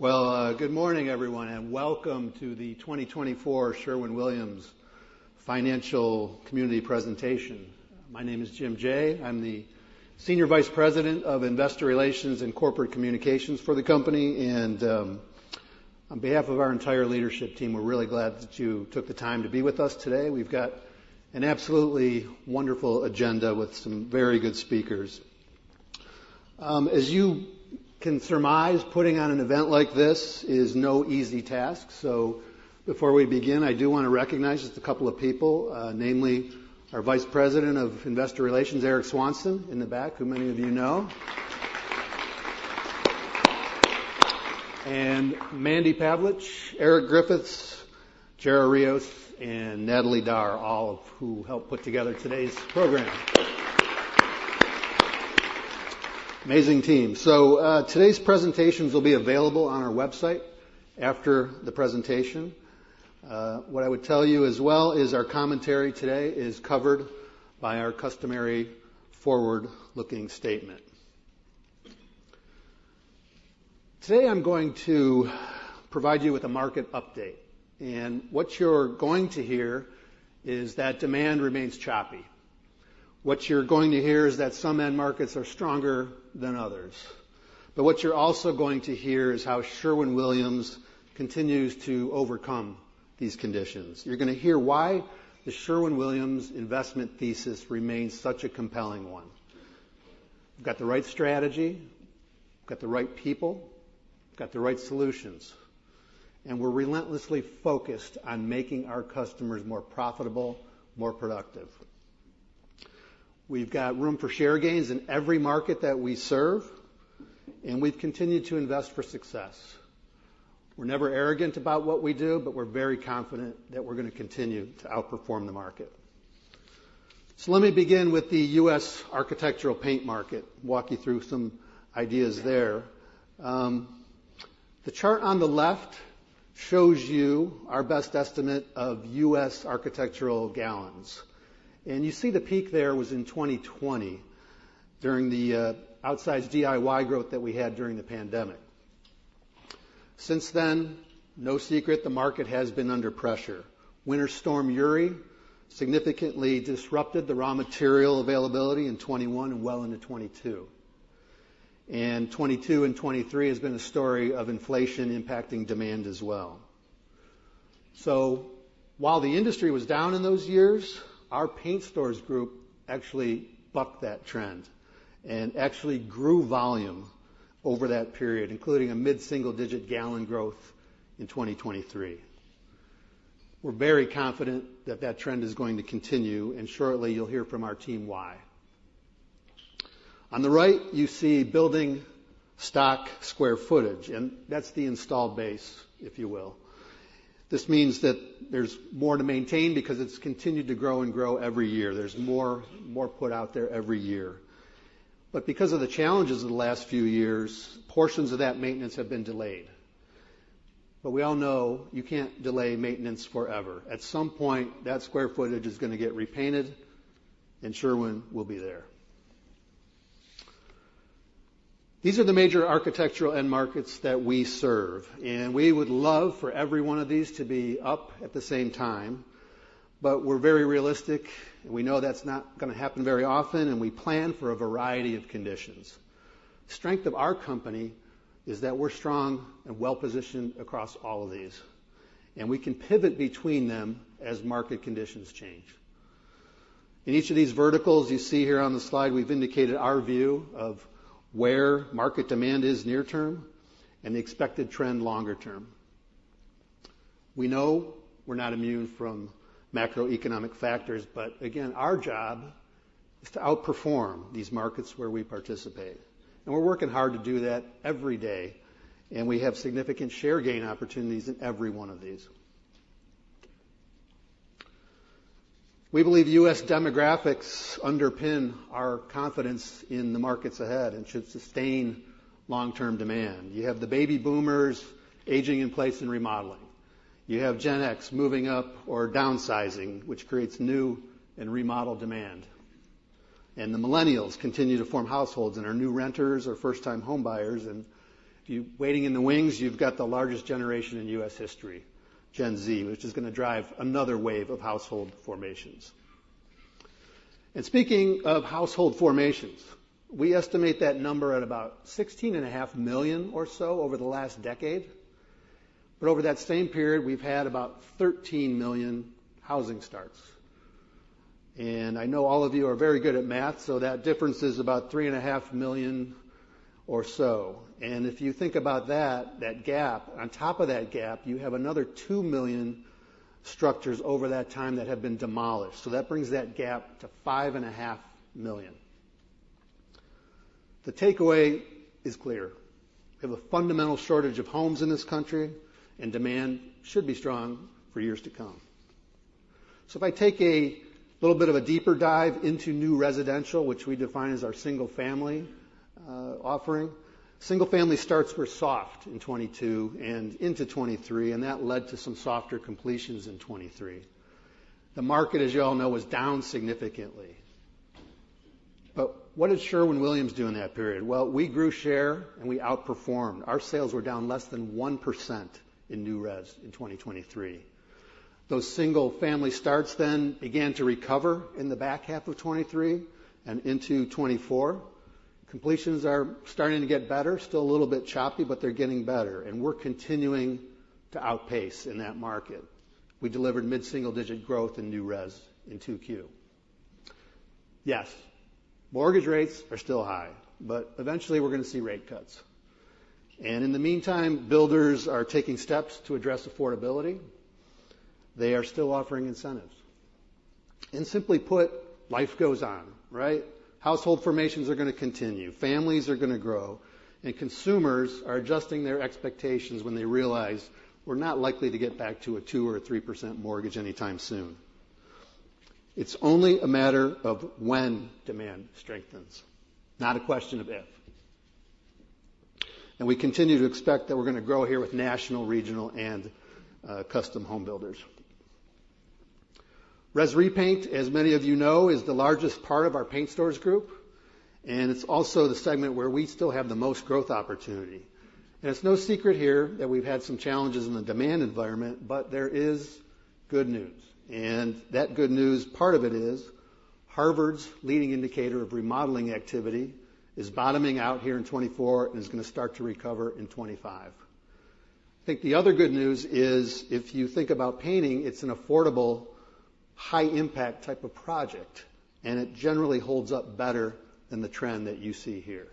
Good morning, everyone, and welcome to the 2024 Sherwin-Williams Financial Community Presentation. My name is Jim Jaye. I'm the Senior Vice President of Investor Relations and Corporate Communications for the company, and on behalf of our entire leadership team, we're really glad that you took the time to be with us today. We've got an absolutely wonderful agenda with some very good speakers. As you can surmise, putting on an event like this is no easy task, so before we begin, I do wanna recognize just a couple of people, namely our Vice President of Investor Relations, Eric Swanson, in the back, who many of you know. And Mandy Pavlich, Eric Griffiths, Jared Rios, and Natalie Darr, all of who helped put together today's program. Amazing team. Today's presentations will be available on our website after the presentation. What I would tell you as well is our commentary today is covered by our customary forward-looking statement. Today, I'm going to provide you with a market update, and what you're going to hear is that demand remains choppy. What you're going to hear is that some end markets are stronger than others. But what you're also going to hear is how Sherwin-Williams continues to overcome these conditions. You're gonna hear why the Sherwin-Williams investment thesis remains such a compelling one. We've got the right strategy, got the right people, got the right solutions, and we're relentlessly focused on making our customers more profitable, more productive. We've got room for share gains in every market that we serve, and we've continued to invest for success. We're never arrogant about what we do, but we're very confident that we're gonna continue to outperform the market. So let me begin with the US architectural paint market, walk you through some ideas there. The chart on the left shows you our best estimate of US architectural gallons. And you see the peak there was in 2020 during the outsized DIY growth that we had during the pandemic. Since then, no secret, the market has been under pressure. Winter Storm Uri significantly disrupted the raw material availability in 2021 and well into 2022. And 2022 and 2023 has been a story of inflation impacting demand as well. So while the industry was down in those years, our Paint Stores Group actually bucked that trend and actually grew volume over that period, including a mid-single digit gallon growth in 2023. We're very confident that that trend is going to continue, and shortly you'll hear from our team why. On the right, you see building stock square footage, and that's the installed base, if you will. This means that there's more to maintain because it's continued to grow and grow every year. There's more, more put out there every year. But because of the challenges of the last few years, portions of that maintenance have been delayed. But we all know you can't delay maintenance forever. At some point, that square footage is gonna get repainted, and Sherwin will be there. Strength of our company is that we're strong and well-positioned across all of these, and we can pivot between them as market conditions change. In each of these verticals you see here on the slide, we've indicated our view of where market demand is near term and the expected trend longer term. We know we're not immune from macroeconomic factors, but again, our job is to outperform these markets where we participate, and we're working hard to do that every day, and we have significant share gain opportunities in every one of these. We believe US demographics underpin our confidence in the markets ahead and should sustain long-term demand. You have the baby boomers aging in place and remodeling. You have Gen X moving up or downsizing, which creates new and remodeled demand. The millennials continue to form households and are new renters or first-time home buyers, and you, waiting in the wings, you've got the largest generation in US history, Gen Z, which is gonna drive another wave of household formations. Speaking of household formations, we estimate that number at about 16.5 million or so over the last decade, but over that same period, we've had about 13 million housing starts. I know all of you are very good at math, so that difference is about 3.5 million or so. If you think about that, that gap, on top of that gap, you have another 2 million structures over that time that have been demolished. That brings that gap to 5.5 million. The takeaway is clear: We have a fundamental shortage of homes in this country, and demand should be strong for years to come. So if I take a little bit of a deeper dive into new residential, which we define as our single-family offering, single-family starts were soft in 2022 and into 2023, and that led to some softer completions in 2023. The market, as you all know, was down significantly. But what did Sherwin-Williams do in that period? Well, we grew share and we outperformed. Our sales were down less than 1% in new res in 2023. Those single-family starts then began to recover in the back half of 2023 and into 2024. Completions are starting to get better, still a little bit choppy, but they're getting better, and we're continuing to outpace in that market. We delivered mid-single-digit growth in new res in 2Q.Yes, mortgage rates are still high, but eventually we're gonna see rate cuts, and in the meantime, builders are taking steps to address affordability. They are still offering incentives. And simply put, life goes on, right? Household formations are gonna continue, families are gonna grow, and consumers are adjusting their expectations when they realize we're not likely to get back to a 2% or 3% mortgage anytime soon. It's only a matter of when demand strengthens, not a question of if, and we continue to expect that we're gonna grow here with national, regional, and custom home builders. Res repaint, as many of you know, is the largest part of our paint stores group, and it's also the segment where we still have the most growth opportunity, and it's no secret here that we've had some challenges in the demand environment, but there is good news. And that good news, part of it is, Harvard's leading indicator of remodeling activity is bottoming out here in 2024 and is gonna start to recover in 2025. I think the other good news is, if you think about painting, it's an affordable, high-impact type of project, and it generally holds up better than the trend that you see here.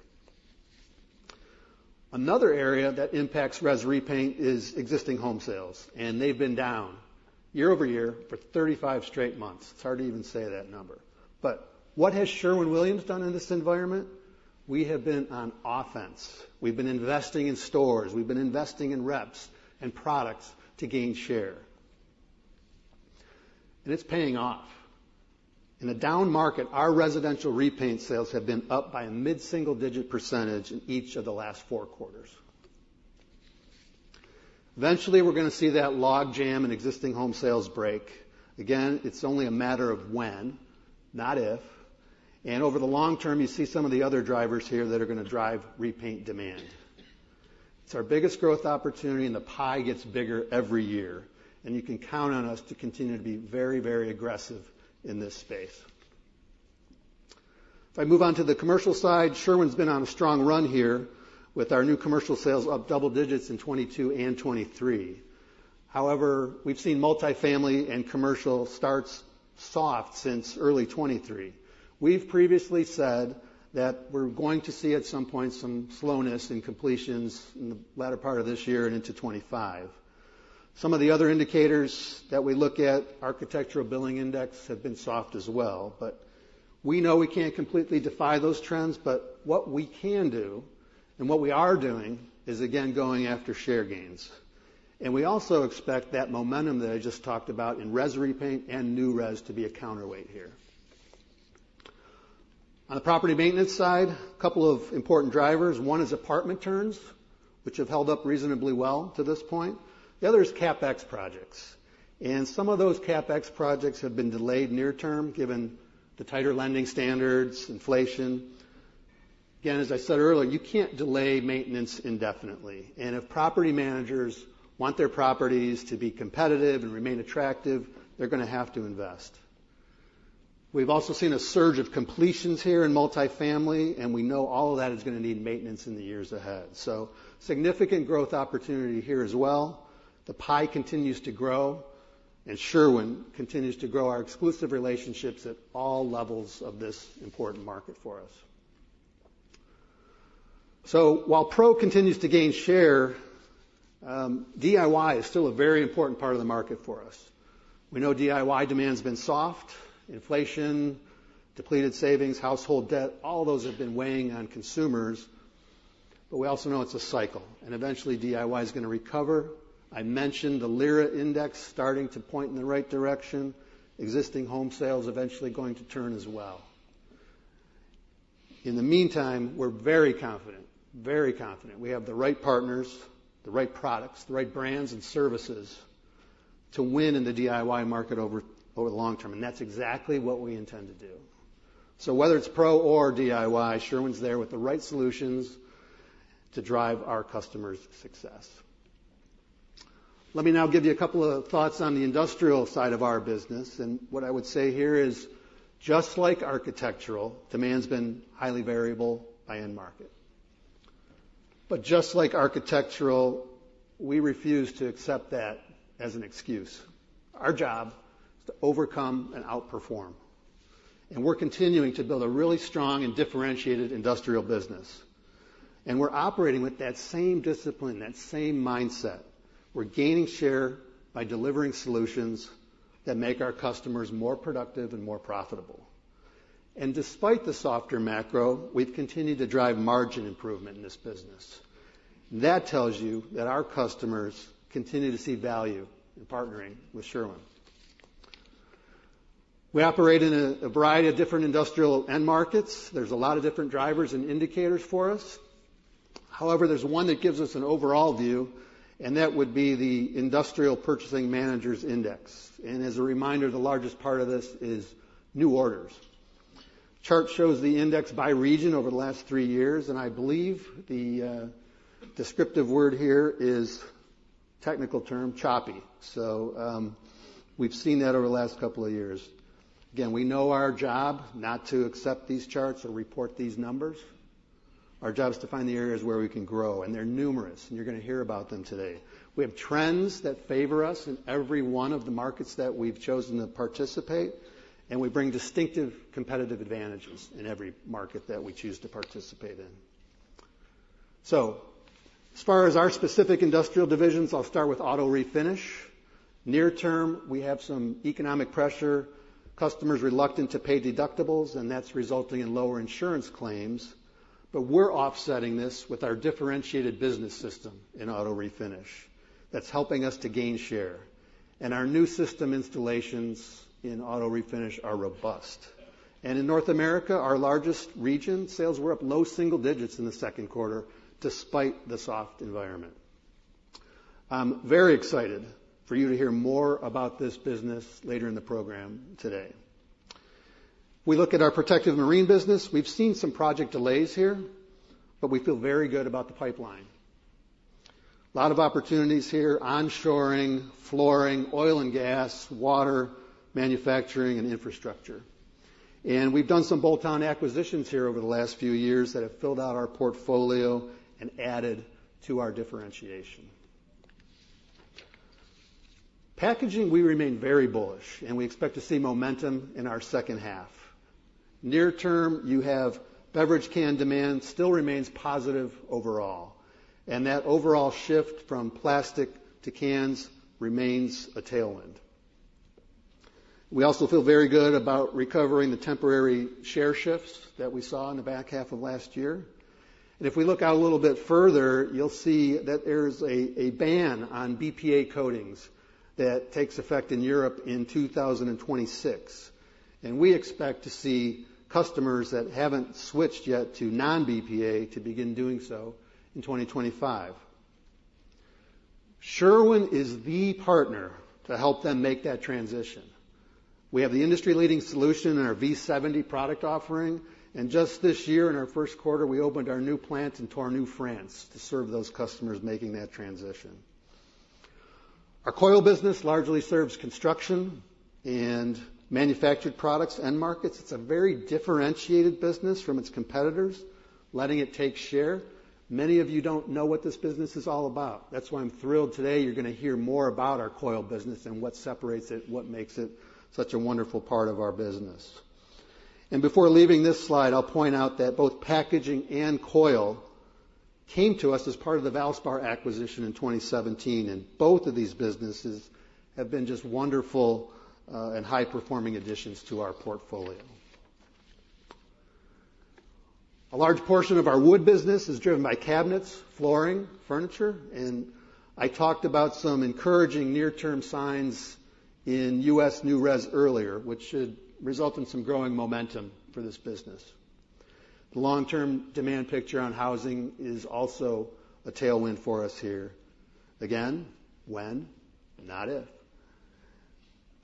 Another area that impacts res repaint is existing home sales, and they've been down year over year for 35 straight months. It's hard to even say that number. But what has Sherwin-Williams done in this environment? We have been on offense. We've been investing in stores, we've been investing in reps and products to gain share, and it's paying off. In a down market, our residential repaint sales have been up by a mid-single-digit % in each of the last four quarters. Eventually, we're gonna see that logjam in existing home sales break. Again, it's only a matter of when, not if, and over the long term, you see some of the other drivers here that are gonna drive repaint demand. It's our biggest growth opportunity, and the pie gets bigger every year, and you can count on us to continue to be very, very aggressive in this space. If I move on to the commercial side, Sherwin's been on a strong run here with our new commercial sales up double digits in 2022 and 2023. However, we've seen multifamily and commercial starts soft since early 2023. We've previously said that we're going to see, at some point, some slowness in completions in the latter part of this year and into 2025. Some of the other indicators that we look at, Architecture Billings Index, have been soft as well, but we know we can't completely defy those trends, but what we can do, and what we are doing, is again, going after share gains, and we also expect that momentum that I just talked about in res repaint and new res to be a counterweight here. On the property maintenance side, a couple of important drivers. One is apartment turns, which have held up reasonably well to this point. The other is CapEx projects, and some of those CapEx projects have been delayed near term, given the tighter lending standards, inflation. Again, as I said earlier, you can't delay maintenance indefinitely, and if property managers want their properties to be competitive and remain attractive, they're gonna have to invest. We've also seen a surge of completions here in multifamily, and we know all of that is gonna need maintenance in the years ahead. So significant growth opportunity here as well. The pie continues to grow, and Sherwin continues to grow our exclusive relationships at all levels of this important market for us. So while pro continues to gain share, DIY is still a very important part of the market for us. We know DIY demand's been soft, inflation, depleted savings, household debt, all those have been weighing on consumers, but we also know it's a cycle, and eventually DIY is gonna recover. I mentioned the LIRA Index starting to point in the right direction, existing home sales eventually going to turn as well. In the meantime, we're very confident, very confident we have the right partners, the right products, the right brands and services to win in the DIY market over, over the long term, and that's exactly what we intend to do. So whether it's pro or DIY, Sherwin's there with the right solutions to drive our customers' success. Let me now give you a couple of thoughts on the industrial side of our business, and what I would say here is, just like architectural, demand's been highly variable by end market. But just like architectural, we refuse to accept that as an excuse. Our job is to overcome and outperform, and we're continuing to build a really strong and differentiated industrial business. And we're operating with that same discipline, that same mindset. We're gaining share by delivering solutions that make our customers more productive and more profitable. Despite the softer macro, we've continued to drive margin improvement in this business. That tells you that our customers continue to see value in partnering with Sherwin. We operate in a variety of different industrial end markets. There's a lot of different drivers and indicators for us. However, there's one that gives us an overall view, and that would be the Industrial Purchasing Managers Index. As a reminder, the largest part of this is new orders. Chart shows the index by region over the last three years, and I believe the descriptive word here is, technically, choppy. We've seen that over the last couple of years. Again, we know our job is not to accept these charts or report these numbers. Our job is to find the areas where we can grow, and they're numerous, and you're gonna hear about them today. We have trends that favor us in every one of the markets that we've chosen to participate, and we bring distinctive competitive advantages in every market that we choose to participate in, so as far as our specific industrial divisions, I'll start with auto refinish. Near term, we have some economic pressure, customers reluctant to pay deductibles, and that's resulting in lower insurance claims, but we're offsetting this with our differentiated business system in auto refinish, that's helping us to gain share, and our new system installations in auto refinish are robust, and in North America, our largest region, sales were up low single digits in the second quarter despite the soft environment. I'm very excited for you to hear more about this business later in the program today. We look at our protective marine business. We've seen some project delays here, but we feel very good about the pipeline. Lot of opportunities here, onshoring, flooring, oil and gas, water, manufacturing, and infrastructure. We've done some bolt-on acquisitions here over the last few years that have filled out our portfolio and added to our differentiation. Packaging, we remain very bullish, and we expect to see momentum in our second half. Near term, you have beverage can demand still remains positive overall, and that overall shift from plastic to cans remains a tailwind. We also feel very good about recovering the temporary share shifts that we saw in the back half of last year. If we look out a little bit further, you'll see that there's a ban on BPA coatings that takes effect in Europe in 2026, and we expect to see customers that haven't switched yet to non-BPA to begin doing so in 2025. Sherwin is the partner to help them make that transition. We have the industry-leading solution in our V70 product offering, and just this year, in our first quarter, we opened our new plant in our Tournus, France to serve those customers making that transition. Our coil business largely serves construction and manufactured products end markets. It's a very differentiated business from its competitors, letting it take share. Many of you don't know what this business is all about. That's why I'm thrilled today you're gonna hear more about our coil business and what separates it, what makes it such a wonderful part of our business. And before leaving this slide, I'll point out that both packaging and coil came to us as part of the Valspar acquisition in 2017, and both of these businesses have been just wonderful, and high-performing additions to our portfolio. A large portion of our wood business is driven by cabinets, flooring, furniture, and I talked about some encouraging near-term signs in US new res earlier, which should result in some growing momentum for this business. The long-term demand picture on housing is also a tailwind for us here. Again, when, not if.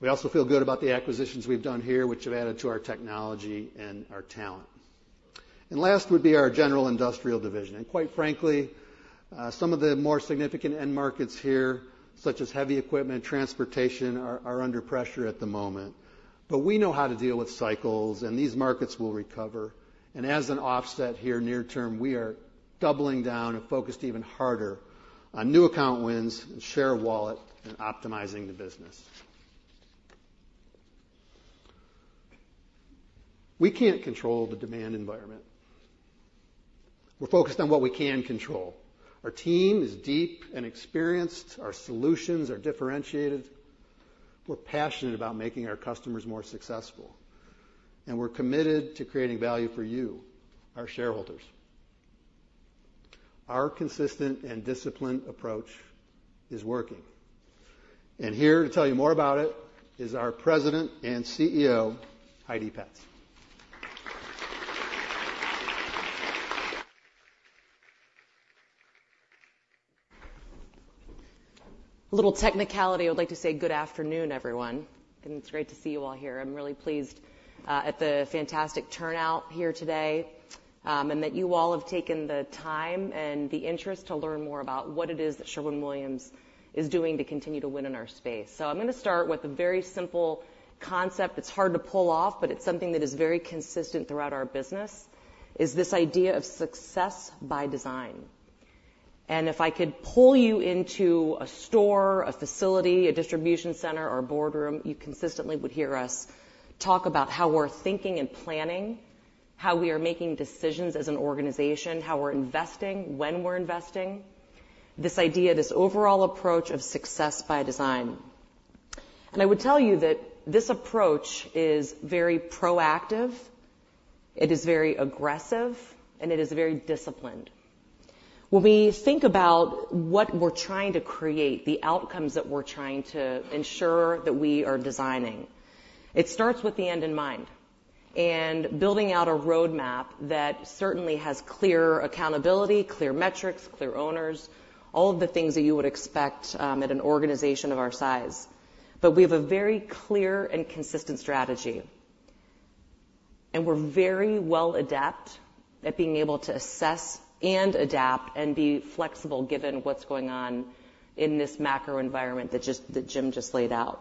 We also feel good about the acquisitions we've done here, which have added to our technology and our talent. And last would be our General Industrial division. And quite frankly, some of the more significant end markets here, such as heavy equipment and transportation, are under pressure at the moment. But we know how to deal with cycles, and these markets will recover. And as an offset here, near term, we are doubling down and focused even harder on new account wins and share of wallet and optimizing the business. We can't control the demand environment. We're focused on what we can control. Our team is deep and experienced, our solutions are differentiated. We're passionate about making our customers more successful, and we're committed to creating value for you, our shareholders. Our consistent and disciplined approach is working, and here to tell you more about it is our President and CEO, Heidi Petz. A little technicality. I would like to say good afternoon, everyone, and it's great to see you all here. I'm really pleased at the fantastic turnout here today, and that you all have taken the time and the interest to learn more about what it is that Sherwin-Williams is doing to continue to win in our space. So I'm gonna start with a very simple concept. It's hard to pull off, but it's something that is very consistent throughout our business, is this idea of success by design. And if I could pull you into a store, a facility, a distribution center, or a boardroom, you consistently would hear us talk about how we're thinking and planning, how we are making decisions as an organization, how we're investing, when we're investing, this idea, this overall approach of success by design. I would tell you that this approach is very proactive, it is very aggressive, and it is very disciplined. When we think about what we're trying to create, the outcomes that we're trying to ensure that we are designing, it starts with the end in mind... and building out a roadmap that certainly has clear accountability, clear metrics, clear owners, all of the things that you would expect at an organization of our size. But we have a very clear and consistent strategy, and we're very well adept at being able to assess and adapt and be flexible given what's going on in this macro environment that Jim just laid out.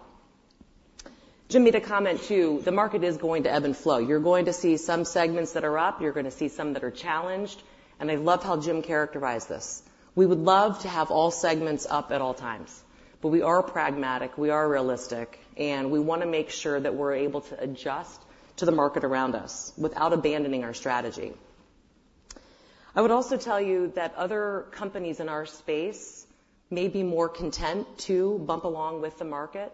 Jim made a comment, too, the market is going to ebb and flow. You're going to see some segments that are up, you're gonna see some that are challenged, and I love how Jim characterized this. We would love to have all segments up at all times, but we are pragmatic, we are realistic, and we wanna make sure that we're able to adjust to the market around us without abandoning our strategy. I would also tell you that other companies in our space may be more content to bump along with the market,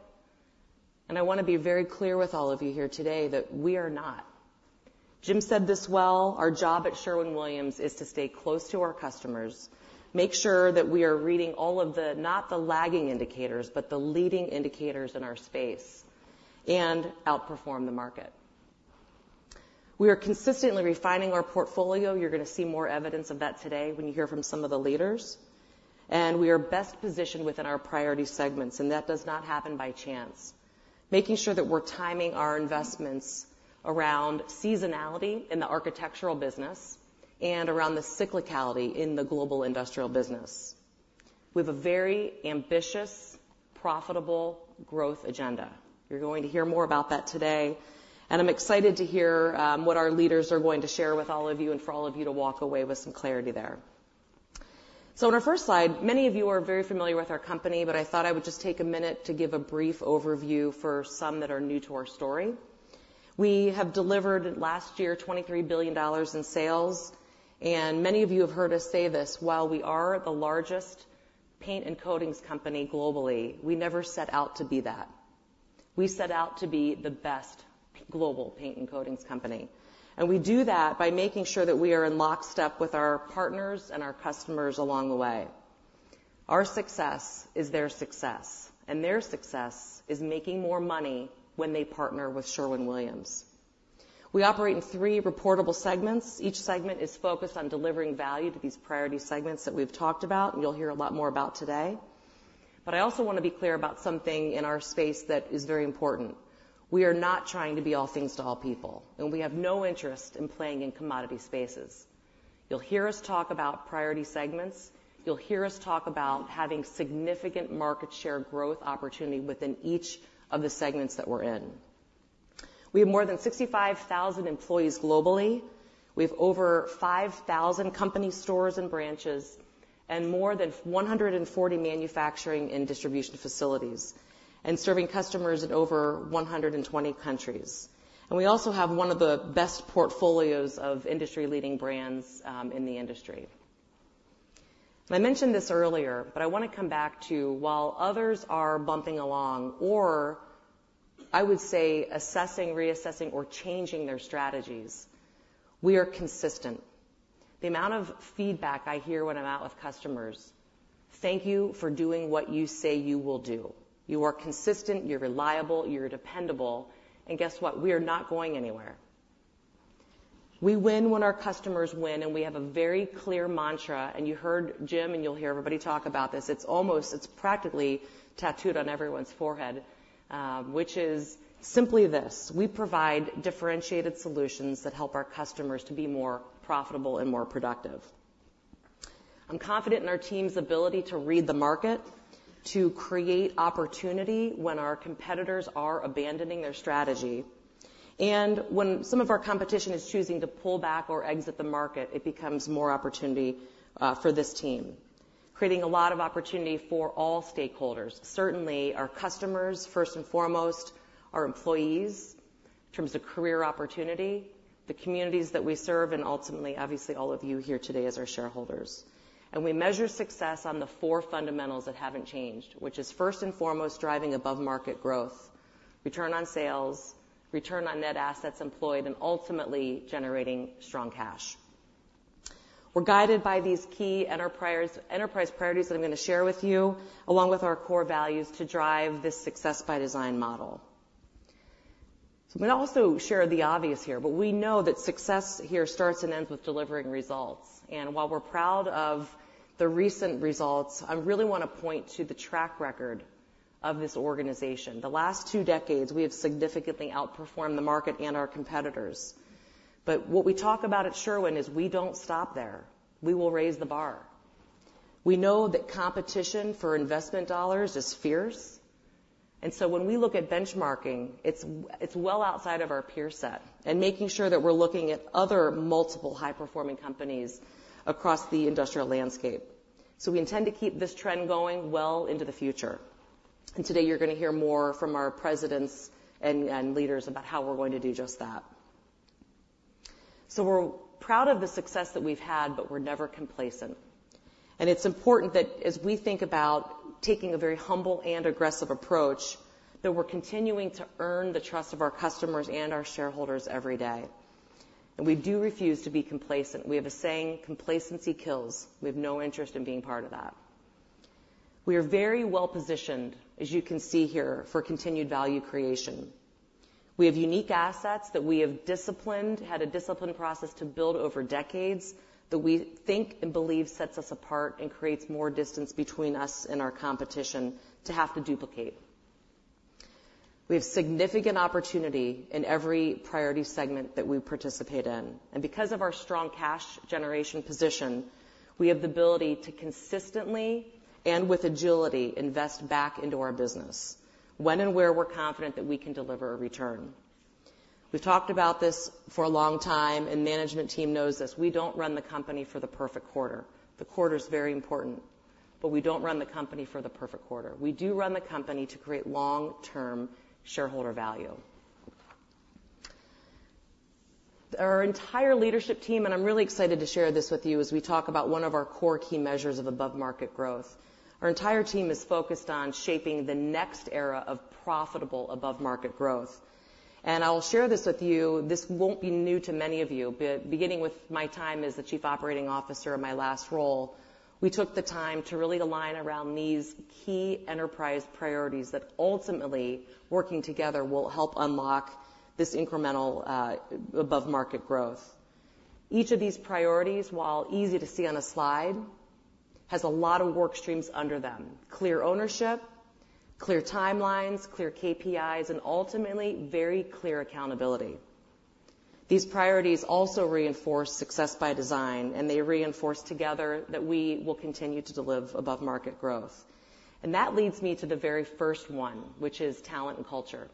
and I wanna be very clear with all of you here today that we are not. Jim said this well, our job at Sherwin-Williams is to stay close to our customers, make sure that we are reading all of the, not the lagging indicators, but the leading indicators in our space, and outperform the market. We are consistently refining our portfolio. You're gonna see more evidence of that today when you hear from some of the leaders, and we are best positioned within our priority segments, and that does not happen by chance. Making sure that we're timing our investments around seasonality in the architectural business and around the cyclicality in the global industrial business with a very ambitious, profitable growth agenda. You're going to hear more about that today, and I'm excited to hear what our leaders are going to share with all of you and for all of you to walk away with some clarity there. So on our first slide, many of you are very familiar with our company, but I thought I would just take a minute to give a brief overview for some that are new to our story. We have delivered last year, $23 billion in sales, and many of you have heard us say this, while we are the largest paint and coatings company globally, we never set out to be that. We set out to be the best global paint and coatings company, and we do that by making sure that we are in lockstep with our partners and our customers along the way. Our success is their success, and their success is making more money when they partner with Sherwin-Williams. We operate in three reportable segments. Each segment is focused on delivering value to these priority segments that we've talked about, and you'll hear a lot more about today. But I also wanna be clear about something in our space that is very important. We are not trying to be all things to all people, and we have no interest in playing in commodity spaces. You'll hear us talk about priority segments. You'll hear us talk about having significant market share growth opportunity within each of the segments that we're in. We have more than 65,000 employees globally. We have over 5,000 company stores and branches, and more than 140 manufacturing and distribution facilities, and serving customers in over 120 countries. And we also have one of the best portfolios of industry-leading brands in the industry. I mentioned this earlier, but I wanna come back to, while others are bumping along, or I would say assessing, reassessing, or changing their strategies, we are consistent. The amount of feedback I hear when I'm out with customers: "Thank you for doing what you say you will do. You are consistent, you're reliable, you're dependable," and guess what? We are not going anywhere. We win when our customers win, and we have a very clear mantra, and you heard Jim, and you'll hear everybody talk about this. It's almost... It's practically tattooed on everyone's forehead, which is simply this: We provide differentiated solutions that help our customers to be more profitable and more productive. I'm confident in our team's ability to read the market, to create opportunity when our competitors are abandoning their strategy, and when some of our competition is choosing to pull back or exit the market, it becomes more opportunity for this team, creating a lot of opportunity for all stakeholders, certainly our customers, first and foremost, our employees, in terms of career opportunity, the communities that we serve, and ultimately, obviously, all of you here today as our shareholders. And we measure success on the four fundamentals that haven't changed, which is, first and foremost, driving above-market growth, Return on Sales, Return on Net Assets Employed, and ultimately generating strong cash. We're guided by these key enterprise priorities that I'm gonna share with you, along with our core values to drive this success by design model. So I'm gonna also share the obvious here, but we know that success here starts and ends with delivering results. And while we're proud of the recent results, I really wanna point to the track record of this organization. The last two decades, we have significantly outperformed the market and our competitors. But what we talk about at Sherwin is we don't stop there. We will raise the bar. We know that competition for investment dollars is fierce, and so when we look at benchmarking, it's well outside of our peer set and making sure that we're looking at other multiple high-performing companies across the industrial landscape. So we intend to keep this trend going well into the future. And today you're gonna hear more from our presidents and leaders about how we're going to do just that. We're proud of the success that we've had, but we're never complacent. It's important that as we think about taking a very humble and aggressive approach, that we're continuing to earn the trust of our customers and our shareholders every day. We do refuse to be complacent. We have a saying, "Complacency kills." We have no interest in being part of that... We are very well positioned, as you can see here, for continued value creation. We have unique assets that we had a disciplined process to build over decades, that we think and believe sets us apart and creates more distance between us and our competition to have to duplicate. We have significant opportunity in every priority segment that we participate in, and because of our strong cash generation position, we have the ability to consistently and with agility, invest back into our business when and where we're confident that we can deliver a return. We've talked about this for a long time, and management team knows this. We don't run the company for the perfect quarter. The quarter is very important, but we don't run the company for the perfect quarter. We do run the company to create long-term shareholder value. Our entire leadership team, and I'm really excited to share this with you as we talk about one of our core key measures of above-market growth. Our entire team is focused on shaping the next era of profitable above-market growth, and I will share this with you. This won't be new to many of you. Beginning with my time as the chief operating officer in my last role, we took the time to really align around these key enterprise priorities that ultimately, working together, will help unlock this incremental above-market growth. Each of these priorities, while easy to see on a slide, has a lot of work streams under them. Clear ownership, clear timelines, clear KPIs, and ultimately, very clear accountability. These priorities also reinforce success by design, and they reinforce together that we will continue to deliver above-market growth. And that leads me to the very first one, which is talent and culture.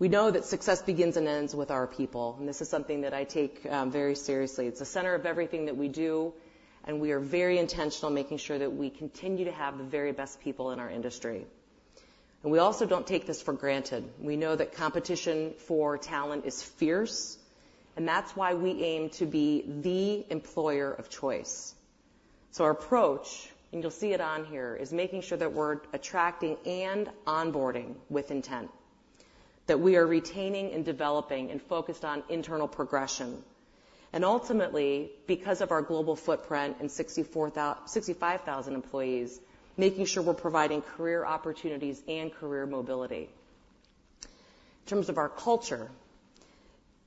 We know that success begins and ends with our people, and this is something that I take very seriously. It's the center of everything that we do, and we are very intentional making sure that we continue to have the very best people in our industry. We also don't take this for granted. We know that competition for talent is fierce, and that's why we aim to be the employer of choice. Our approach, and you'll see it on here, is making sure that we're attracting and onboarding with intent, that we are retaining and developing and focused on internal progression, and ultimately, because of our global footprint and 65,000 employees, making sure we're providing career opportunities and career mobility. In terms of our culture,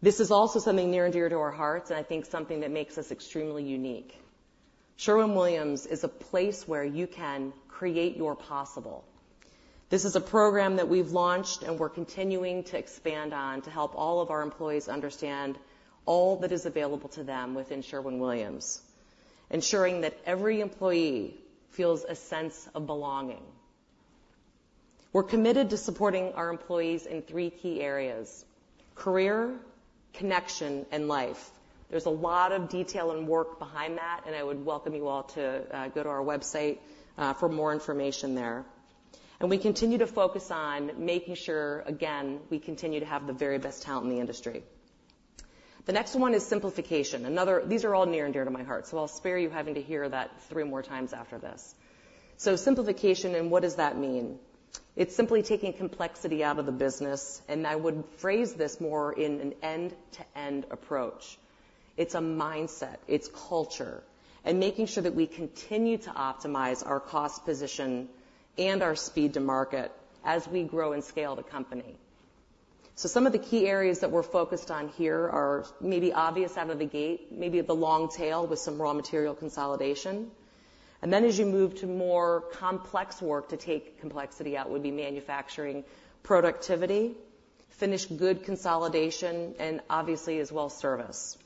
this is also something near and dear to our hearts, and I think something that makes us extremely unique. Sherwin-Williams is a place where you can create your possible. This is a program that we've launched and we're continuing to expand on to help all of our employees understand all that is available to them within Sherwin-Williams, ensuring that every employee feels a sense of belonging. We're committed to supporting our employees in three key areas: career, connection, and life. There's a lot of detail and work behind that, and I would welcome you all to go to our website for more information there. And we continue to focus on making sure, again, we continue to have the very best talent in the industry. The next one is simplification. Another... These are all near and dear to my heart, so I'll spare you having to hear that three more times after this. So simplification, and what does that mean? It's simply taking complexity out of the business, and I would phrase this more in an end-to-end approach. It's a mindset, it's culture, and making sure that we continue to optimize our cost position and our speed to market as we grow and scale the company. Some of the key areas that we're focused on here are maybe obvious out of the gate, maybe at the long tail, with some raw material consolidation. And then as you move to more complex work to take complexity out, would be manufacturing, productivity, finished goods consolidation, and obviously, as well, service.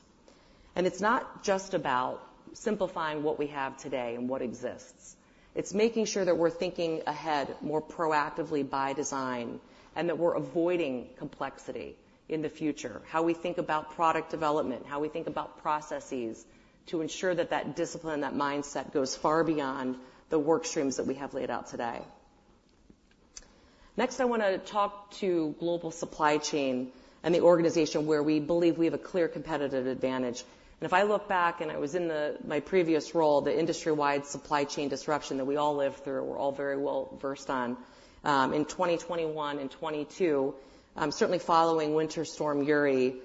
And it's not just about simplifying what we have today and what exists. It's making sure that we're thinking ahead more proactively by design, and that we're avoiding complexity in the future, how we think about product development, how we think about processes to ensure that that discipline, that mindset, goes far beyond the work streams that we have laid out today. Next, I wanna talk to global supply chain and the organization where we believe we have a clear competitive advantage. And if I look back, and I was in my previous role, the industry-wide supply chain disruption that we all lived through, we're all very well versed on, in 2021 and 2022, certainly following Winter Storm Uri,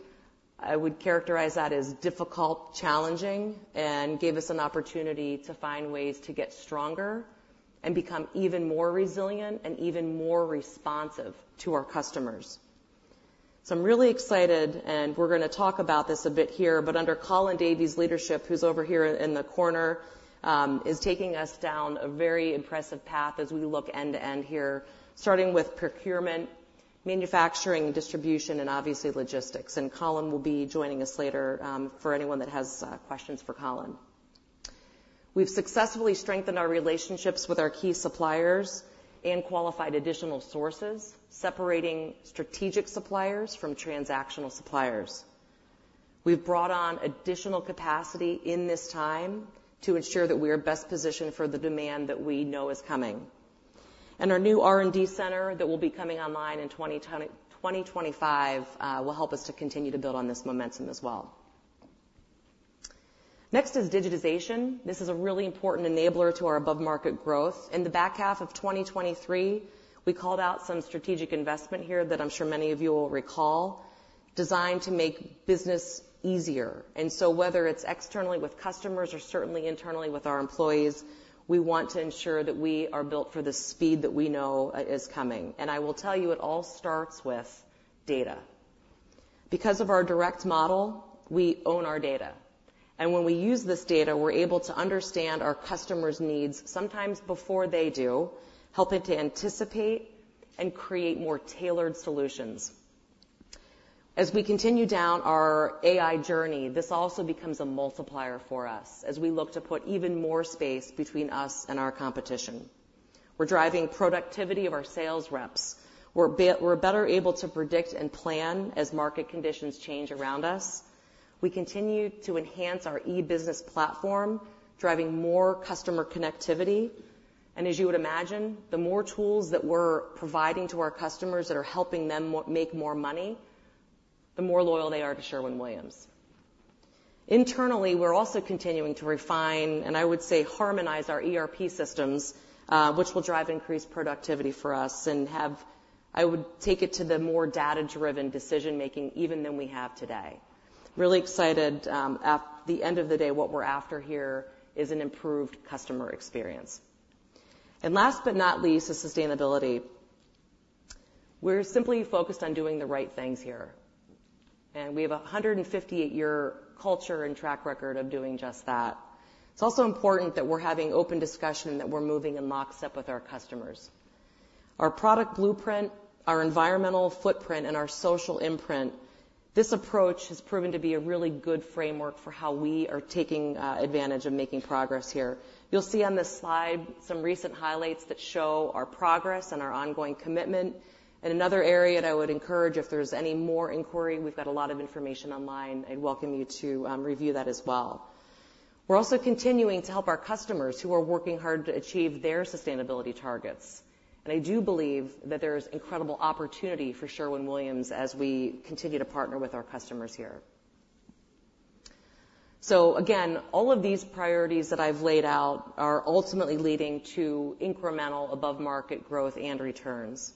I would characterize that as difficult, challenging, and gave us an opportunity to find ways to get stronger and become even more resilient and even more responsive to our customers. So I'm really excited, and we're gonna talk about this a bit here, but under Colin Davey's leadership, who's over here in the corner, is taking us down a very impressive path as we look end-to-end here, starting with procurement, manufacturing, distribution, and obviously, logistics. And Colin will be joining us later, for anyone that has questions for Colin. We've successfully strengthened our relationships with our key suppliers and qualified additional sources, separating strategic suppliers from transactional suppliers. We've brought on additional capacity in this time to ensure that we are best positioned for the demand that we know is coming. And our new R&D center that will be coming online in 2025 will help us to continue to build on this momentum as well. Next is digitization. This is a really important enabler to our above-market growth. In the back half of 2023, we called out some strategic investment here that I'm sure many of you will recall, designed to make business easier. And so whether it's externally with customers or certainly internally with our employees, we want to ensure that we are built for the speed that we know is coming. And I will tell you, it all starts with data. Because of our direct model, we own our data, and when we use this data, we're able to understand our customers' needs sometimes before they do, helping to anticipate and create more tailored solutions. As we continue down our AI journey, this also becomes a multiplier for us as we look to put even more space between us and our competition. We're driving productivity of our sales reps. We're better able to predict and plan as market conditions change around us. We continue to enhance our e-business platform, driving more customer connectivity, and as you would imagine, the more tools that we're providing to our customers that are helping them make more money, the more loyal they are to Sherwin-Williams. Internally, we're also continuing to refine, and I would say harmonize, our ERP systems, which will drive increased productivity for us and have... I would take it to the more data-driven decision-making even than we have today. Really excited. At the end of the day, what we're after here is an improved customer experience, and last but not least, is sustainability. We're simply focused on doing the right things here, and we have a 158-year culture and track record of doing just that. It's also important that we're having open discussion and that we're moving in lockstep with our customers. Our product blueprint, our environmental footprint, and our social imprint, this approach has proven to be a really good framework for how we are taking advantage of making progress here. You'll see on this slide some recent highlights that show our progress and our ongoing commitment. Another area that I would encourage, if there's any more inquiry, we've got a lot of information online and welcome you to review that as well. We're also continuing to help our customers who are working hard to achieve their sustainability targets, and I do believe that there is incredible opportunity for Sherwin-Williams as we continue to partner with our customers here. Again, all of these priorities that I've laid out are ultimately leading to incremental above-market growth and returns.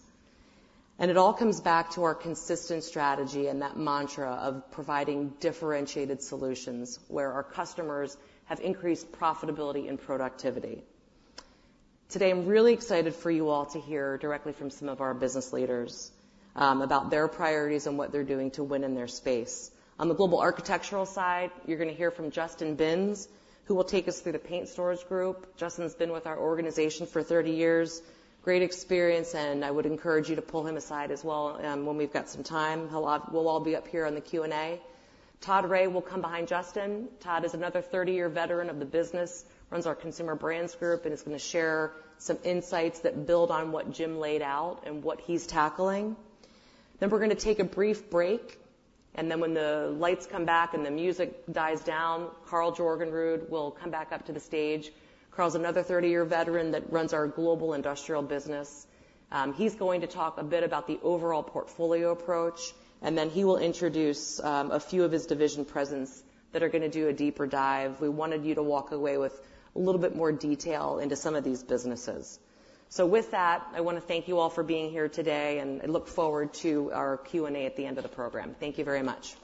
It all comes back to our consistent strategy and that mantra of providing differentiated solutions, where our customers have increased profitability and productivity. Today, I'm really excited for you all to hear directly from some of our business leaders about their priorities and what they're doing to win in their space. On the global architectural side, you're gonna hear from Justin Binns, who will take us through the paint stores group. Justin's been with our organization for 30 years. Great experience, and I would encourage you to pull him aside as well, when we've got some time. We'll all be up here on the Q&A. Todd Rea will come behind Justin. Todd is another 30-year veteran of the business, runs our consumer brands group, and is gonna share some insights that build on what Jim laid out and what he's tackling. Then we're gonna take a brief break, and then when the lights come back and the music dies down, Karl Jorgenrud will come back up to the stage. Karl's another thirty-year veteran that runs our global industrial business. He's going to talk a bit about the overall portfolio approach, and then he will introduce a few of his division presidents that are gonna do a deeper dive. We wanted you to walk away with a little bit more detail into some of these businesses. So with that, I wanna thank you all for being here today, and I look forward to our Q&A at the end of the program. Thank you very much.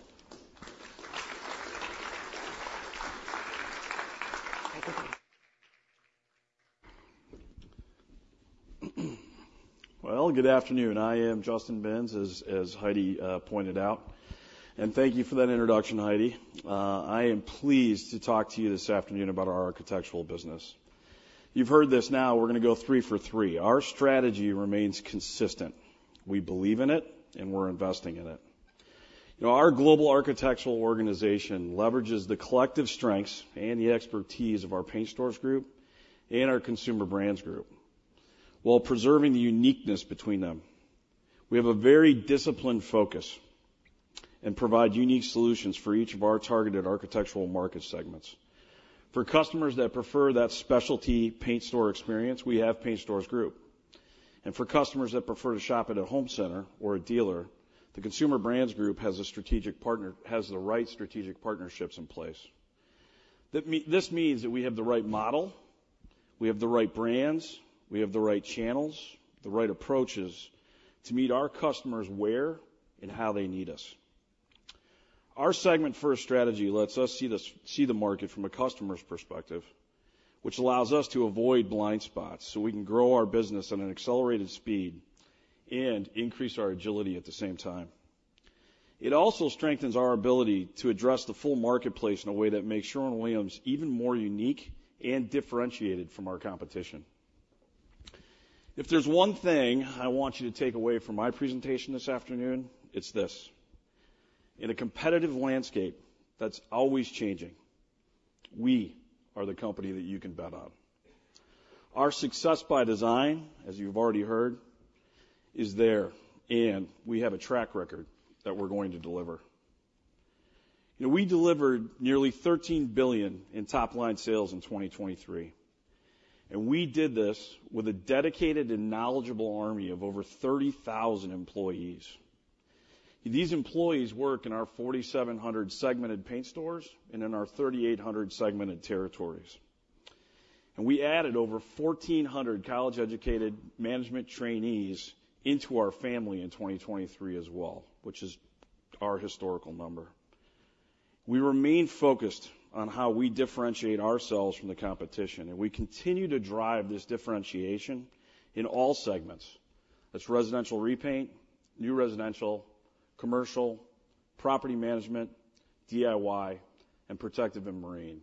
Good afternoon. I am Justin Binns, as Heidi pointed out, and thank you for that introduction, Heidi. I am pleased to talk to you this afternoon about our architectural business. You've heard this, now we're gonna go three for three. Our strategy remains consistent. We believe in it, and we're investing in it. You know, our global architectural organization leverages the collective strengths and the expertise of our Paint Stores Group and our Consumer Brands Group, while preserving the uniqueness between them. We have a very disciplined focus and provide unique solutions for each of our targeted architectural market segments. For customers that prefer that specialty paint store experience, we have Paint Stores Group, and for customers that prefer to shop at a home center or a dealer, the Consumer Brands Group has the right strategic partnerships in place. This means that we have the right model, we have the right brands, we have the right channels, the right approaches to meet our customers where and how they need us. Our segment-first strategy lets us see the market from a customer's perspective, which allows us to avoid blind spots so we can grow our business at an accelerated speed and increase our agility at the same time. It also strengthens our ability to address the full marketplace in a way that makes Sherwin-Williams even more unique and differentiated from our competition. If there's one thing I want you to take away from my presentation this afternoon, it's this: in a competitive landscape that's always changing, we are the company that you can bet on. Our success by design, as you've already heard, is there, and we have a track record that we're going to deliver. You know, we delivered nearly $13 billion in top-line sales in 2023, and we did this with a dedicated and knowledgeable army of over 30,000 employees. These employees work in our 4,700 segmented paint stores and in our 3,800 segmented territories. We added over 1,400 college-educated management trainees into our family in 2023 as well, which is our historical number. We remain focused on how we differentiate ourselves from the competition, and we continue to drive this differentiation in all segments. That's residential repaint, new residential, commercial, property management, DIY, and protective and marine.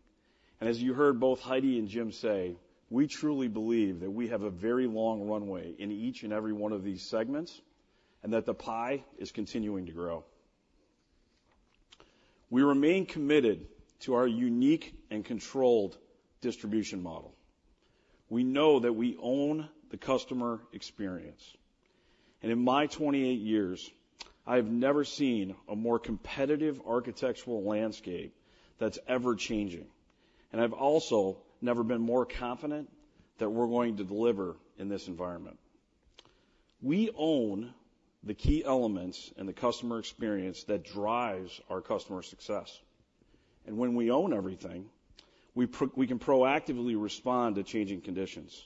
And as you heard both Heidi and Jim say, we truly believe that we have a very long runway in each and every one of these segments, and that the pie is continuing to grow. We remain committed to our unique and controlled distribution model. We know that we own the customer experience, and in my 28 years, I have never seen a more competitive architectural landscape that's ever-changing, and I've also never been more confident that we're going to deliver in this environment. We own the key elements and the customer experience that drives our customer success. And when we own everything, we can proactively respond to changing conditions,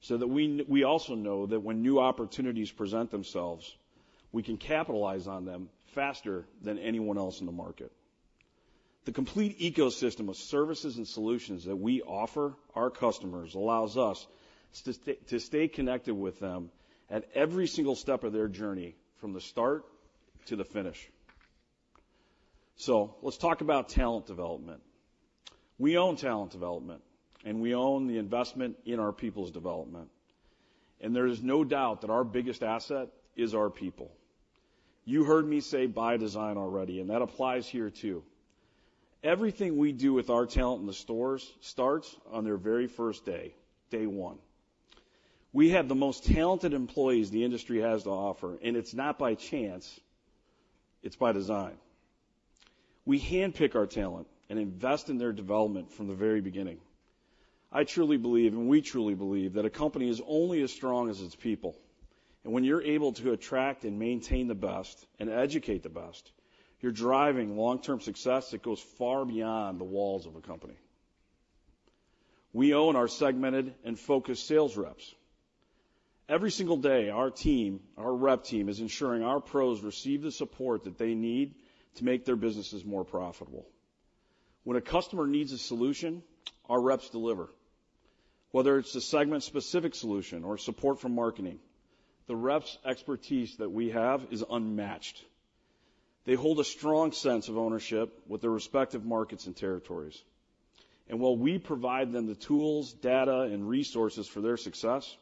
so that we also know that when new opportunities present themselves, we can capitalize on them faster than anyone else in the market. The complete ecosystem of services and solutions that we offer our customers allows us to stay connected with them at every single step of their journey, from the start to the finish. So let's talk about talent development. We own talent development, and we own the investment in our people's development, and there is no doubt that our biggest asset is our people. You heard me say, "by design" already, and that applies here too. Everything we do with our talent in the stores starts on their very first day, day one. We have the most talented employees the industry has to offer, and it's not by chance, it's by design. We handpick our talent and invest in their development from the very beginning. I truly believe, and we truly believe, that a company is only as strong as its people, and when you're able to attract and maintain the best and educate the best, you're driving long-term success that goes far beyond the walls of a company. We own our segmented and focused sales reps. Every single day, our team, our rep team, is ensuring our pros receive the support that they need to make their businesses more profitable. When a customer needs a solution, our reps deliver. Whether it's a segment-specific solution or support from marketing, the reps' expertise that we have is unmatched. They hold a strong sense of ownership with their respective markets and territories. And while we provide them the tools, data, and resources for their success,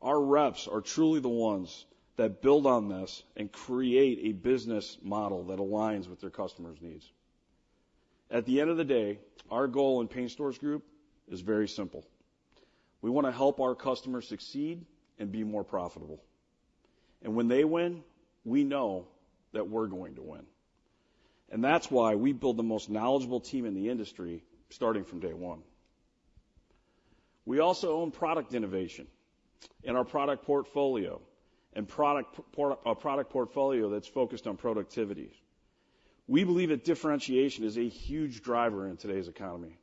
our reps are truly the ones that build on this and create a business model that aligns with their customers' needs. At the end of the day, our goal in Paint Stores Group is very simple. We want to help our customers succeed and be more profitable, and when they win, we know that we're going to win. And that's why we build the most knowledgeable team in the industry, starting from day one. We also own product innovation and our product portfolio, a product portfolio that's focused on productivity. We believe that differentiation is a huge driver in today's economy,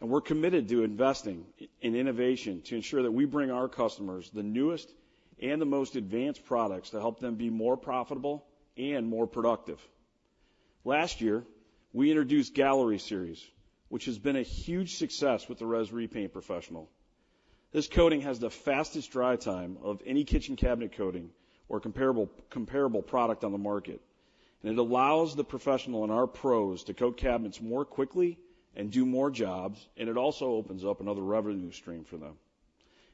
and we're committed to investing in innovation to ensure that we bring our customers the newest and the most advanced products to help them be more profitable and more productive. Last year, we introduced Gallery Series, which has been a huge success with the repaint professional. This coating has the fastest dry time of any kitchen cabinet coating or comparable product on the market, and it allows the professional and our pros to coat cabinets more quickly and do more jobs, and it also opens up another revenue stream for them.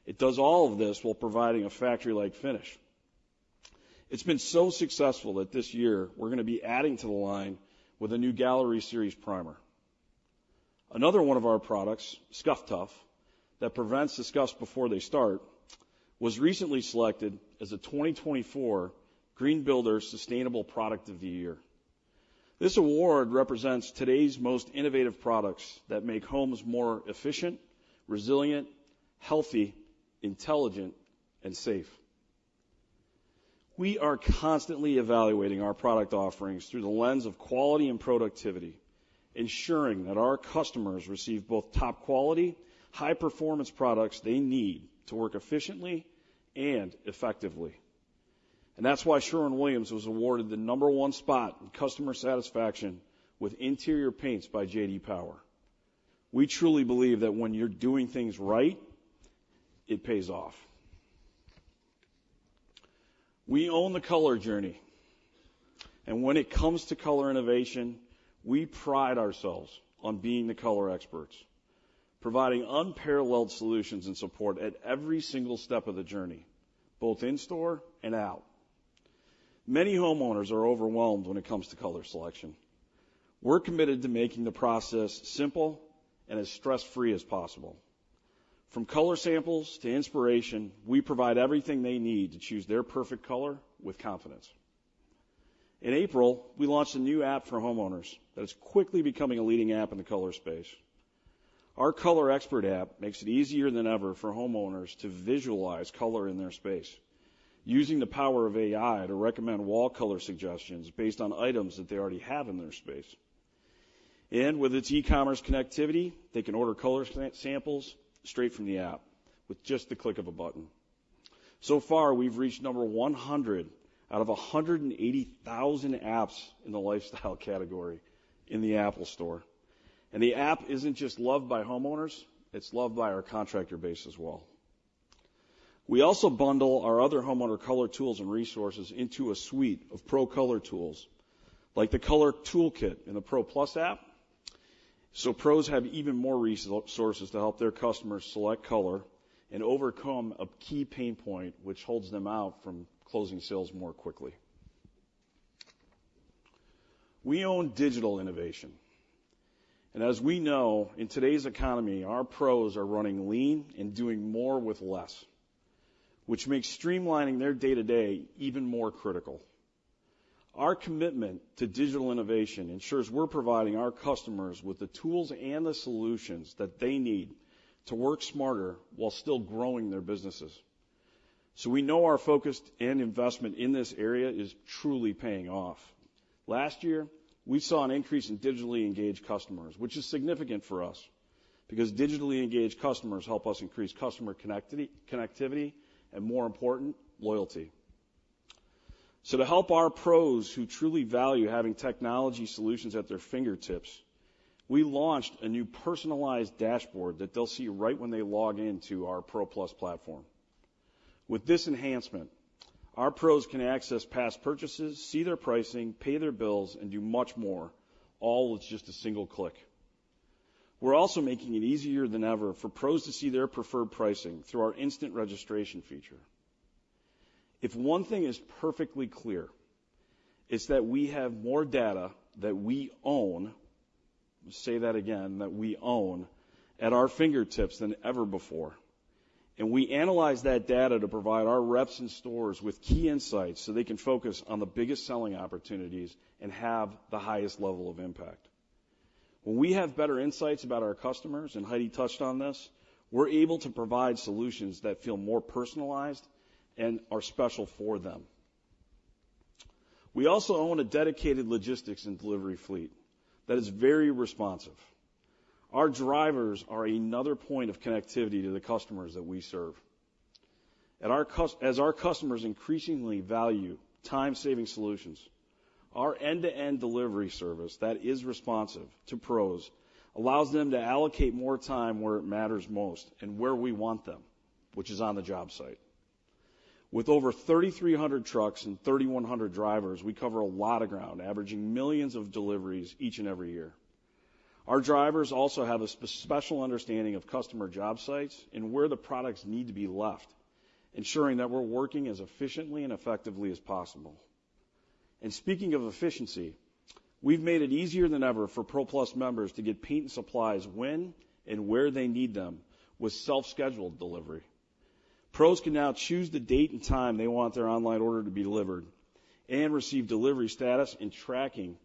It does all of this while providing a factory-like finish. It's been so successful that this year we're going to be adding to the line with a new Gallery Series primer. Another one of our products, Scuff Tuff, that prevents the scuffs before they start, was recently selected as a 2024 Green Builder Sustainable Product of the Year. This award represents today's most innovative products that make homes more efficient, resilient, healthy, intelligent, and safe. We are constantly evaluating our product offerings through the lens of quality and productivity, ensuring that our customers receive both top quality, high-performance products they need to work efficiently and effectively, and that's why Sherwin-Williams was awarded the number one spot in customer satisfaction with interior paints by J.D. Power. We truly believe that when you're doing things right, it pays off. We own the color journey, and when it comes to color innovation, we pride ourselves on being the color experts, providing unparalleled solutions and support at every single step of the journey, both in store and out. Many homeowners are overwhelmed when it comes to color selection. We're committed to making the process simple and as stress-free as possible. From color samples to inspiration, we provide everything they need to choose their perfect color with confidence. In April, we launched a new app for homeowners that is quickly becoming a leading app in the color space. Our Color Expert app makes it easier than ever for homeowners to visualize color in their space, using the power of AI to recommend wall color suggestions based on items that they already have in their space, and with its e-commerce connectivity, they can order color samples straight from the app with just the click of a button. So far, we've reached number 100 out of 180,000 apps in the lifestyle category in the Apple Store, and the app isn't just loved by homeowners, it's loved by our contractor base as well. We also bundle our other homeowner color tools and resources into a suite of pro color tools, like the color toolkit in the Pro+ app, so pros have even more resources to help their customers select color and overcome a key pain point, which holds them out from closing sales more quickly. We own digital innovation, and as we know, in today's economy, our pros are running lean and doing more with less, which makes streamlining their day-to-day even more critical. Our commitment to digital innovation ensures we're providing our customers with the tools and the solutions that they need to work smarter while still growing their businesses. So we know our focus and investment in this area is truly paying off. Last year, we saw an increase in digitally engaged customers, which is significant for us, because digitally engaged customers help us increase customer connectivity and, more important, loyalty. So to help our pros who truly value having technology solutions at their fingertips, we launched a new personalized dashboard that they'll see right when they log in to our Pro+ platform. With this enhancement, our pros can access past purchases, see their pricing, pay their bills, and do much more, all with just a single click. We're also making it easier than ever for pros to see their preferred pricing through our instant registration feature. If one thing is perfectly clear, it's that we have more data that we own, I'll say that again, that we own, at our fingertips than ever before, and we analyze that data to provide our reps and stores with key insights so they can focus on the biggest selling opportunities and have the highest level of impact. When we have better insights about our customers, and Heidi touched on this, we're able to provide solutions that feel more personalized and are special for them. We also own a dedicated logistics and delivery fleet that is very responsive. Our drivers are another point of connectivity to the customers that we serve. As our customers increasingly value time-saving solutions, our end-to-end delivery service that is responsive to pros allows them to allocate more time where it matters most and where we want them, which is on the job site. With over 3,300 trucks and 3,100 drivers, we cover a lot of ground, averaging millions of deliveries each and every year. Our drivers also have a special understanding of customer job sites and where the products need to be left, ensuring that we're working as efficiently and effectively as possible. Speaking of efficiency, we've made it easier than ever for Pro+ members to get paint and supplies when and where they need them with self-scheduled delivery. Pros can now choose the date and time they want their online order to be delivered and receive delivery status and tracking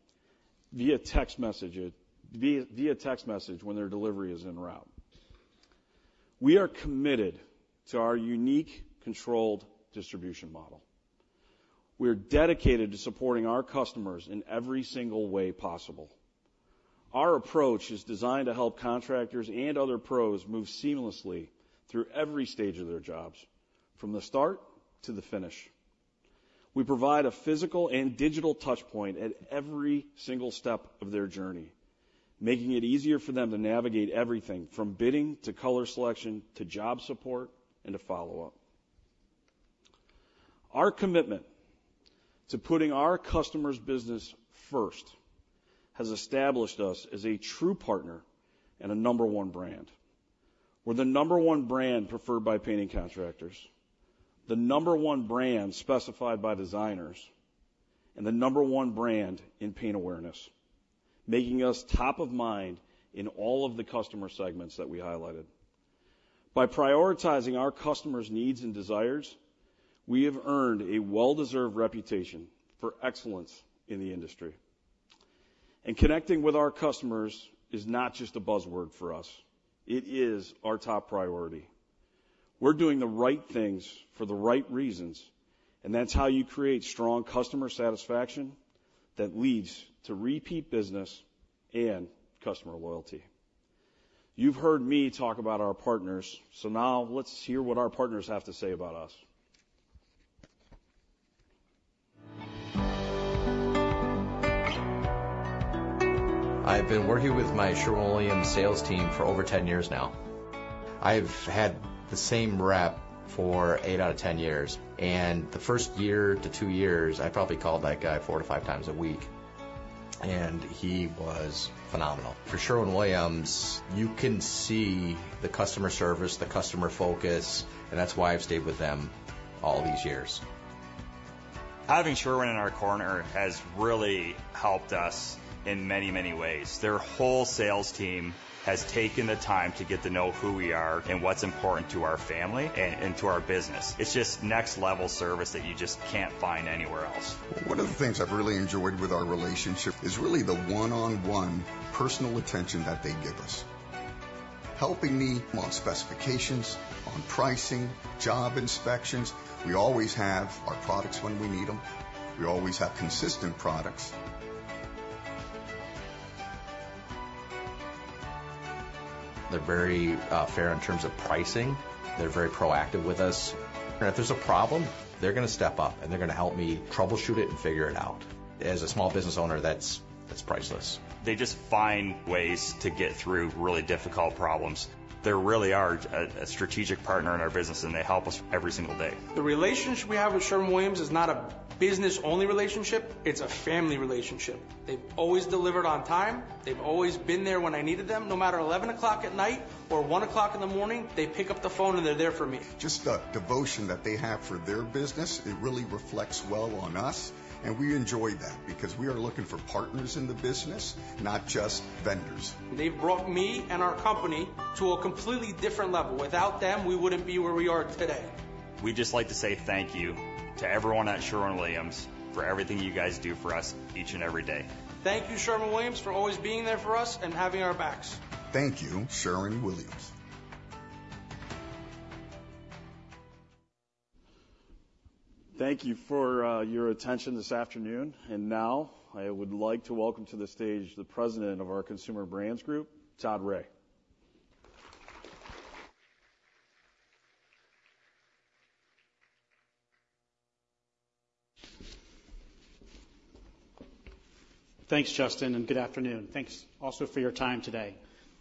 via text message when their delivery is en route. We are committed to our unique, controlled distribution model. We're dedicated to supporting our customers in every single way possible. Our approach is designed to help contractors and other pros move seamlessly through every stage of their jobs, from the start to the finish. We provide a physical and digital touchpoint at every single step of their journey, making it easier for them to navigate everything from bidding, to color selection, to job support, and to follow-up. Our commitment to putting our customers' business first has established us as a true partner and a number one brand. We're the number one brand preferred by painting contractors, the number one brand specified by designers, and the number one brand in paint awareness, making us top of mind in all of the customer segments that we highlighted. By prioritizing our customers' needs and desires, we have earned a well-deserved reputation for excellence in the industry. And connecting with our customers is not just a buzzword for us, it is our top priority. We're doing the right things for the right reasons, and that's how you create strong customer satisfaction that leads to repeat business and customer loyalty. You've heard me talk about our partners, so now let's hear what our partners have to say about us. I've been working with my Sherwin sales team for over 10 years now. I've had the same rep for eight out of 10 years, and the first year to two years, I probably called that guy four to five times a week, and he was phenomenal. For Sherwin-Williams, you can see the customer service, the customer focus, and that's why I've stayed with them all these years. Having Sherwin in our corner has really helped us in many, many ways. Their whole sales team has taken the time to get to know who we are and what's important to our family and to our business. It's just next-level service that you just can't find anywhere else. One of the things I've really enjoyed with our relationship is really the one-on-one personal attention that they give us, helping me on specifications, on pricing, job inspections. We always have our products when we need them. We always have consistent products. They're very fair in terms of pricing. They're very proactive with us, and if there's a problem, they're gonna step up, and they're gonna help me troubleshoot it and figure it out. As a small business owner, that's priceless. They just find ways to get through really difficult problems. They really are a strategic partner in our business, and they help us every single day. The relationship we have with Sherwin-Williams is not a business-only relationship, it's a family relationship. They've always delivered on time. They've always been there when I needed them, no matter 11:00 P.M. or 1:00 A.M., they pick up the phone, and they're there for me. Just the devotion that they have for their business, it really reflects well on us, and we enjoy that because we are looking for partners in the business, not just vendors. They've brought me and our company to a completely different level. Without them, we wouldn't be where we are today. We'd just like to say thank you to everyone at Sherwin-Williams for everything you guys do for us each and every day. Thank you, Sherwin-Williams, for always being there for us and having our backs. Thank you, Sherwin-Williams. Thank you for your attention this afternoon, and now I would like to welcome to the stage the President of our Consumer Brands Group, Todd Rea. Thanks, Justin, and good afternoon. Thanks also for your time today.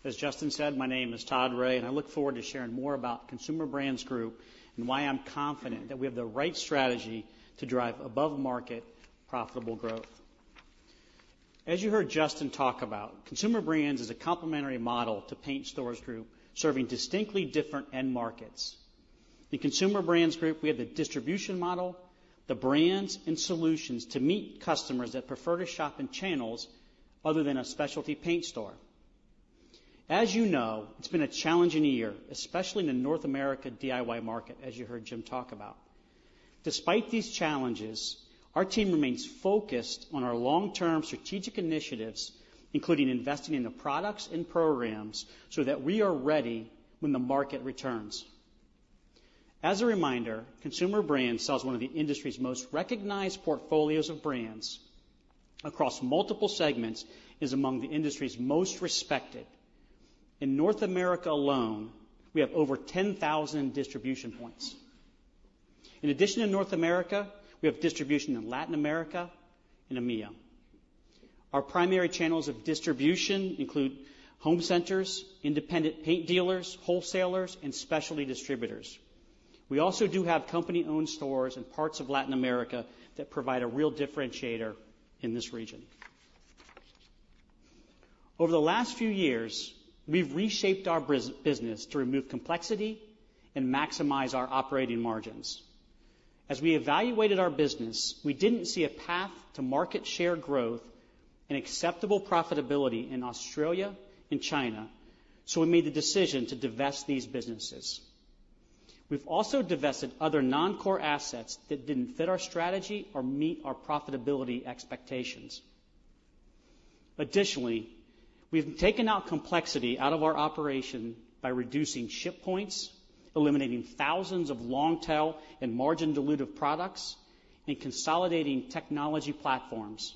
As Justin said, my name is Todd Ray, and I look forward to sharing more about Consumer Brands Group and why I'm confident that we have the right strategy to drive above-market, profitable growth. As you heard Justin talk about, Consumer Brands is a complementary model to Paint Stores Group, serving distinctly different end markets. In Consumer Brands Group, we have the distribution model, the brands and solutions to meet customers that prefer to shop in channels other than a specialty paint store. As you know, it's been a challenging year, especially in the North America DIY market, as you heard Jim talk about. Despite these challenges, our team remains focused on our long-term strategic initiatives, including investing in the products and programs so that we are ready when the market returns. As a reminder, Consumer Brands sells one of the industry's most recognized portfolios of brands across multiple segments, and is among the industry's most respected. In North America alone, we have over 10,000 distribution points. In addition to North America, we have distribution in Latin America and EMEA. Our primary channels of distribution include home centers, independent paint dealers, wholesalers, and specialty distributors. We also do have company-owned stores in parts of Latin America that provide a real differentiator in this region. Over the last few years, we've reshaped our business to remove complexity and maximize our operating margins. As we evaluated our business, we didn't see a path to market share growth and acceptable profitability in Australia and China, so we made the decision to divest these businesses. We've also divested other non-core assets that didn't fit our strategy or meet our profitability expectations. Additionally, we've taken out complexity out of our operation by reducing ship points, eliminating thousands of long tail and margin-dilutive products, and consolidating technology platforms.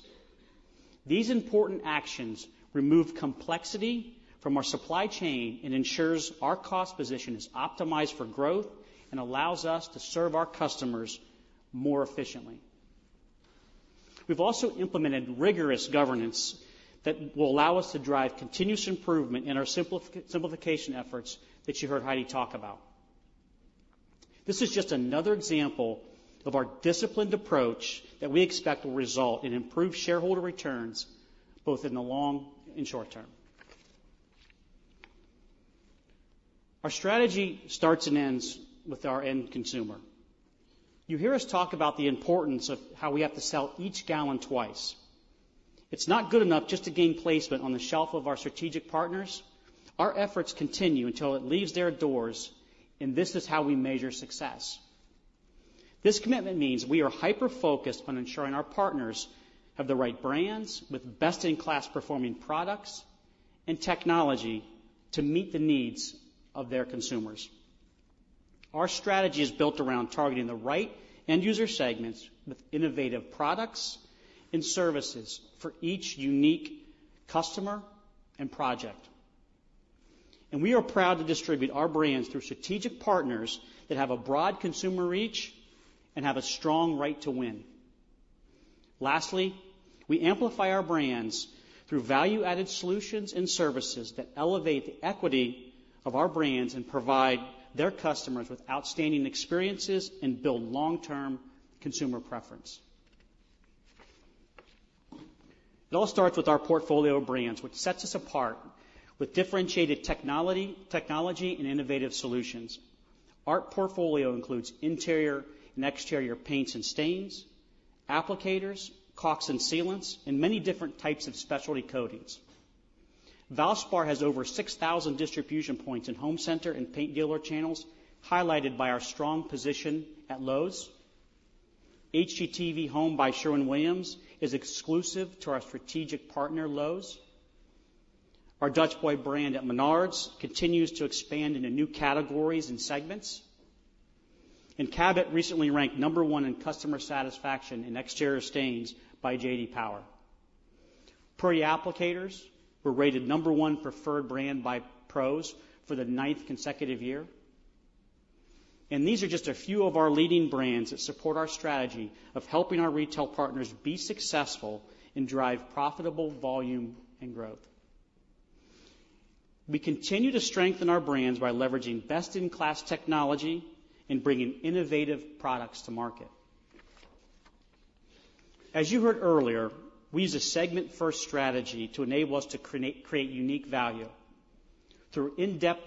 These important actions remove complexity from our supply chain and ensures our cost position is optimized for growth and allows us to serve our customers more efficiently. We've also implemented rigorous governance that will allow us to drive continuous improvement in our simplification efforts that you heard Heidi talk about. This is just another example of our disciplined approach that we expect will result in improved shareholder returns both in the long and short term. Our strategy starts and ends with our end consumer. You hear us talk about the importance of how we have to sell each gallon twice. It's not good enough just to gain placement on the shelf of our strategic partners. Our efforts continue until it leaves their doors, and this is how we measure success. This commitment means we are hyper-focused on ensuring our partners have the right brands, with best-in-class performing products and technology to meet the needs of their consumers. Our strategy is built around targeting the right end user segments with innovative products and services for each unique customer and project, and we are proud to distribute our brands through strategic partners that have a broad consumer reach and have a strong right to win. Lastly, we amplify our brands through value-added solutions and services that elevate the equity of our brands and provide their customers with outstanding experiences and build long-term consumer preference. It all starts with our portfolio of brands, which sets us apart with differentiated technology and innovative solutions. Our portfolio includes interior and exterior paints and stains, applicators, caulks and sealants, and many different types of specialty coatings. Valspar has over six thousand distribution points in home center and paint dealer channels, highlighted by our strong position at Lowe's. HGTV Home by Sherwin-Williams is exclusive to our strategic partner, Lowe's. Our Dutch Boy brand at Menards continues to expand into new categories and segments, and Cabot recently ranked number one in customer satisfaction in exterior stains by J.D. Power. Purdy Applicators were rated number one preferred brand by pros for the ninth consecutive year, and these are just a few of our leading brands that support our strategy of helping our retail partners be successful and drive profitable volume and growth. We continue to strengthen our brands by leveraging best-in-class technology and bringing innovative products to market. As you heard earlier, we use a segment-first strategy to enable us to create unique value. Through in-depth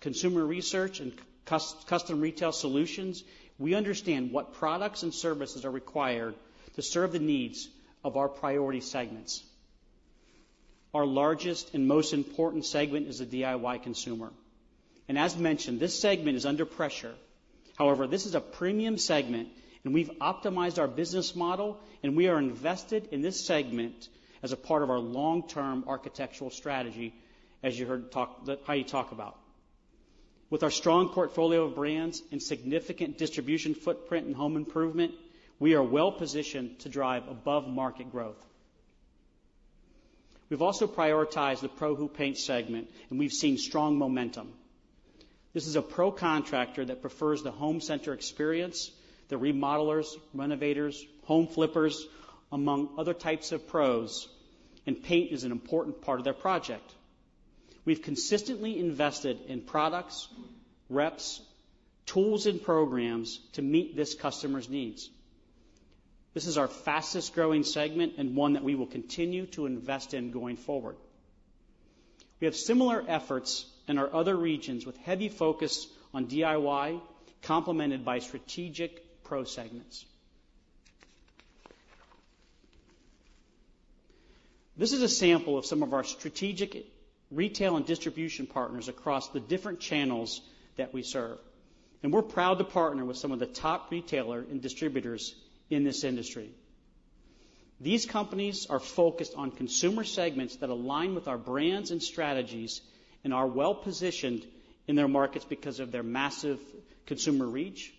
consumer research and custom retail solutions, we understand what products and services are required to serve the needs of our priority segments. Our largest and most important segment is the DIY consumer, and as mentioned, this segment is under pressure. However, this is a premium segment, and we've optimized our business model, and we are invested in this segment as a part of our long-term architectural strategy, as you heard Heidi talk about. With our strong portfolio of brands and significant distribution footprint in home improvement, we are well positioned to drive above-market growth. We've also prioritized the Pro Who Paints segment, and we've seen strong momentum. This is a pro contractor that prefers the home center experience, the remodelers, renovators, home flippers, among other types of pros, and paint is an important part of their project. We've consistently invested in products, reps, tools, and programs to meet this customer's needs. This is our fastest-growing segment and one that we will continue to invest in going forward. We have similar efforts in our other regions, with heavy focus on DIY, complemented by strategic pro segments. This is a sample of some of our strategic retail and distribution partners across the different channels that we serve, and we're proud to partner with some of the top retailer and distributors in this industry. These companies are focused on consumer segments that align with our brands and strategies, and are well positioned in their markets because of their massive consumer reach,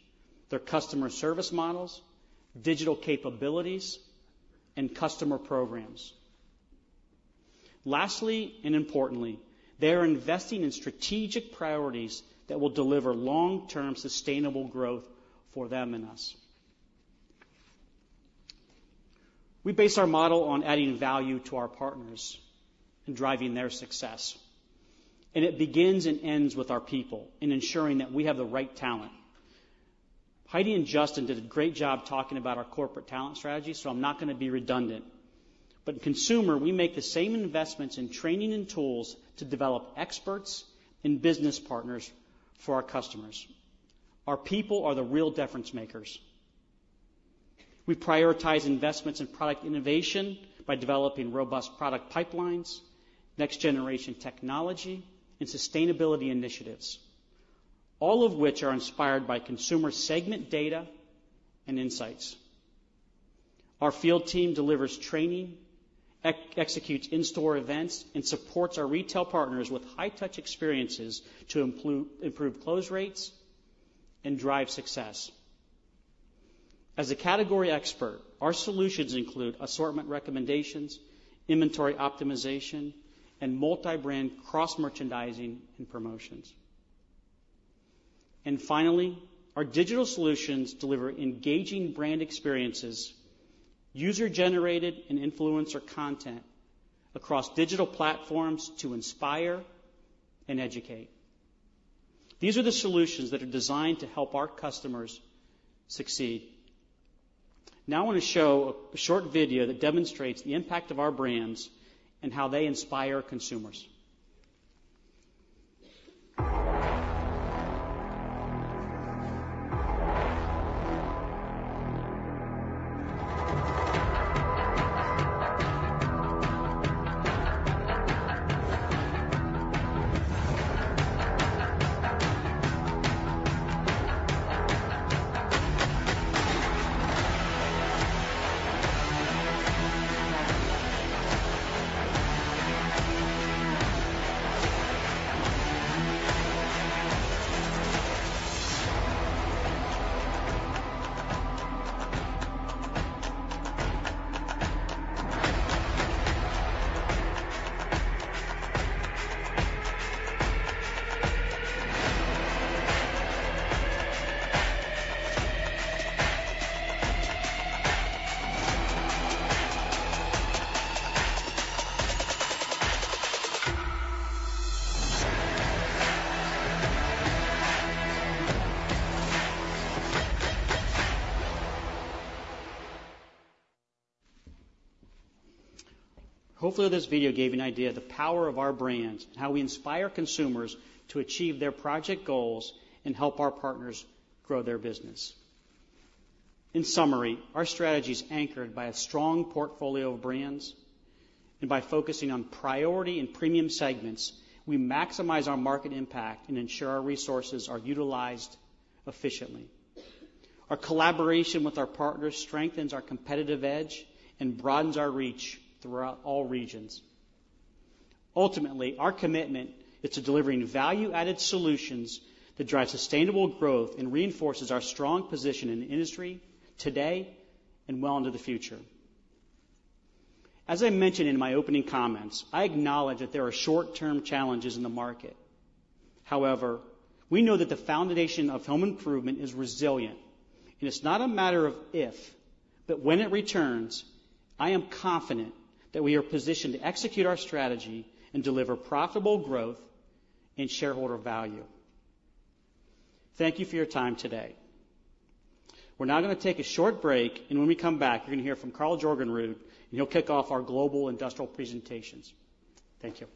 their customer service models, digital capabilities, and customer programs. Lastly, and importantly, they are investing in strategic priorities that will deliver long-term sustainable growth for them and us. We base our model on adding value to our partners and driving their success, and it begins and ends with our people in ensuring that we have the right talent. Heidi and Justin did a great job talking about our corporate talent strategy, so I'm not gonna be redundant, but in consumer, we make the same investments in training and tools to develop experts and business partners for our customers. Our people are the real difference makers. We prioritize investments in product innovation by developing robust product pipelines, next-generation technology, and sustainability initiatives, all of which are inspired by consumer segment data and insights. Our field team delivers training, executes in-store events, and supports our retail partners with high-touch experiences to improve close rates and drive success. As a category expert, our solutions include assortment recommendations, inventory optimization, and multi-brand cross-merchandising and promotions. And finally, our digital solutions deliver engaging brand experiences, user-generated and influencer content across digital platforms to inspire and educate. These are the solutions that are designed to help our customers succeed. Now, I wanna show a short video that demonstrates the impact of our brands and how they inspire consumers. Hopefully, this video gave you an idea of the power of our brands and how we inspire consumers to achieve their project goals and help our partners grow their business. In summary, our strategy is anchored by a strong portfolio of brands... and by focusing on priority and premium segments, we maximize our market impact and ensure our resources are utilized efficiently. Our collaboration with our partners strengthens our competitive edge and broadens our reach throughout all regions. Ultimately, our commitment is to delivering value-added solutions that drive sustainable growth and reinforces our strong position in the industry today and well into the future. As I mentioned in my opening comments, I acknowledge that there are short-term challenges in the market. However, we know that the foundation of home improvement is resilient, and it's not a matter of if, but when it returns. I am confident that we are positioned to execute our strategy and deliver profitable growth and shareholder value. Thank you for your time today. We're now going to take a short break, and when we come back, you're going to hear from Karl Jorgenrud, and he'll kick off our global industrial presentations. Thank you.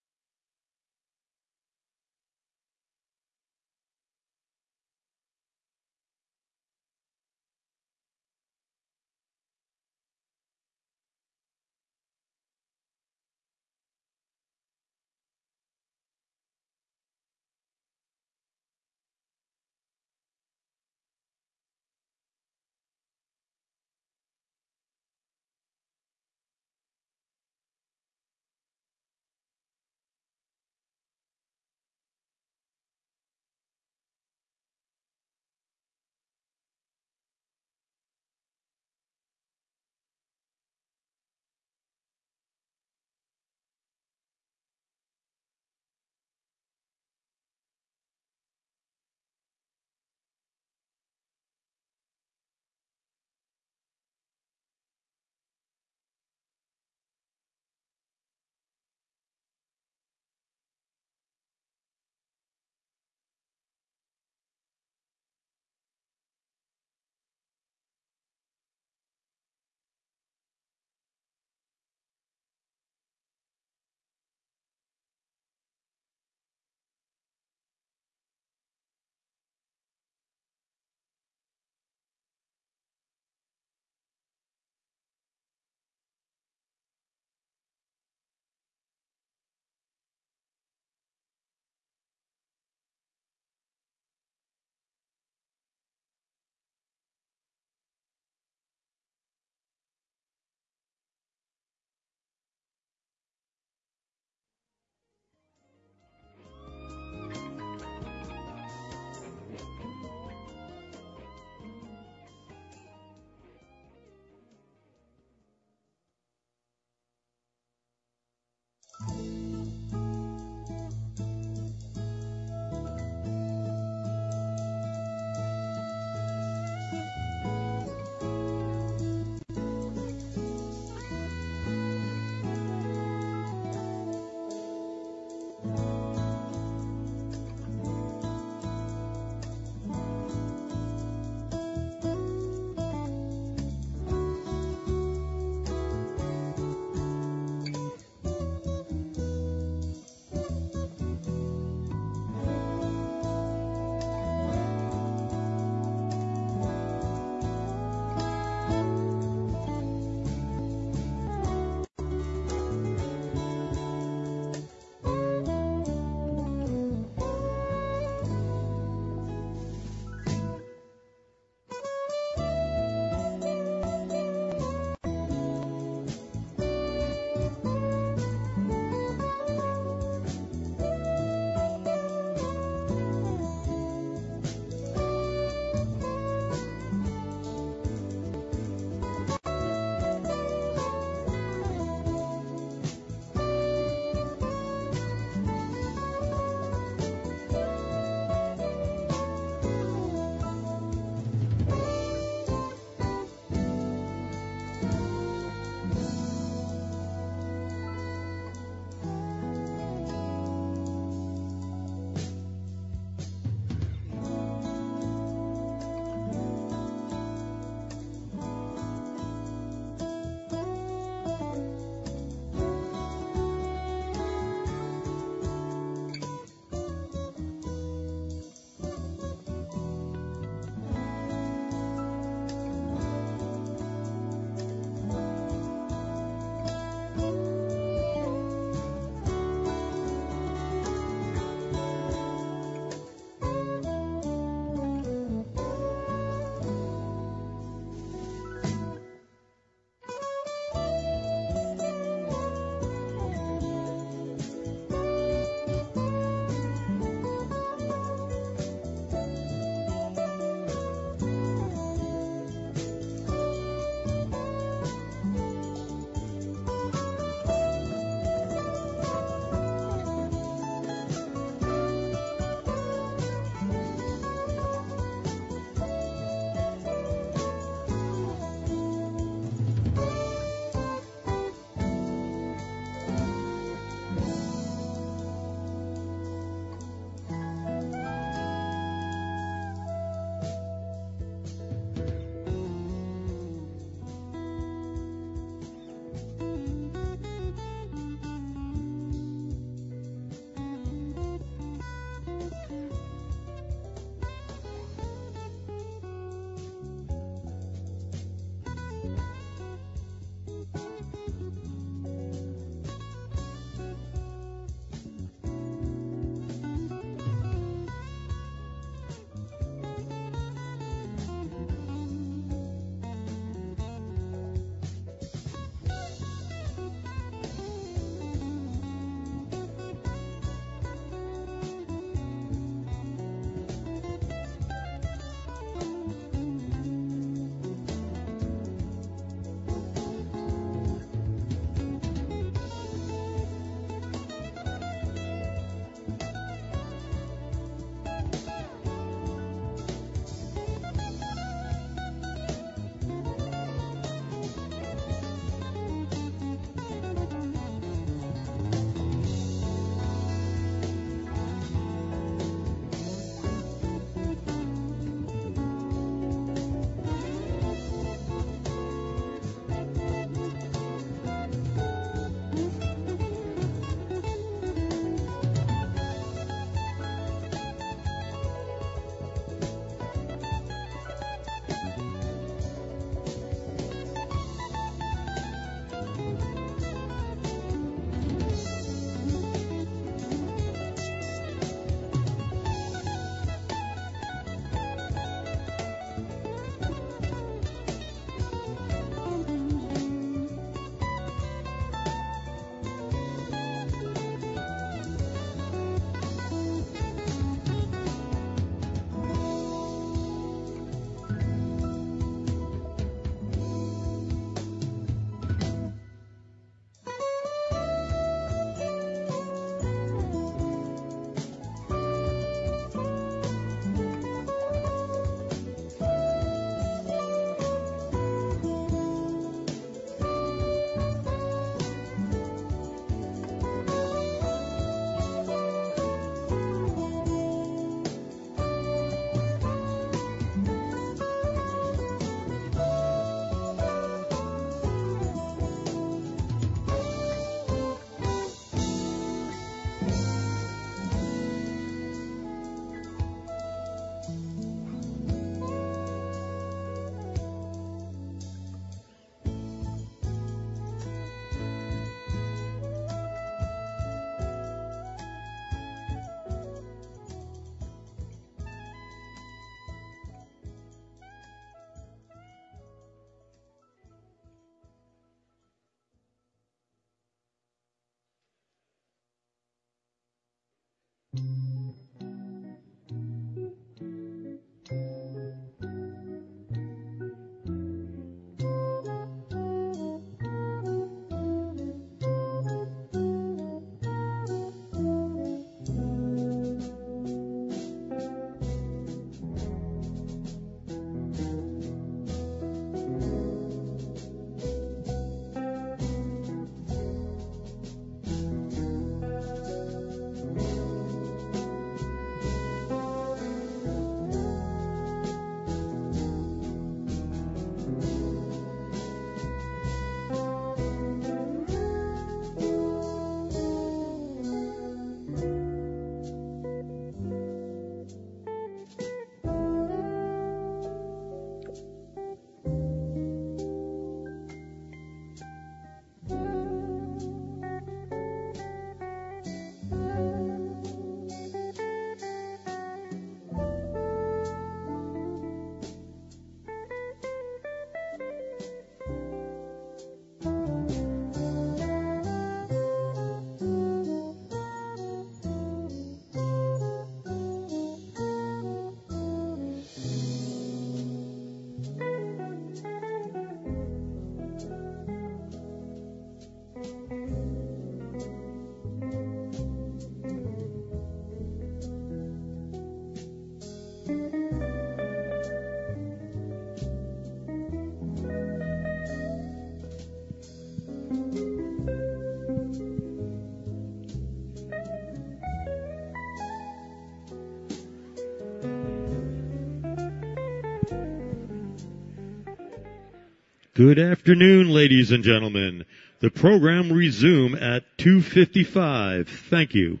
Good afternoon, ladies and gentlemen. The program will resume at 2:55 P.M. Thank you.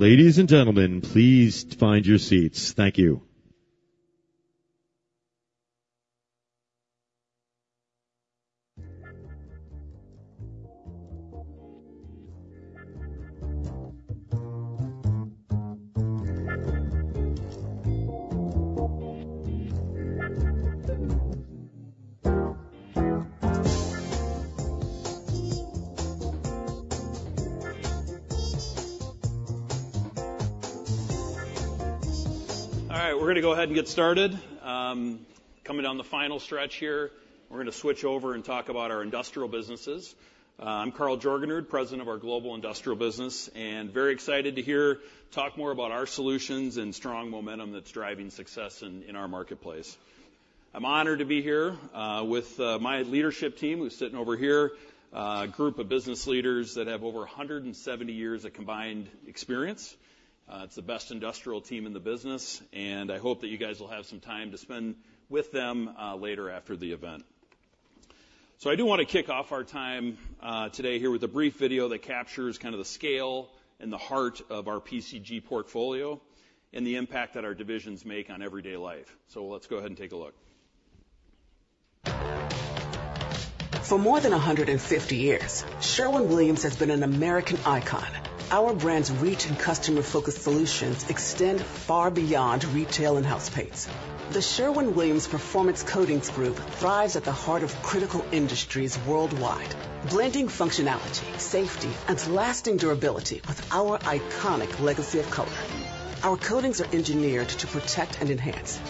Ladies and gentlemen, please find your seats. Thank you. All right, we're gonna go ahead and get started. Coming down the final stretch here, we're gonna switch over and talk about our industrial businesses. I'm Karl Jorgenrud, President of our Global Industrial Business, and very excited to talk more about our solutions and strong momentum that's driving success in our marketplace. I'm honored to be here with my leadership team, who's sitting over here, a group of business leaders that have over 170 years of combined experience. It's the best industrial team in the business, and I hope that you guys will have some time to spend with them later after the event. I do wanna kick off our time today here with a brief video that captures kinda the scale and the heart of our PCG portfolio and the impact that our divisions make on everyday life. Let's go ahead and take a look. For more than a hundred and fifty years, Sherwin-Williams has been an American icon. Our brand's reach and customer-focused solutions extend far beyond retail and house paints. The Sherwin-Williams Performance Coatings Group thrives at the heart of critical industries worldwide, blending functionality, safety, and lasting durability with our iconic legacy of color.... Our coatings are engineered to protect and enhance,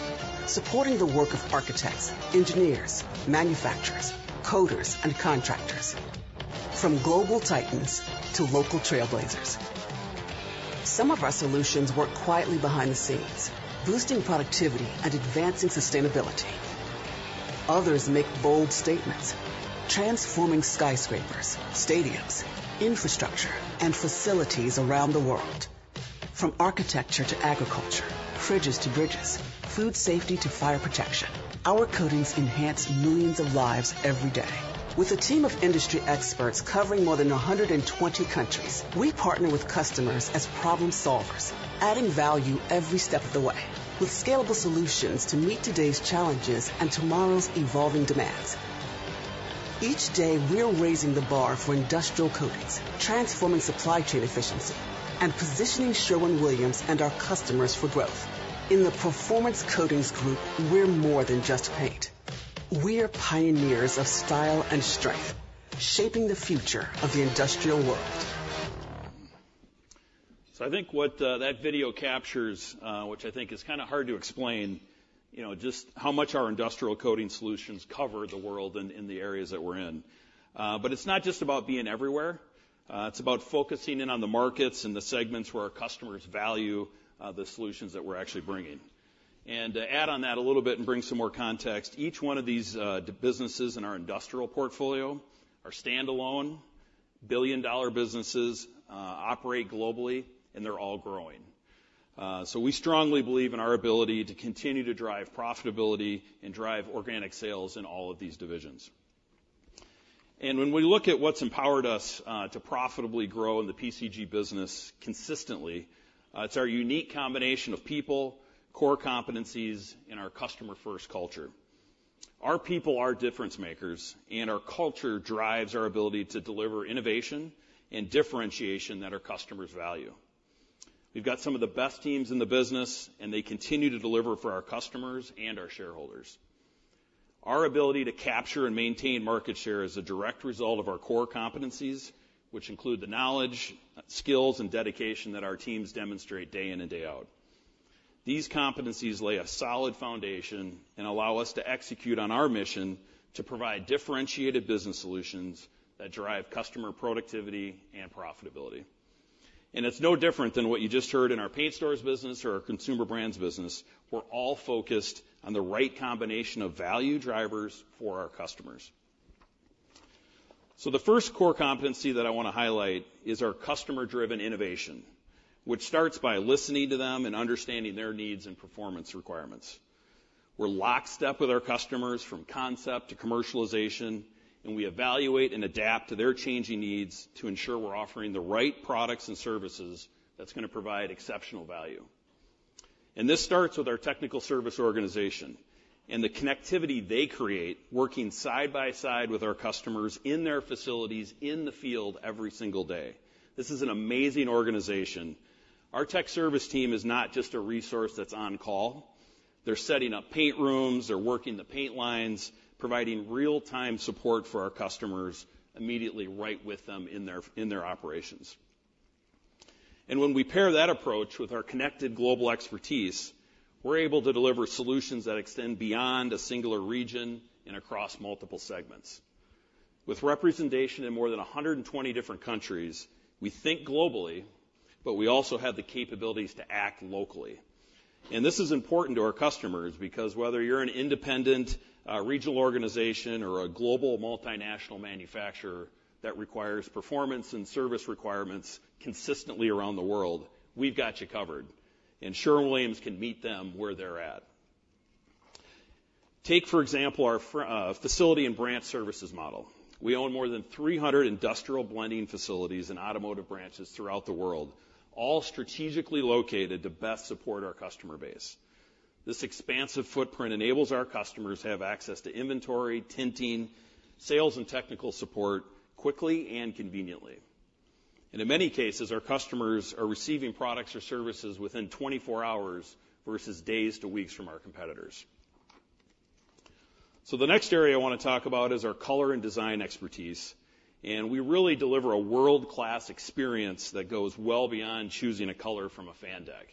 supporting the work of architects, engineers, manufacturers, coders, and contractors, from global titans to local trailblazers. Some of our solutions work quietly behind the scenes, boosting productivity and advancing sustainability. Others make bold statements, transforming skyscrapers, stadiums, infrastructure, and facilities around the world. From architecture to agriculture, fridges to bridges, food safety to fire protection, our coatings enhance millions of lives every day. With a team of industry experts covering more than 120 countries, we partner with customers as problem-solvers, adding value every step of the way, with scalable solutions to meet today's challenges and tomorrow's evolving demands. Each day, we're raising the bar for industrial coatings, transforming supply chain efficiency, and positioning Sherwin-Williams and our customers for growth. In the Performance Coatings Group, we're more than just paint. We're pioneers of style and strength, shaping the future of the industrial world. So I think what that video captures, which I think is kinda hard to explain, you know, just how much our industrial coating solutions cover the world in the areas that we're in. But it's not just about being everywhere, it's about focusing in on the markets and the segments where our customers value the solutions that we're actually bringing. And to add on that a little bit and bring some more context, each one of these businesses in our industrial portfolio are standalone billion-dollar businesses, operate globally, and they're all growing. So we strongly believe in our ability to continue to drive profitability and drive organic sales in all of these divisions. And when we look at what's empowered us to profitably grow in the PCG business consistently, it's our unique combination of people, core competencies, and our customer-first culture. Our people are difference-makers, and our culture drives our ability to deliver innovation and differentiation that our customers value. We've got some of the best teams in the business, and they continue to deliver for our customers and our shareholders. Our ability to capture and maintain market share is a direct result of our core competencies, which include the knowledge, skills, and dedication that our teams demonstrate day in and day out. These competencies lay a solid foundation and allow us to execute on our mission to provide differentiated business solutions that drive customer productivity and profitability. And it's no different than what you just heard in our paint stores business or our consumer brands business. We're all focused on the right combination of value drivers for our customers, so the first core competency that I wanna highlight is our customer-driven innovation, which starts by listening to them and understanding their needs and performance requirements. We're lockstep with our customers, from concept to commercialization, and we evaluate and adapt to their changing needs to ensure we're offering the right products and services that's gonna provide exceptional value, and this starts with our technical service organization and the connectivity they create, working side by side with our customers in their facilities, in the field every single day. This is an amazing organization. Our tech service team is not just a resource that's on call. They're setting up paint rooms, they're working the paint lines, providing real-time support for our customers, immediately right with them in their operations. And when we pair that approach with our connected global expertise, we're able to deliver solutions that extend beyond a singular region and across multiple segments. With representation in more than 120 different countries, we think globally, but we also have the capabilities to act locally. And this is important to our customers, because whether you're an independent regional organization or a global multinational manufacturer that requires performance and service requirements consistently around the world, we've got you covered, and Sherwin-Williams can meet them where they're at. Take, for example, our facility and branch services model. We own more than 300 industrial blending facilities and automotive branches throughout the world, all strategically located to best support our customer base. This expansive footprint enables our customers to have access to inventory, tinting, sales and technical support, quickly and conveniently.In many cases, our customers are receiving products or services within 24 hours, versus days to weeks from our competitors. So the next area I wanna talk about is our color and design expertise, and we really deliver a world-class experience that goes well beyond choosing a color from a fan deck.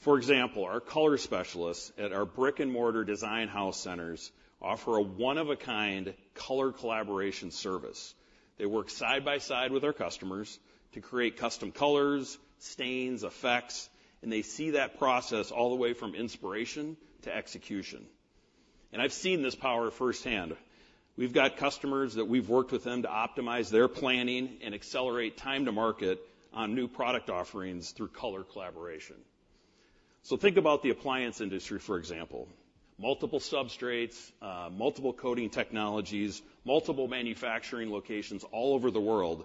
For example, our color specialists at our brick-and-mortar design house centers offer a one-of-a-kind color collaboration service. They work side by side with our customers to create custom colors, stains, effects, and they see that process all the way from inspiration to execution. And I've seen this power firsthand. We've got customers that we've worked with them to optimize their planning and accelerate time to market on new product offerings through color collaboration. So think about the appliance industry, for example. Multiple substrates, multiple coating technologies, multiple manufacturing locations all over the world.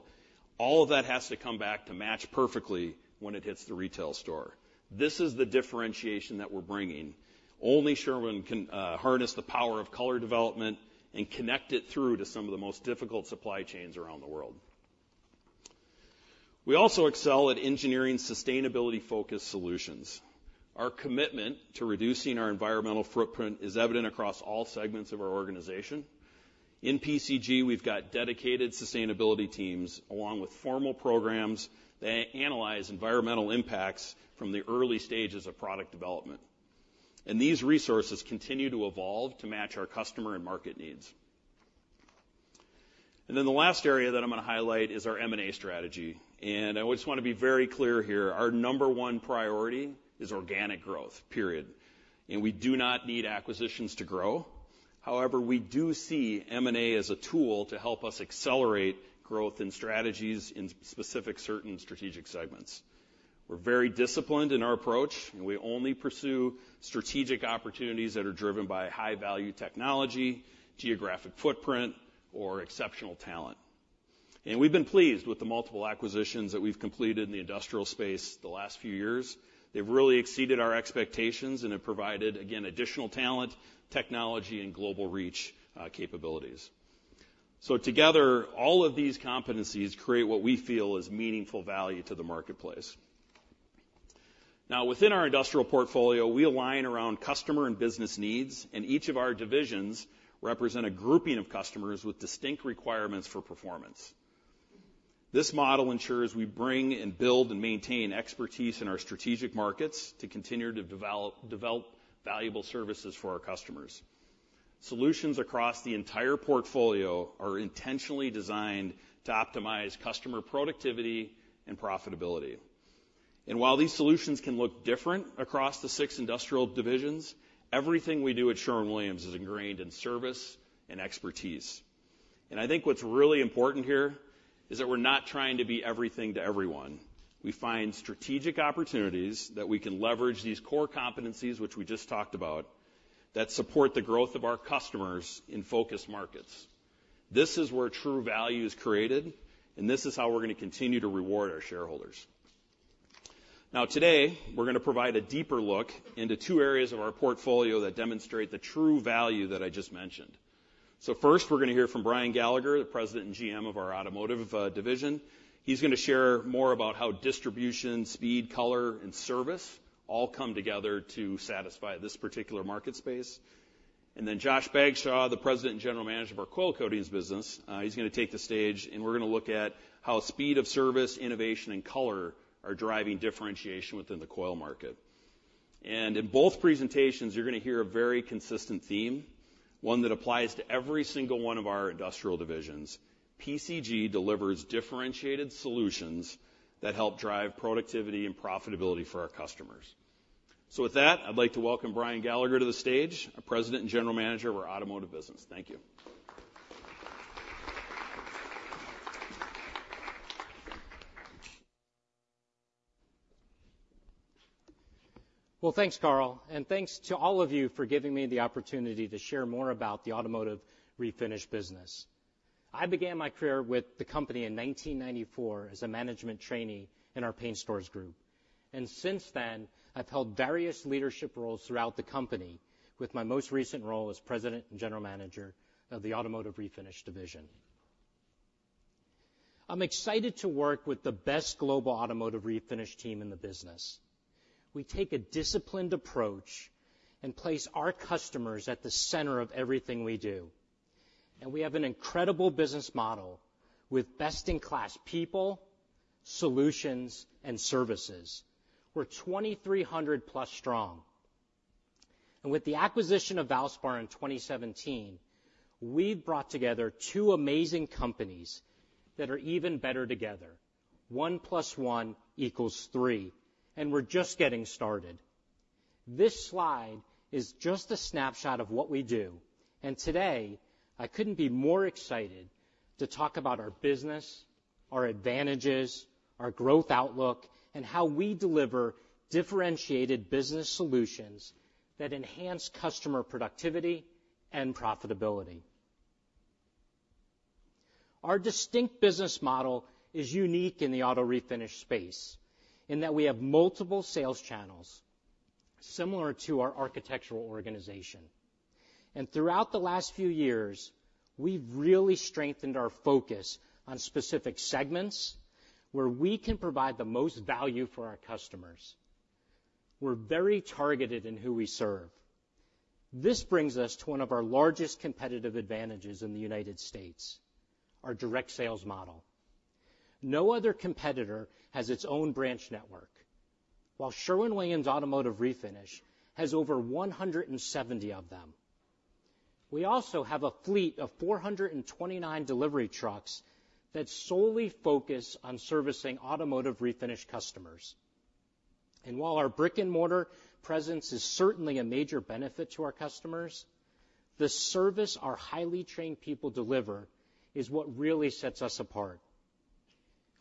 All of that has to come back to match perfectly when it hits the retail store. This is the differentiation that we're bringing. Only Sherwin can harness the power of color development and connect it through to some of the most difficult supply chains around the world. We also excel at engineering sustainability-focused solutions. Our commitment to reducing our environmental footprint is evident across all segments of our organization. In PCG, we've got dedicated sustainability teams, along with formal programs that analyze environmental impacts from the early stages of product development, and these resources continue to evolve to match our customer and market needs. And then the last area that I'm gonna highlight is our M&A strategy, and I always wanna be very clear here, our number one priority is organic growth, period. And we do not need acquisitions to grow. However, we do see M&A as a tool to help us accelerate growth and strategies in specific certain strategic segments. We're very disciplined in our approach, and we only pursue strategic opportunities that are driven by high-value technology, geographic footprint, or exceptional talent, and we've been pleased with the multiple acquisitions that we've completed in the industrial space the last few years. They've really exceeded our expectations, and have provided, again, additional talent, technology, and global reach, capabilities. So together, all of these competencies create what we feel is meaningful value to the marketplace. Now, within our industrial portfolio, we align around customer and business needs, and each of our divisions represent a grouping of customers with distinct requirements for performance. This model ensures we bring, and build, and maintain expertise in our strategic markets to continue to develop valuable services for our customers. Solutions across the entire portfolio are intentionally designed to optimize customer productivity and profitability. And while these solutions can look different across the six industrial divisions, everything we do at Sherwin-Williams is ingrained in service and expertise. And I think what's really important here is that we're not trying to be everything to everyone. We find strategic opportunities that we can leverage these core competencies, which we just talked about, that support the growth of our customers in focus markets. This is where true value is created, and this is how we're gonna continue to reward our shareholders. Now, today, we're gonna provide a deeper look into two areas of our portfolio that demonstrate the true value that I just mentioned. So first, we're gonna hear from Bryan Gallagher, the President and GM of our automotive division. He's gonna share more about how distribution, speed, color, and service all come together to satisfy this particular market space. And then Josh Bagshaw, the President and General Manager of our coil coatings business, he's gonna take the stage, and we're gonna look at how speed of service, innovation, and color are driving differentiation within the coil market. And in both presentations, you're gonna hear a very consistent theme, one that applies to every single one of our industrial divisions. PCG delivers differentiated solutions that help drive productivity and profitability for our customers. So with that, I'd like to welcome Bryan Gallagher to the stage, our President and General Manager of our automotive business. Thank you. Thanks, Karl, and thanks to all of you for giving me the opportunity to share more about the Automotive Refinish business. I began my career with the company in 1994 as a management trainee in our paint stores group, and since then, I've held various leadership roles throughout the company, with my most recent role as president and general manager of the Automotive Refinish division. I'm excited to work with the best global Automotive Refinish team in the business. We take a disciplined approach and place our customers at the center of everything we do, and we have an incredible business model, with best-in-class people, solutions, and services. We're 2,300-plus strong, and with the acquisition of Valspar in 2017, we've brought together two amazing companies that are even better together. One plus one equals three, and we're just getting started. This slide is just a snapshot of what we do, and today, I couldn't be more excited to talk about our business, our advantages, our growth outlook, and how we deliver differentiated business solutions that enhance customer productivity and profitability. Our distinct business model is unique in the auto-refinish space in that we have multiple sales channels, similar to our architectural organization, and throughout the last few years, we've really strengthened our focus on specific segments where we can provide the most value for our customers. We're very targeted in who we serve. This brings us to one of our largest competitive advantages in the United States, our direct sales model. No other competitor has its own branch network, while Sherwin-Williams Automotive Refinish has over 170 of them. We also have a fleet of 429 delivery trucks that solely focus on servicing Automotive Refinish customers. And while our brick-and-mortar presence is certainly a major benefit to our customers, the service our highly trained people deliver is what really sets us apart.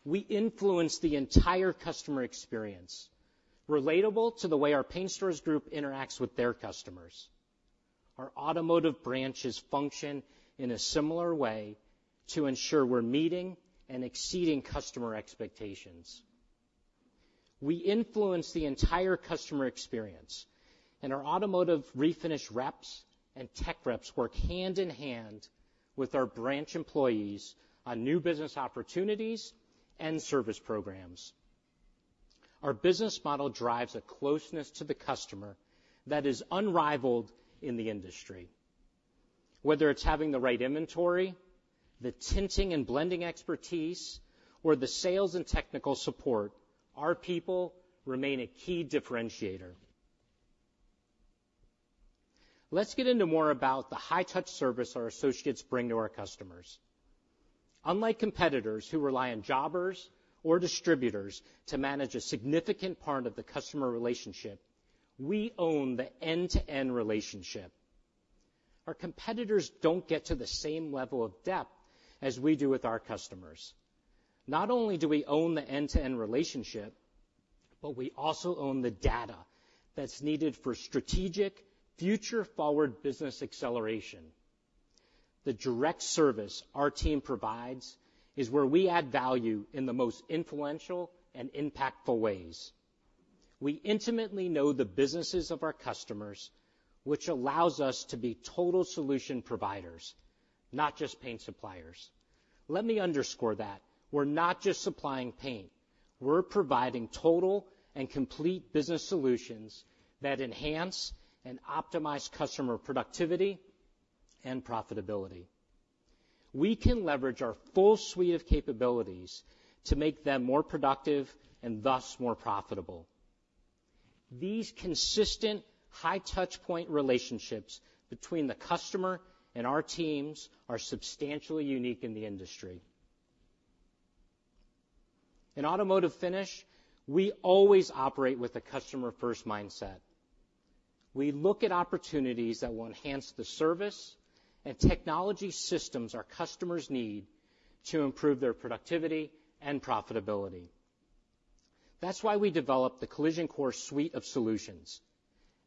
We influence the entire customer experience, relatable to the way our paint stores group interacts with their customers. Our automotive branches function in a similar way to ensure we're meeting and exceeding customer expectations. And our Automotive Refinish reps and tech reps work hand in hand with our branch employees on new business opportunities and service programs. Our business model drives a closeness to the customer that is unrivaled in the industry. Whether it's having the right inventory, the tinting and blending expertise, or the sales and technical support, our people remain a key differentiator. Let's get into more about the high-touch service our associates bring to our customers. Unlike competitors who rely on jobbers or distributors to manage a significant part of the customer relationship, we own the end-to-end relationship. Our competitors don't get to the same level of depth as we do with our customers. Not only do we own the end-to-end relationship, but we also own the data that's needed for strategic, future-forward business acceleration. The direct service our team provides is where we add value in the most influential and impactful ways. We intimately know the businesses of our customers, which allows us to be total solution providers, not just paint suppliers. Let me underscore that: we're not just supplying paint, we're providing total and complete business solutions that enhance and optimize customer productivity and profitability. We can leverage our full suite of capabilities to make them more productive and, thus, more profitable. These consistent, high touchpoint relationships between the customer and our teams are substantially unique in the industry. In auto refinish, we always operate with a customer-first mindset. We look at opportunities that will enhance the service and technology systems our customers need to improve their productivity and profitability. That's why we developed the Collision Core Suite of solutions,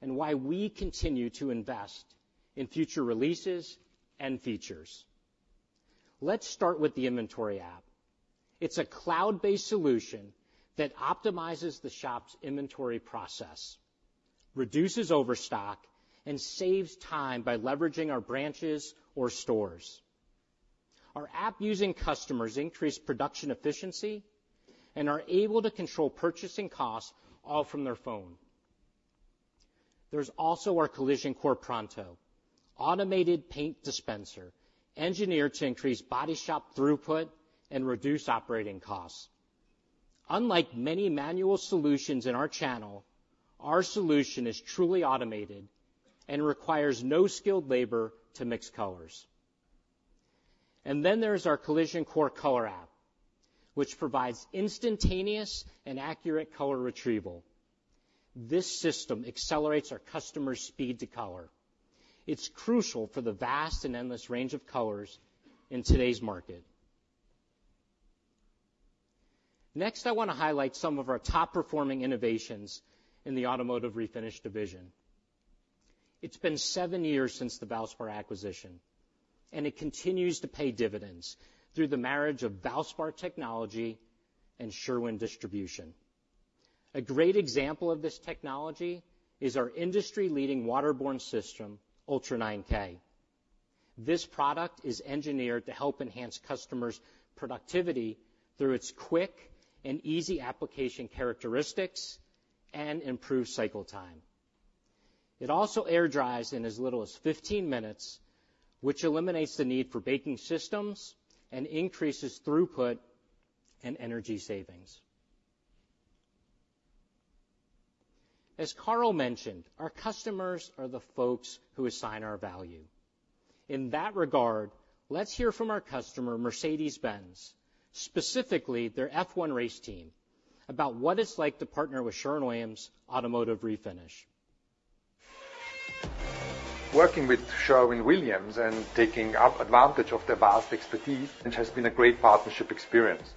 and why we continue to invest in future releases and features. Let's start with the inventory app. It's a cloud-based solution that optimizes the shop's inventory process, reduces overstock, and saves time by leveraging our branches or stores. Our app-using customers increase production efficiency and are able to control purchasing costs all from their phone. There's also our Collision Core Pronto automated paint dispenser, engineered to increase body shop throughput and reduce operating costs. Unlike many manual solutions in our channel, our solution is truly automated and requires no skilled labor to mix colors, and then there's our Collision Core Color app, which provides instantaneous and accurate color retrieval. This system accelerates our customers' speed to color. It's crucial for the vast and endless range of colors in today's market. Next, I wanna highlight some of our top-performing innovations in the Automotive Refinish division. It's been seven years since the Valspar acquisition, and it continues to pay dividends through the marriage of Valspar technology and Sherwin distribution. A great example of this technology is our industry-leading waterborne system, Ultra 9K. This product is engineered to help enhance customers' productivity through its quick and easy application characteristics and improved cycle time. It also air-dries in as little as 15 minutes, which eliminates the need for baking systems and increases throughput and energy savings. As Carl mentioned, our customers are the folks who assign our value. In that regard, let's hear from our customer, Mercedes-Benz, specifically their F1 race team, about what it's like to partner with Sherwin-Williams Automotive Refinish. Working with Sherwin-Williams and taking advantage of their vast expertise, it has been a great partnership experience.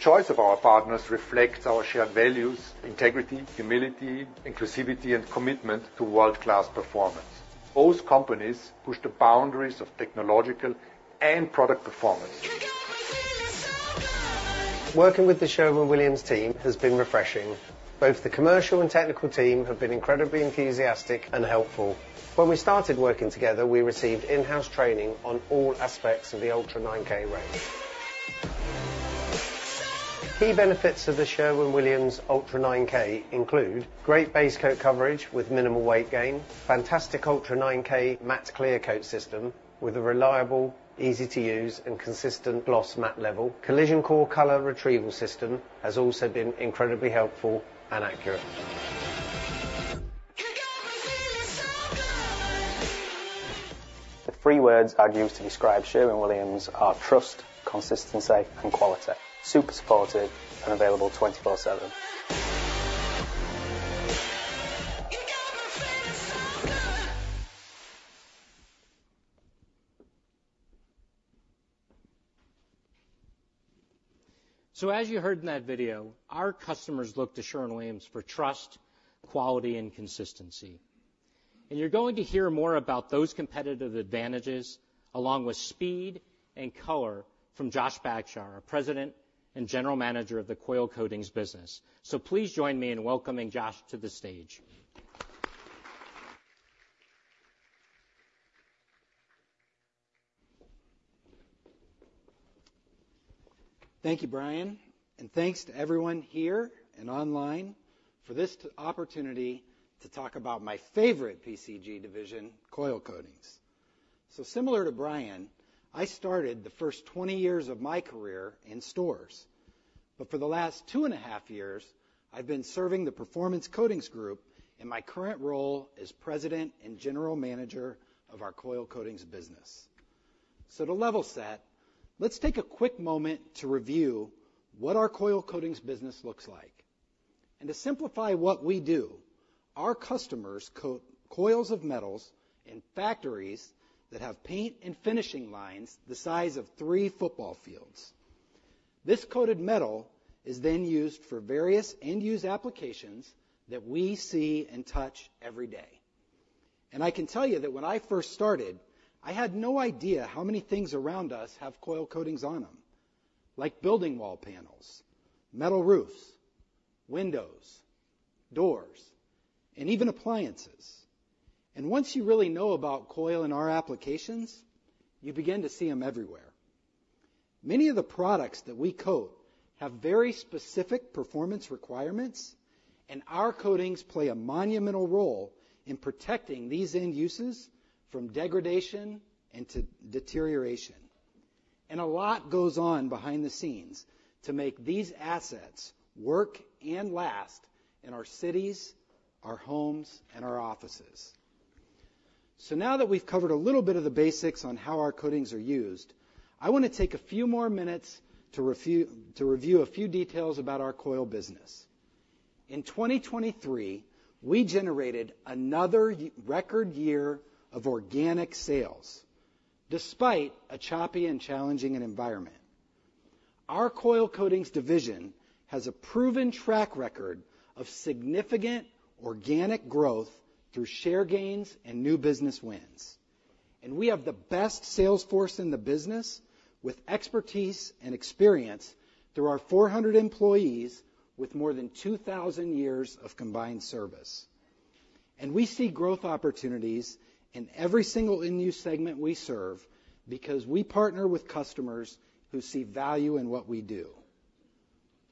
Choice of our partners reflects our shared values, integrity, humility, inclusivity, and commitment to world-class performance. Both companies push the boundaries of technological and product performance. You got me feeling so good! Working with the Sherwin-Williams team has been refreshing. Both the commercial and technical team have been incredibly enthusiastic and helpful. When we started working together, we received in-house training on all aspects of the Ultra 9K range. So good! Key benefits of the Sherwin-Williams Ultra 9K include great base coat coverage with minimal weight gain, fantastic Ultra 9K matte clear coat system with a reliable, easy-to-use, and consistent gloss matte level. Collision Core Color retrieval system has also been incredibly helpful and accurate. You got me feeling so good. The three words I'd use to describe Sherwin-Williams are trust, consistency, and quality. Super supportive and available 24/7. You got me feeling so good. So as you heard in that video, our customers look to Sherwin-Williams for trust, quality, and consistency. And you're going to hear more about those competitive advantages, along with speed and color, from Josh Bagshaw, our President and General Manager of the Coil Coatings business. So please join me in welcoming Josh to the stage. Thank you, Brian, and thanks to everyone here and online for this opportunity to talk about my favorite PCG division, Coil Coatings. So similar to Brian, I started the first 20 years of my career in stores, but for the last two and a half years, I've been serving the Performance Coatings Group in my current role as President and General Manager of our Coil Coatings business. So to level set, let's take a quick moment to review what our Coil Coatings business looks like. And to simplify what we do, our customers coat coils of metals in factories that have paint and finishing lines the size of three football fields. This coated metal is then used for various end-use applications that we see and touch every day. And I can tell you that when I first started, I had no idea how many things around us have coil coatings on them, like building wall panels, metal roofs, windows, doors, and even appliances. And once you really know about coil and our applications, you begin to see them everywhere. Many of the products that we coat have very specific performance requirements, and our coatings play a monumental role in protecting these end uses from degradation and to deterioration. And a lot goes on behind the scenes to make these assets work and last in our cities, our homes, and our offices. So now that we've covered a little bit of the basics on how our coatings are used, I want to take a few more minutes to review a few details aboutour coil business. In 2023, we generated another record year of organic sales, despite a choppy and challenging environment. Our Coil Coatings Division has a proven track record of significant organic growth through share gains and new business wins. We have the best sales force in the business, with expertise and experience through our 400 employees with more than 2000 years of combined service. We see growth opportunities in every single end-use segment we serve because we partner with customers who see value in what we do.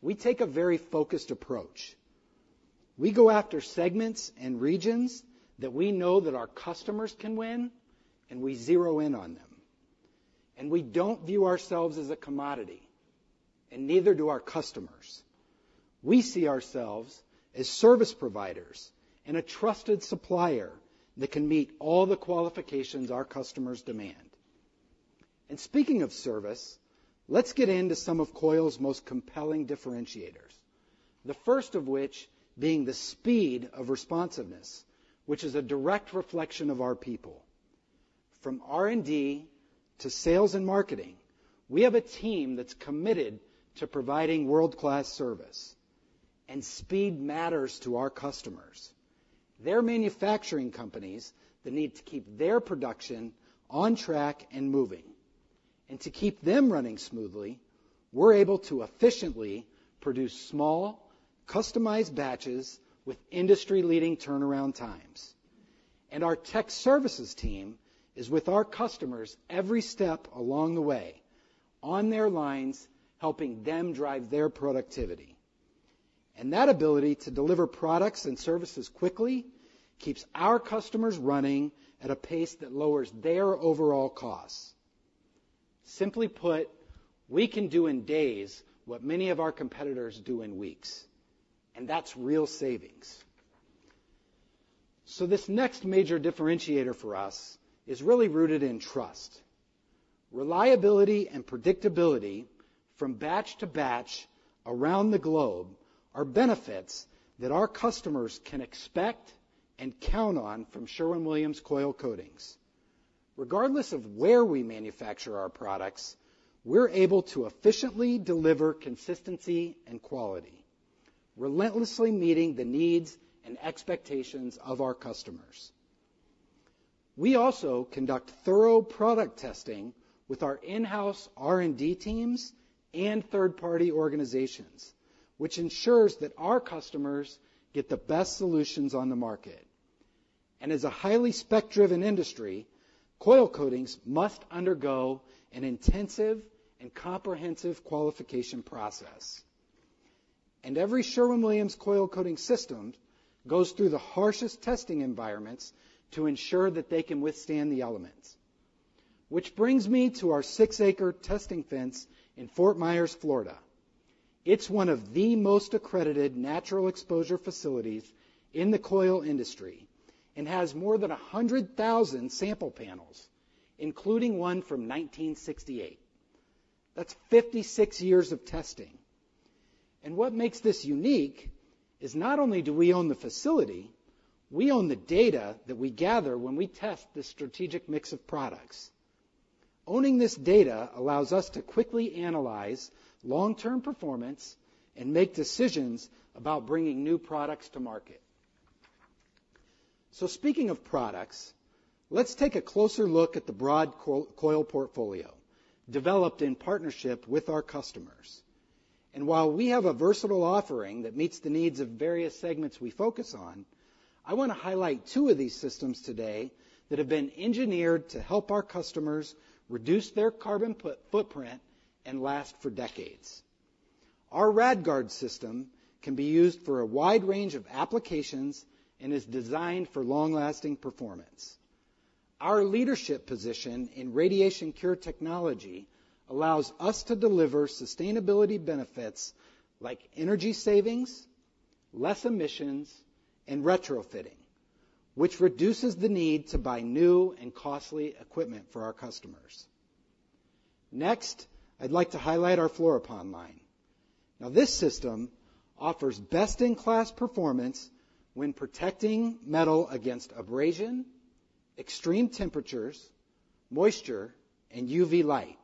We take a very focused approach. We go after segments and regions that we know that our customers can win, and we zero in on them. We don't view ourselves as a commodity, and neither do our customers. We see ourselves as service providers and a trusted supplier that can meet all the qualifications our customers demand. And speaking of service, let's get into some of Coil's most compelling differentiators, the first of which being the speed of responsiveness, which is a direct reflection of our people. From R&D to sales and marketing, we have a team that's committed to providing world-class service, and speed matters to our customers. They're manufacturing companies that need to keep their production on track and moving. And to keep them running smoothly, we're able to efficiently produce small, customized batches with industry-leading turnaround times. And our tech services team is with our customers every step along the way, on their lines, helping them drive their productivity. And that ability to deliver products and services quickly keeps our customers running at a pace that lowers their overall costs. Simply put, we can do in days what many of our competitors do in weeks, and that's real savings. This next major differentiator for us is really rooted in trust. Reliability and predictability from batch to batch around the globe are benefits that our customers can expect and count on from Sherwin-Williams Coil Coatings. Regardless of where we manufacture our products, we're able to efficiently deliver consistency and quality, relentlessly meeting the needs and expectations of our customers. We also conduct thorough product testing with our in-house R&D teams and third-party organizations, which ensures that our customers get the best solutions on the market. As a highly spec-driven industry, coil coatings must undergo an intensive and comprehensive qualification process. Every Sherwin-Williams Coil Coating system goes through the harshest testing environments to ensure that they can withstand the elements. Which brings me to our six-acre testing fence in Fort Myers, Florida.It's one of the most accredited natural exposure facilities in the coil industry and has more than 100,000 sample panels, including one from 1968. That's 56 years of testing, and what makes this unique is not only do we own the facility, we own the data that we gather when we test this strategic mix of products.... Owning this data allows us to quickly analyze long-term performance and make decisions about bringing new products to market, so speaking of products, let's take a closer look at the broad coil portfolio developed in partnership with our customers, and while we have a versatile offering that meets the needs of various segments we focus, I wanna highlight two of these systems today that have been engineered to help our customers reduce their carbon footprint, and last for decades. Our Rad-Cure system can be used for a wide range of applications and is designed for long-lasting performance. Our leadership position in radiation cure technology allows us to deliver sustainability benefits like energy savings, less emissions, and retrofitting, which reduces the need to buy new and costly equipment for our customers. Next, I'd like to highlight our Fluropon line. Now, this system offers best-in-class performance when protecting metal against abrasion, extreme temperatures, moisture, and UV light.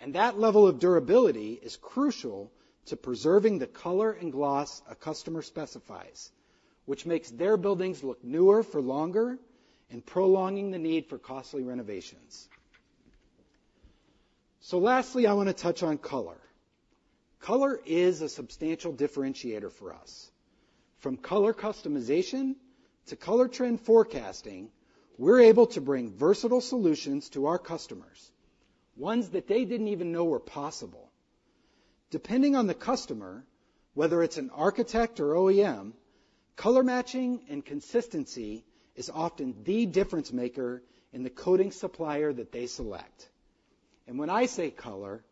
And that level of durability is crucial to preserving the color and gloss a customer specifies, which makes their buildings look newer for longer and prolonging the need for costly renovations. So lastly, I wanna touch on color. Color is a substantial differentiator for us. From color customization to color trend forecasting, we're able to bring versatile solutions to our customers, ones that they didn't even know were possible. Depending on the customer, whether it's an architect or OEM, color matching and consistency is often the difference-maker in the coating supplier that they select, and when I say color,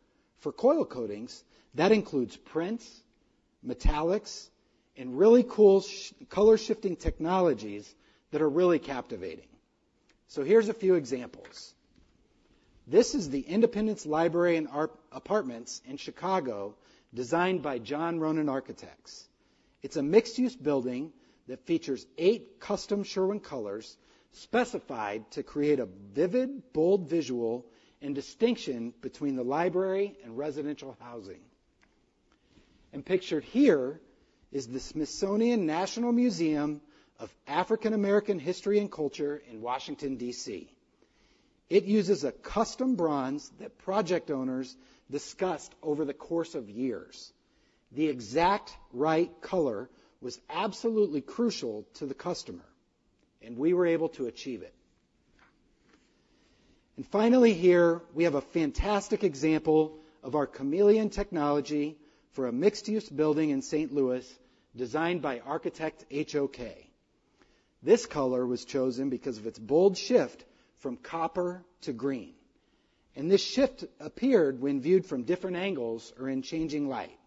for coil coatings, that includes prints, metallics, and really cool color-shifting technologies that are really captivating, so here's a few examples. This is the Independence Library and Art Apartments in Chicago, designed by John Ronan Architects. It's a mixed-use building that features eight custom Sherwin colors, specified to create a vivid, bold visual and distinction between the library and residential housing, and pictured here is the Smithsonian National Museum of African American History and Culture in Washington, D.C. It uses a custom bronze that project owners discussed over the course of years. The exact right color was absolutely crucial to the customer, and we were able to achieve it. Finally, here, we have a fantastic example of our Kameleon technology for a mixed-use building in St. Louis, designed by architect HOK. This color was chosen because of its bold shift from copper to green, and this shift appeared when viewed from different angles or in changing light.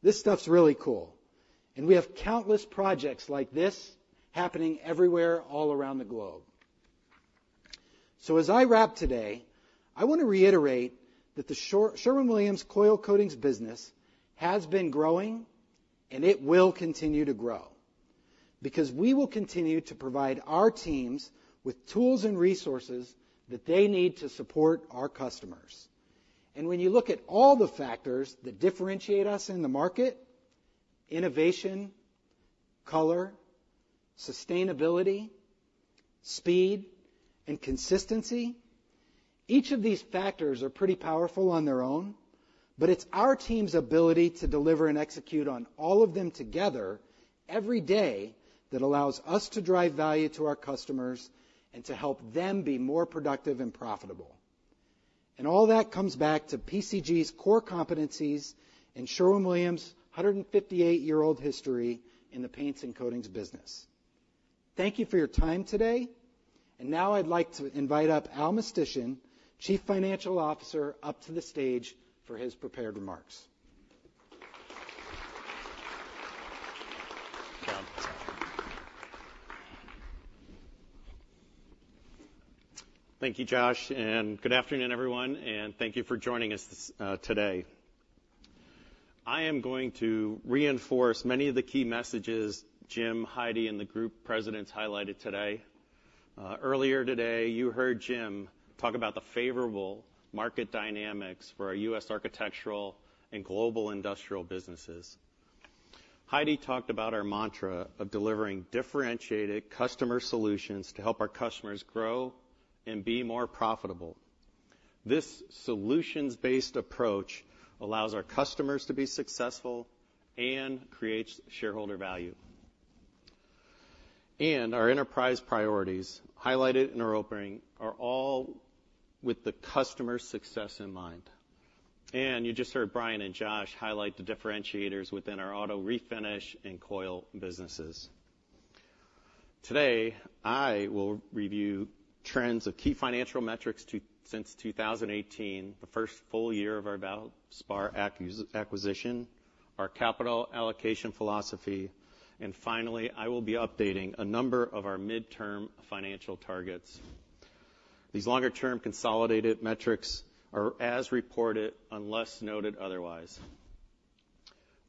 This stuff's really cool, and we have countless projects like this happening everywhere all around the globe. So as I wrap today, I wanna reiterate that the Sherwin-Williams Coil Coatings business has been growing, and it will continue to grow because we will continue to provide our teams with tools and resources that they need to support our customers. And when you look at all the factors that differentiate us in the market, innovation, color, sustainability, speed, and consistency, each of these factors are pretty powerful on their own, but it's our team's ability to deliver and execute on all of them together every day, that allows us to drive value to our customers and to help them be more productive and profitable. And all that comes back to PCG's core competencies and Sherwin-Williams' 158-year-old history in the paints and coatings business. Thank you for your time today. And now I'd like to invite up Al Mistysyn, Chief Financial Officer, up to the stage for his prepared remarks. Thank you, Josh, and good afternoon, everyone, and thank you for joining us, today. I am going to reinforce many of the key messages Jim, Heidi, and the group presidents highlighted today. Earlier today, you heard Jim talk about the favorable market dynamics for our US architectural and global industrial businesses. Heidi talked about our mantra of delivering differentiated customer solutions to help our customers grow and be more profitable. This solutions-based approach allows our customers to be successful and creates shareholder value, and our enterprise priorities, highlighted in our opening, are all with the customer's success in mind, and you just heard Brian and Josh highlight the differentiators within our auto refinish and coil businesses. Today, I will review trends of key financial metrics since 2018, the first full year of our Valspar acquisition, our capital allocation philosophy, and finally, I will be updating a number of our midterm financial targets. These longer-term consolidated metrics are as reported unless noted otherwise.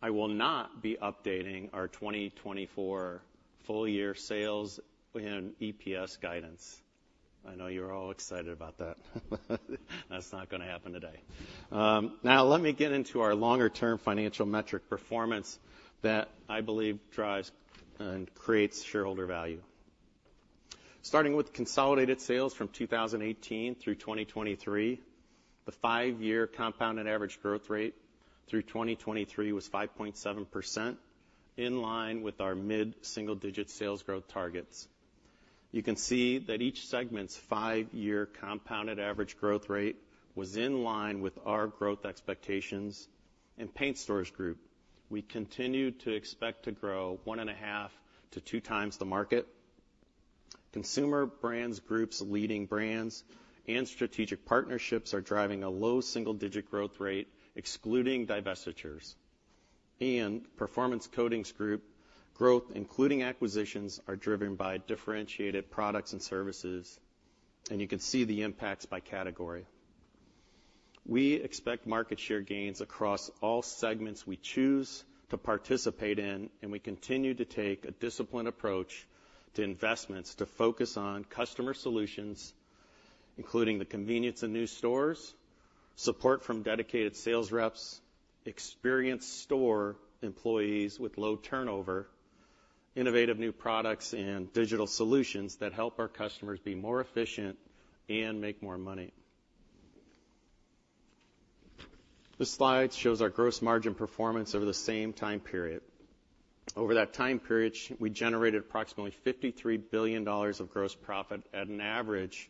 I will not be updating our 2024 full year sales and EPS guidance. I know you're all excited about that. That's not gonna happen today. Now let me get into our longer term financial metric performance that, I believe, drives and creates shareholder value. Starting with consolidated sales from 2018 through 2023, the five-year compounded average growth rate through 2023 was 5.7%, in line with our mid-single digit sales growth targets. You can see that each segment's five-year compounded average growth rate was in line with our growth expectations.In Paint Stores Group, we continue to expect to grow one and a half to two times the market. Consumer Brands Group's leading brands and strategic partnerships are driving a low single digit growth rate, excluding divestitures. And Performance Coatings Group growth, including acquisitions, are driven by differentiated products and services, and you can see the impacts by category. We expect market share gains across all segments we choose to participate in, and we continue to take a disciplined approach to investments to focus on customer solutions, including the convenience of new stores, support from dedicated sales reps, experienced store employees with low turnover, innovative new products, and digital solutions that help our customers be more efficient and make more money. This slide shows our gross margin performance over the same time period. Over that time period, we generated approximately $53 billion of gross profit at an average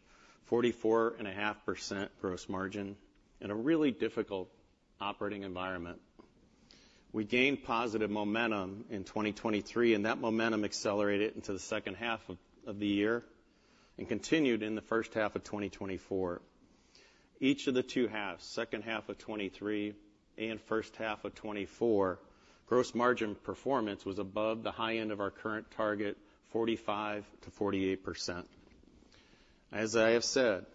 44.5% gross margin in a really difficult operating environment. We gained positive momentum in 2023, and that momentum accelerated into the second half of the year, and continued in the first half of 2024. Each of the two halves, second half of 2023 and first half of 2024, gross margin performance was above the high end of our current target, 45%-48%. As I have said,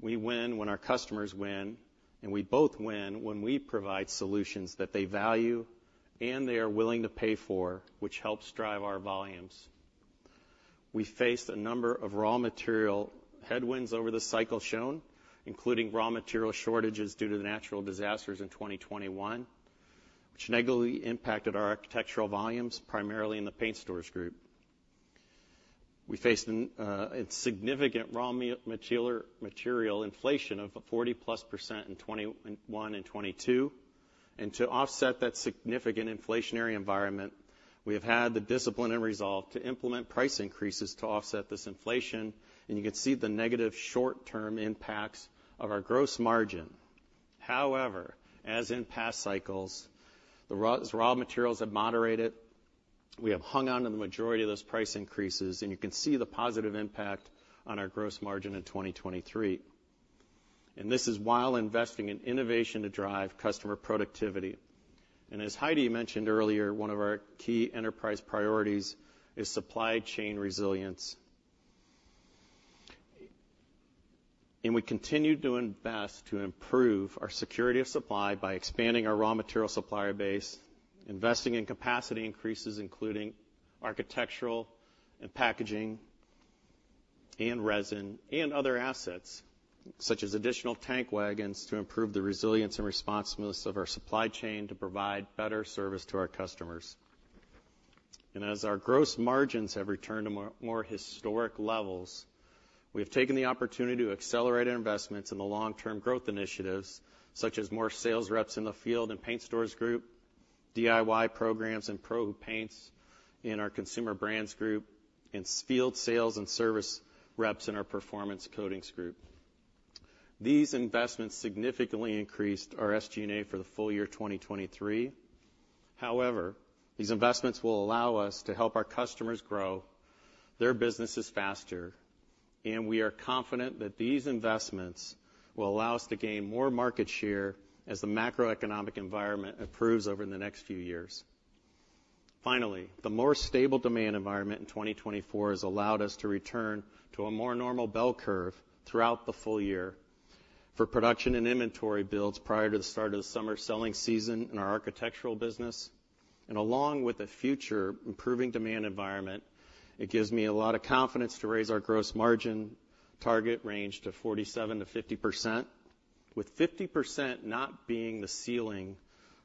we win when our customers win, and we both win when we provide solutions that they value and they are willing to pay for, which helps drive our volumes. We faced a number of raw material headwinds over the cycle shown, including raw material shortages due to the natural disasters in 2021, which negatively impacted our architectural volumes, primarily in the Paint Stores Group. We faced a significant raw material inflation of 40-plus% in 2021 and 2022, and to offset that significant inflationary environment, we have had the discipline and resolve to implement price increases to offset this inflation, and you can see the negative short-term impacts of our gross margin. However, as in past cycles, the raw materials have moderated. We have hung on to the majority of those price increases, and you can see the positive impact on our gross margin in 2023, and this is while investing in innovation to drive customer productivity. As Heidi mentioned earlier, one of our key enterprise priorities is supply chain resilience. We continue to invest to improve our security of supply by expanding our raw material supplier base, investing in capacity increases, including architectural and packaging and resin, and other assets, such as additional tank wagons, to improve the resilience and responsiveness of our supply chain to provide better service to our customers. As our gross margins have returned to more historic levels, we have taken the opportunity to accelerate our investments in the long-term growth initiatives, such as more sales reps in the field and Paint Stores Group, DIY programs, and pro paints in our Consumer Brands Group, and such field sales and service reps in our Performance Coatings Group. These investments significantly increased our SG&A for the full year 2023. However, these investments will allow us to help our customers grow their businesses faster, and we are confident that these investments will allow us to gain more market share as the macroeconomic environment improves over the next few years. Finally, the more stable demand environment in 2024 has allowed us to return to a more normal bell curve throughout the full year for production and inventory builds prior to the start of the summer selling season in our architectural business, and along with the future improving demand environment, it gives me a lot of confidence to raise our gross margin target range to 47%-50%, with 50% not being the ceiling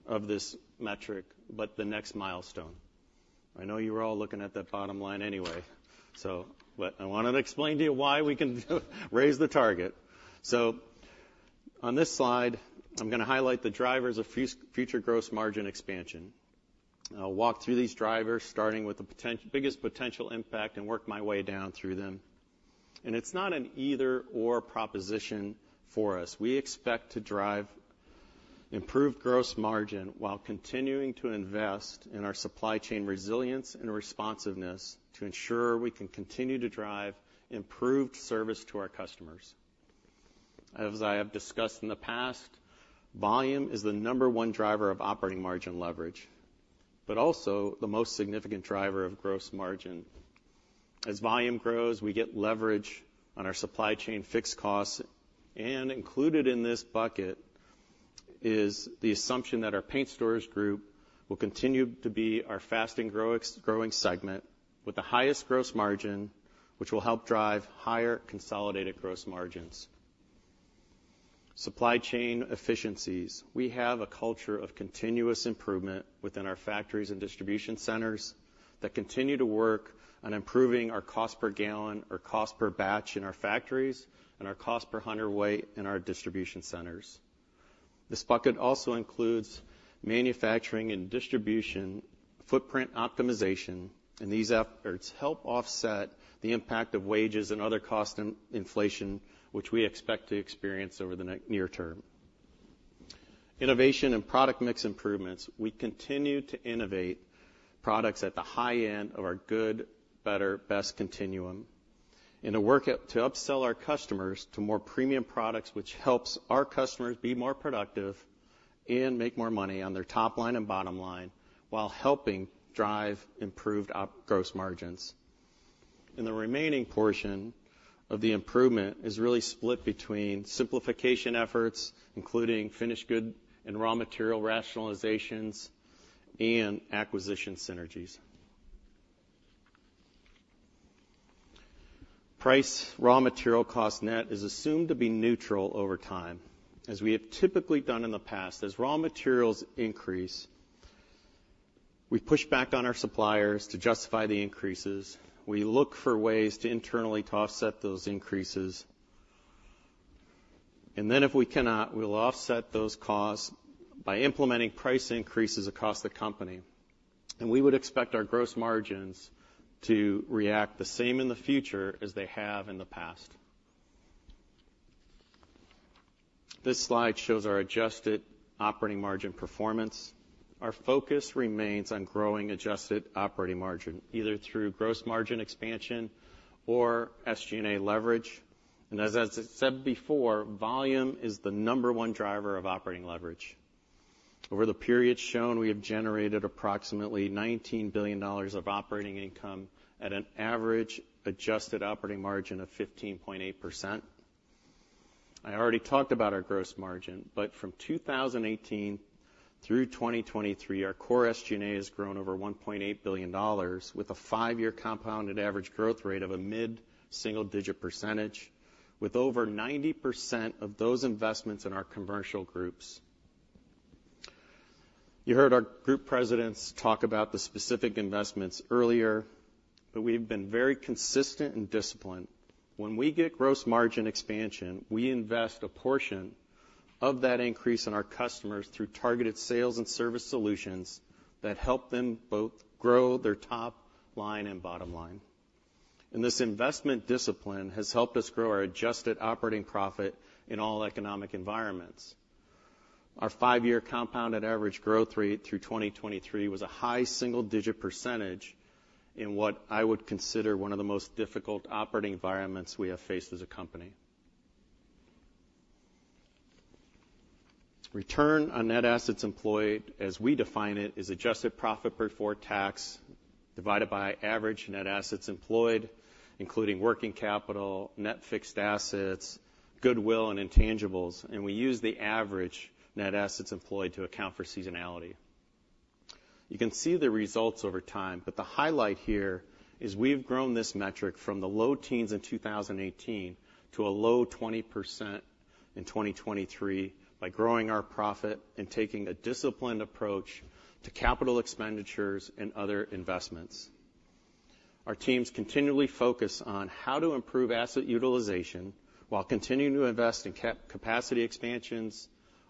of this metric, but the next milestone. I know you were all looking at that bottom line anyway, so, but I wanted to explain to you why we can raise the target. So on this slide, I'm gonna highlight the drivers of future gross margin expansion. I'll walk through these drivers, starting with the biggest potential impact, and work my way down through them. And it's not an either/or proposition for us. We expect to drive improved gross margin while continuing to invest in our supply chain resilience and responsiveness to ensure we can continue to drive improved service to our customers. As I have discussed in the past, volume is the number one driver of operating margin leverage, but also the most significant driver of gross margin. As volume grows, we get leverage on our supply chain fixed costs, and included in this bucket is the assumption that our Paint Stores Group will continue to be our fastest-growing segment, with the highest gross margin, which will help drive higher consolidated gross margins. Supply chain efficiencies. We have a culture of continuous improvement within our factories and distribution centers, that continue to work on improving our cost per gallon or cost per batch in our factories, and our cost per hundredweight in our distribution centers. This bucket also includes manufacturing and distribution footprint optimization, and these efforts help offset the impact of wages and other cost inflation, which we expect to experience over the next near term. Innovation and product mix improvements. We continue to innovate products at the high end of our good, better, best continuum, and to work to upsell our customers to more premium products, which helps our customers be more productive and make more money on their top line and bottom line, while helping drive improved gross margins. And the remaining portion of the improvement is really split between simplification efforts, including finished good and raw material rationalizations, and acquisition synergies. Price, raw material cost net is assumed to be neutral over time, as we have typically done in the past. As raw materials increase, we push back on our suppliers to justify the increases. We look for ways to internally offset those increases, and then if we cannot, we will offset those costs by implementing price increases across the company, and we would expect our gross margins to react the same in the future as they have in the past. This slide shows our adjusted operating margin performance. Our focus remains on growing adjusted operating margin, either through gross margin expansion or SG&A leverage. And as I said before, volume is the number one driver of operating leverage. Over the period shown, we have generated approximately $19 billion of operating income at an average adjusted operating margin of 15.8%. I already talked about our gross margin, but from 2018 through 2023, our core SG&A has grown over $1.8 billion, with a five-year compounded average growth rate of a mid-single digit percentage, with over 90% of those investments in our commercial groups. You heard our group presidents talk about the specific investments earlier, but we've been very consistent and disciplined. When we get gross margin expansion, we invest a portion of that increase in our customers through targeted sales and service solutions that help them both grow their top line and bottom line. And this investment discipline has helped us grow our adjusted operating profit in all economic environments. Our five-year compounded average growth rate through 2023 was a high single-digit %, in what I would consider one of the most difficult operating environments we have faced as a company. Return on Net Assets Employed, as we define it, is adjusted profit before tax, divided by average net assets employed, including working capital, net fixed assets, goodwill, and intangibles, and we use the average net assets employed to account for seasonality. You can see the results over time, but the highlight here is we've grown this metric from the low teens in 2018 to a low 20% in 2023, by growing our profit and taking a disciplined approach to capital expenditures and other investments. Our teams continually focus on how to improve asset utilization, while continuing to invest in capacity expansions,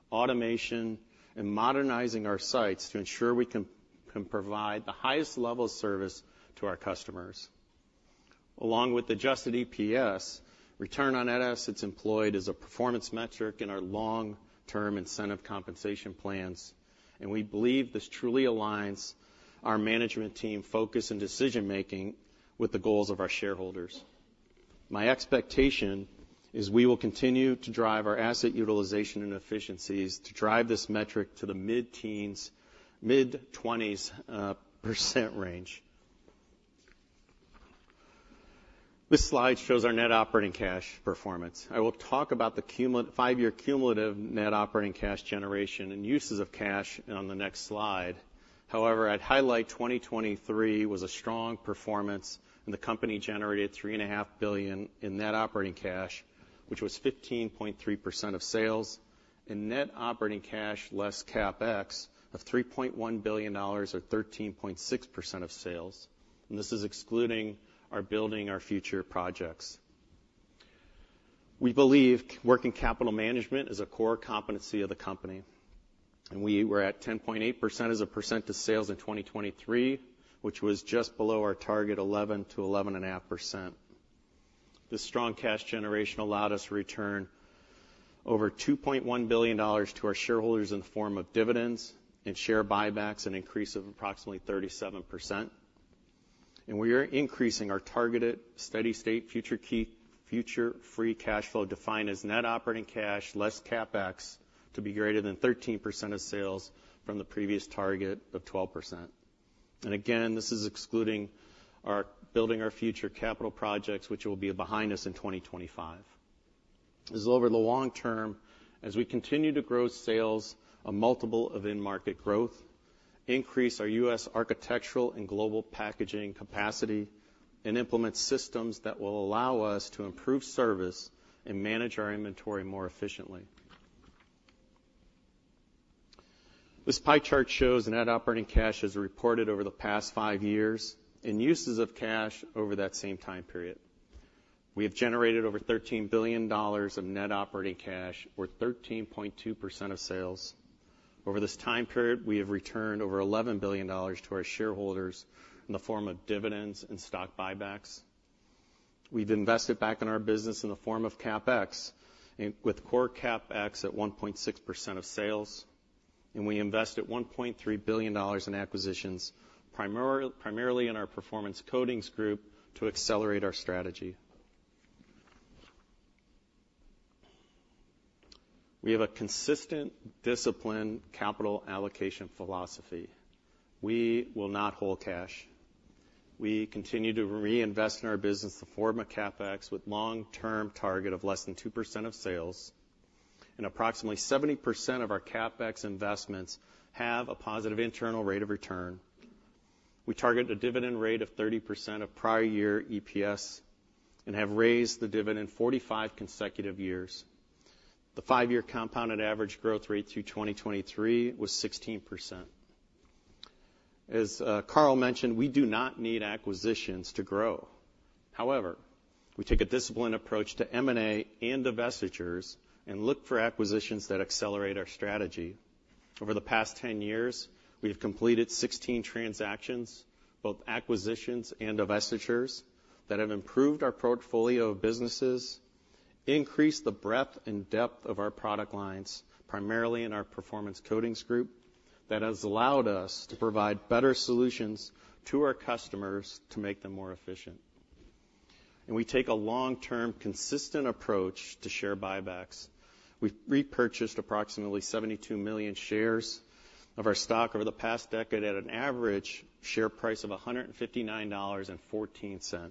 automation, and modernizing our sites to ensure we can provide the highest level of service to our customers. Along with adjusted EPS, return on net assets employed is a performance metric in our long-term incentive compensation plans, and we believe this truly aligns our management team focus and decision-making with the goals of our shareholders. My expectation is we will continue to drive our asset utilization and efficiencies to drive this metric to the mid-teens, mid-20% range. This slide shows our net operating cash performance. I will talk about the five-year cumulative net operating cash generation and uses of cash on the next slide. However, I'd highlight 2023 was a strong performance, and the company generated $3.5 billion in net operating cash, which was 15.3% of sales. In net operating cash less CapEx of $3.1 billion, or 13.6% of sales, and this is excluding our Building Our Future projects. We believe working capital management is a core competency of the company, and we were at 10.8% as a percent of sales in 2023, which was just below our target, 11%-11.5%. This strong cash generation allowed us to return over $2.1 billion to our shareholders in the form of dividends and share buybacks, an increase of approximately 37%. And we are increasing our targeted steady-state future key-...future free cash flow, defined as net operating cash less CapEx, to be greater than 13% of sales from the previous target of 12%. And again, this is excluding our building our future capital projects, which will be behind us in 2025. This is over the long term, as we continue to grow sales, a multiple of in-market growth, increase our US architectural and global packaging capacity, and implement systems that will allow us to improve service and manage our inventory more efficiently. This pie chart shows net operating cash as reported over the past 5 years, and uses of cash over that same time period. We have generated over $13 billion of net operating cash, or 13.2% of sales. Over this time period, we have returned over $11 billion to our shareholders in the form of dividends and stock buybacks. We've invested back in our business in the form of CapEx, and with core CapEx at 1.6% of sales, and we invested $1.3 billion in acquisitions, primarily in our Performance Coatings group, to accelerate our strategy. We have a consistent, disciplined capital allocation philosophy. We will not hold cash. We continue to reinvest in our business, the form of CapEx, with long-term target of less than 2% of sales, and approximately 70% of our CapEx investments have a positive internal rate of return. We target a dividend rate of 30% of prior year EPS, and have raised the dividend forty-five consecutive years. The five-year compounded average growth rate through 2023 was 16%. As Karl mentioned, we do not need acquisitions to grow. However, we take a disciplined approach to M&A and divestitures and look for acquisitions that accelerate our strategy. Over the past 10 years, we've completed 16 transactions, both acquisitions and divestitures, that have improved our portfolio of businesses, increased the breadth and depth of our product lines, primarily in our Performance Coatings Group, that has allowed us to provide better solutions to our customers to make them more efficient. We take a long-term, consistent approach to share buybacks. We've repurchased approximately 72 million shares of our stock over the past decade at an average share price of $159.14.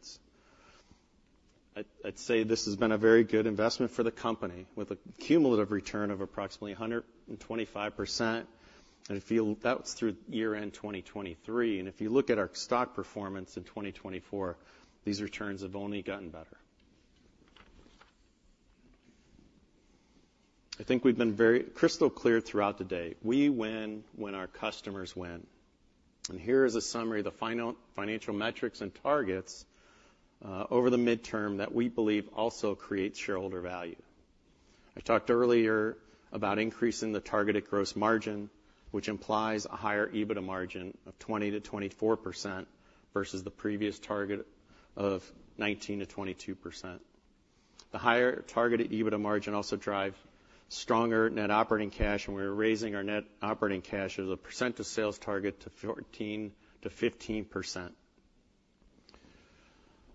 I'd say this has been a very good investment for the company, with a cumulative return of approximately 125%.That was through year-end 2023, and if you look at our stock performance in 2024, these returns have only gotten better. I think we've been very crystal clear throughout the day: we win when our customers win. Here is a summary of the financial metrics and targets over the midterm that we believe also creates shareholder value. I talked earlier about increasing the targeted gross margin, which implies a higher EBITDA margin of 20%-24% versus the previous target of 19%-22%. The higher targeted EBITDA margin also drive stronger net operating cash, and we're raising our net operating cash as a percent of sales target to 14%-15%.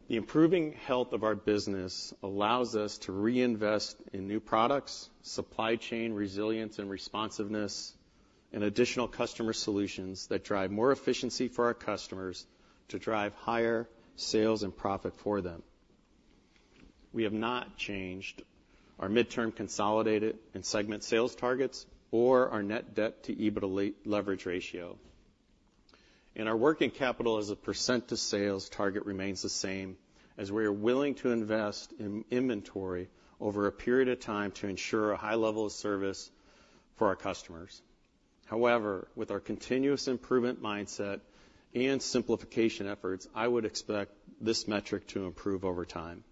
The improving health of our business allows us to reinvest in new products, supply chain resilience and responsiveness, and additional customer solutions that drive more efficiency for our customers to drive higher sales and profit for them. We have not changed our midterm consolidated and segment sales targets or our net debt to EBITDA leverage ratio. Our working capital as a % to sales target remains the same, as we are willing to invest in inventory over a period of time to ensure a high level of service for our customers. However, with our continuous improvement mindset and simplification efforts, I would expect this metric to improve over time.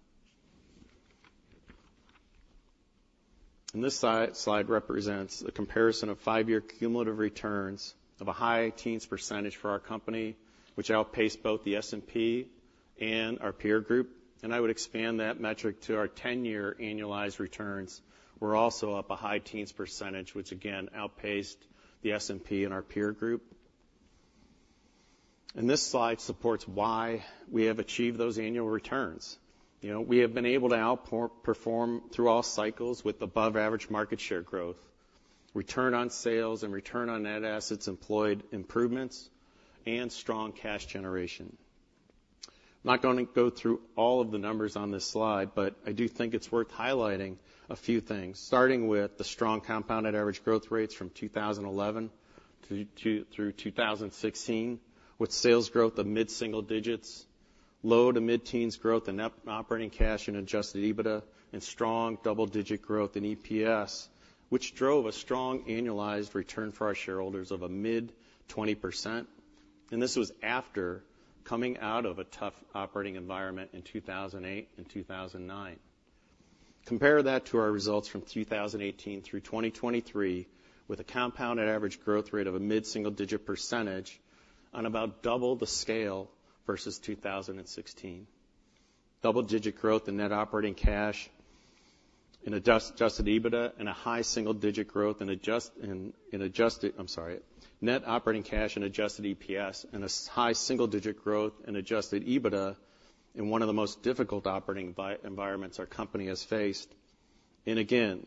This slide represents a comparison of five-year cumulative returns of a high teens percentage for our company, which outpaced both the S&P and our peer group, and I would expand that metric to our ten-year annualized returns. We're also up a high teens %, which again, outpaced the S&P and our peer group. And this slide supports why we have achieved those annual returns. You know, we have been able to outperform through all cycles with above average market share growth, return on sales and return on net assets employed improvements, and strong cash generation. I'm not gonna go through all of the numbers on this slide, but I do think it's worth highlighting a few things, starting with the strong compounded average growth rates from 2011 to through 2016, with sales growth of mid-single digits, low- to mid-teens growth in net operating cash and adjusted EBITDA, and strong double-digit growth in EPS, which drove a strong annualized return for our shareholders of a mid-20%. And this was after coming out of a tough operating environment in 2008 and 2009. Compare that to our results from 2018 through 2023, with a compounded average growth rate of a mid-single-digit % on about double the scale versus 2016. Double-digit growth in net operating cash in adjusted EBITDA and a high single-digit growth in adjusted, I'm sorry, net operating cash and adjusted EPS, and a high single-digit growth in adjusted EBITDA, in one of the most difficult operating environments our company has faced. And again,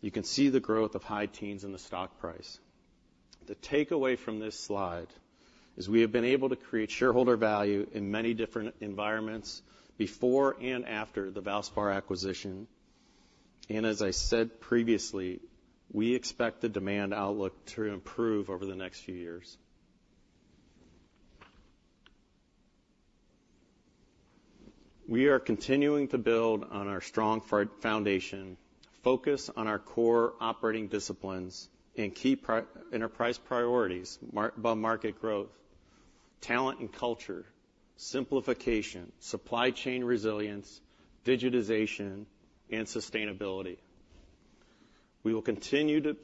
you can see the growth of high teens in the stock price. The takeaway from this slide is we have been able to create shareholder value in many different environments before and after the Valspar acquisition. And as I said previously, we expect the demand outlook to improve over the next few years. We are continuing to build on our strong foundation, focus on our core operating disciplines, and keep enterprise priorities, above market growth, talent and culture, simplification, supply chain resilience, digitization, and sustainability. We will continue to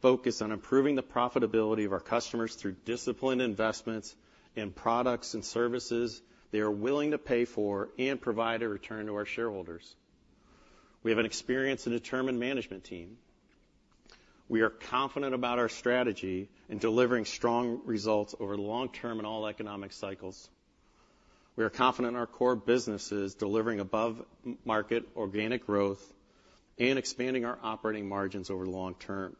focus on improving the profitability of our customers through disciplined investments in products and services they are willing to pay for and provide a return to our shareholders. We have an experienced and determined management team. We are confident about our strategy in delivering strong results over the long term in all economic cycles. We are confident in our core businesses, delivering above market organic growth and expanding our operating margins over the long term.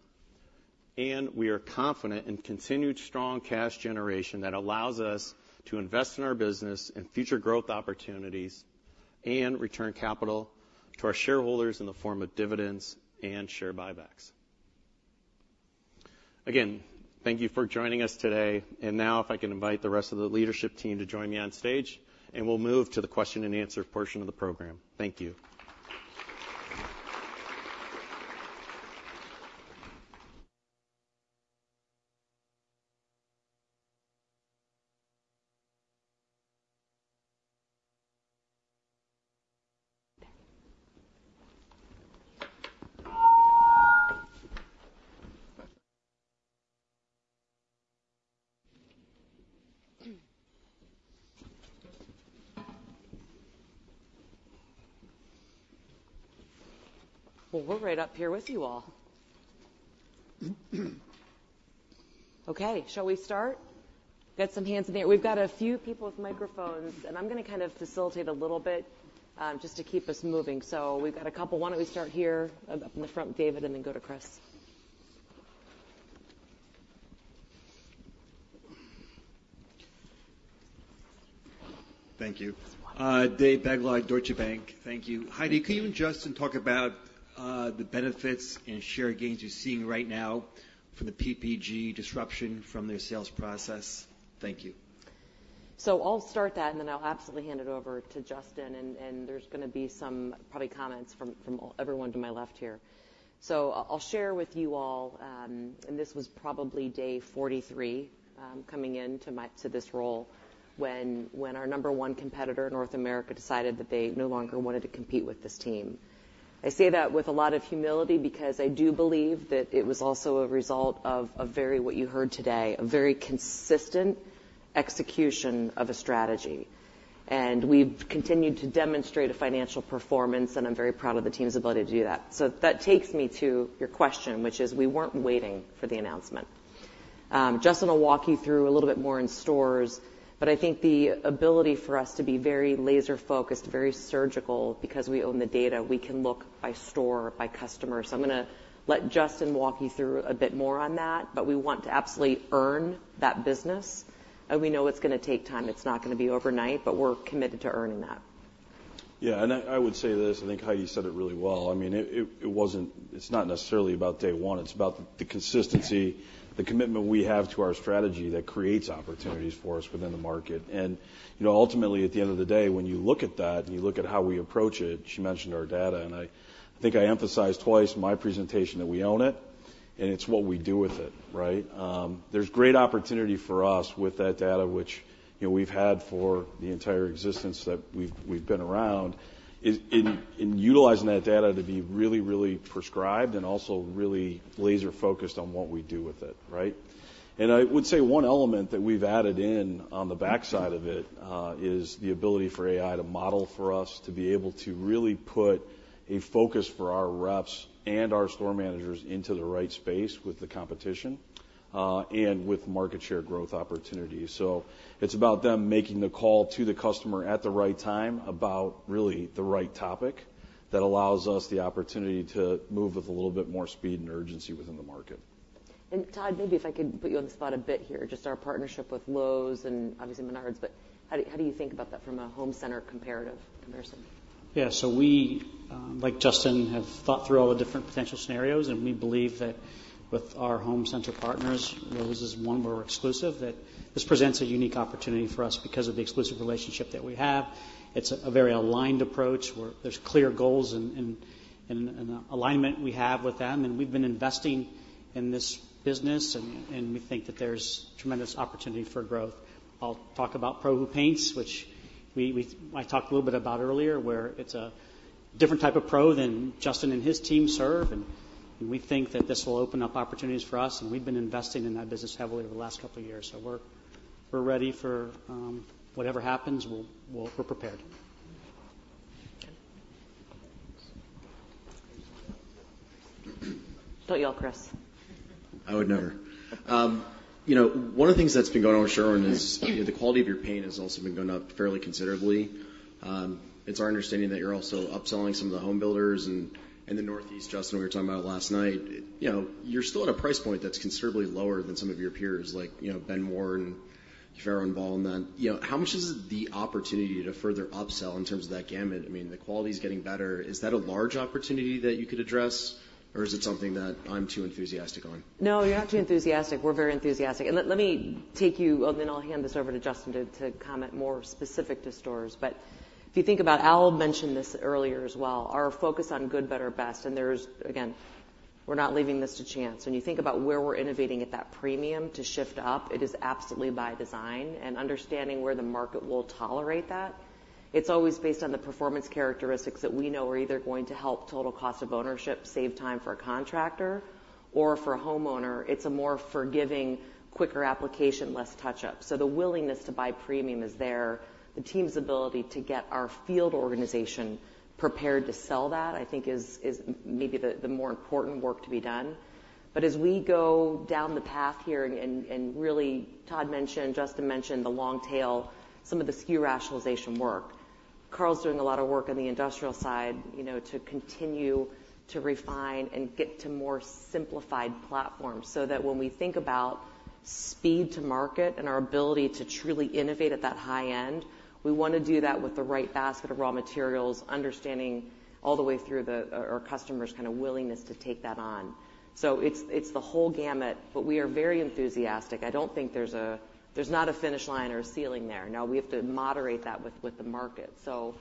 And we are confident in continued strong cash generation that allows us to invest in our business and future growth opportunities, and return capital to our shareholders in the form of dividends and share buybacks. Again, thank you for joining us today. And now, if I can invite the rest of the leadership team to join me on stage, and we'll move to the question and answer portion of the program. Thank you. We're right up here with you all. Okay, shall we start? Got some hands in the air. We've got a few people with microphones, and I'm gonna kind of facilitate a little bit, just to keep us moving. So we've got a couple. Why don't we start here, up in the front, David, and then go to Chris. Thank you. David Begleiter, Deutsche Bank. Thank you. Heidi, can you and Justin talk about the benefits and share gains you're seeing right now from the PPG disruption from their sales process? Thank you. So I'll start that, and then I'll absolutely hand it over to Justin, and there's gonna be some probably comments from everyone to my left here. So I'll share with you all, and this was probably day 43 coming into this role, when our number one competitor in North America decided that they no longer wanted to compete with this team. I say that with a lot of humility because I do believe that it was also a result of a very... what you heard today, a very consistent execution of a strategy. And we've continued to demonstrate a financial performance, and I'm very proud of the team's ability to do that. So that takes me to your question, which is, we weren't waiting for the announcement. Justin will walk you through a little bit more in stores, but I think the ability for us to be very laser-focused, very surgical, because we own the data, we can look by store, by customer. So I'm gonna let Justin walk you through a bit more on that, but we want to absolutely earn that business, and we know it's gonna take time. It's not gonna be overnight, but we're committed to earning that. Yeah, and I would say this. I think Heidi said it really well. I mean, it wasn't. It's not necessarily about day one. It's about the consistency, the commitment we have to our strategy that creates opportunities for us within the market. And, you know, ultimately, at the end of the day, when you look at that and you look at how we approach it, she mentioned our data, and I think I emphasized twice in my presentation that we own it, and it's what we do with it, right? There's great opportunity for us with that data, which, you know, we've had for the entire existence that we've been around, is in utilizing that data to be really prescribed and also really laser-focused on what we do with it, right? And I would say one element that we've added in on the backside of it, is the ability for AI to model for us, to be able to really put a focus for our reps and our store managers into the right space with the competition, and with market share growth opportunities. So it's about them making the call to the customer at the right time about really the right topic that allows us the opportunity to move with a little bit more speed and urgency within the market. Todd, maybe if I could put you on the spot a bit here, just our partnership with Lowe's and obviously Menards, but how do you think about that from a home center comparison? Yeah. So we, like Justin, have thought through all the different potential scenarios, and we believe that with our home center partners, Lowe's is one where we're exclusive, that this presents a unique opportunity for us because of the exclusive relationship that we have. It's a very aligned approach, where there's clear goals and alignment we have with them, and we've been investing in this business, and we think that there's tremendous opportunity for growth. I'll talk about ProMar paints, which I talked a little bit about earlier, where it's a different type of pro than Justin and his team serve, and we think that this will open up opportunities for us, and we've been investing in that business heavily over the last couple of years. So we're-... we're ready for whatever happens, we're prepared. Okay. Thank you, Chris. I would never. You know, one of the things that's been going on with Sherwin is the quality of your paint has also been going up fairly considerably. It's our understanding that you're also upselling some of the home builders. And in the Northeast, Justin, we were talking about it last night, you know, you're still at a price point that's considerably lower than some of your peers, like, you know, Benjamin Moore and Farrow & Ball, and then, you know, how much is the opportunity to further upsell in terms of that gamut? I mean, the quality is getting better. Is that a large opportunity that you could address, or is it something that I'm too enthusiastic on? No, you're not too enthusiastic. We're very enthusiastic. And let me take you, and then I'll hand this over to Justin to comment more specific to stores. But if you think about it, Al mentioned this earlier as well, our focus on good, better, best, and there's... Again, we're not leaving this to chance. When you think about where we're innovating at that premium to shift up, it is absolutely by design and understanding where the market will tolerate that. It's always based on the performance characteristics that we know are either going to help total cost of ownership, save time for a contractor, or for a homeowner, it's a more forgiving, quicker application, less touch-up. So the willingness to buy premium is there. The team's ability to get our field organization prepared to sell that, I think is maybe the more important work to be done. But as we go down the path here and really, Todd mentioned, Justin mentioned the long tail, some of the SKU rationalization work. Karl's doing a lot of work on the industrial side, you know, to continue to refine and get to more simplified platforms, so that when we think about speed to market and our ability to truly innovate at that high end, we wanna do that with the right basket of raw materials, understanding all the way through our customers' kind of willingness to take that on. So it's the whole gamut, but we are very enthusiastic. I don't think there's not a finish line or a ceiling there. Now, we have to moderate that with the market. So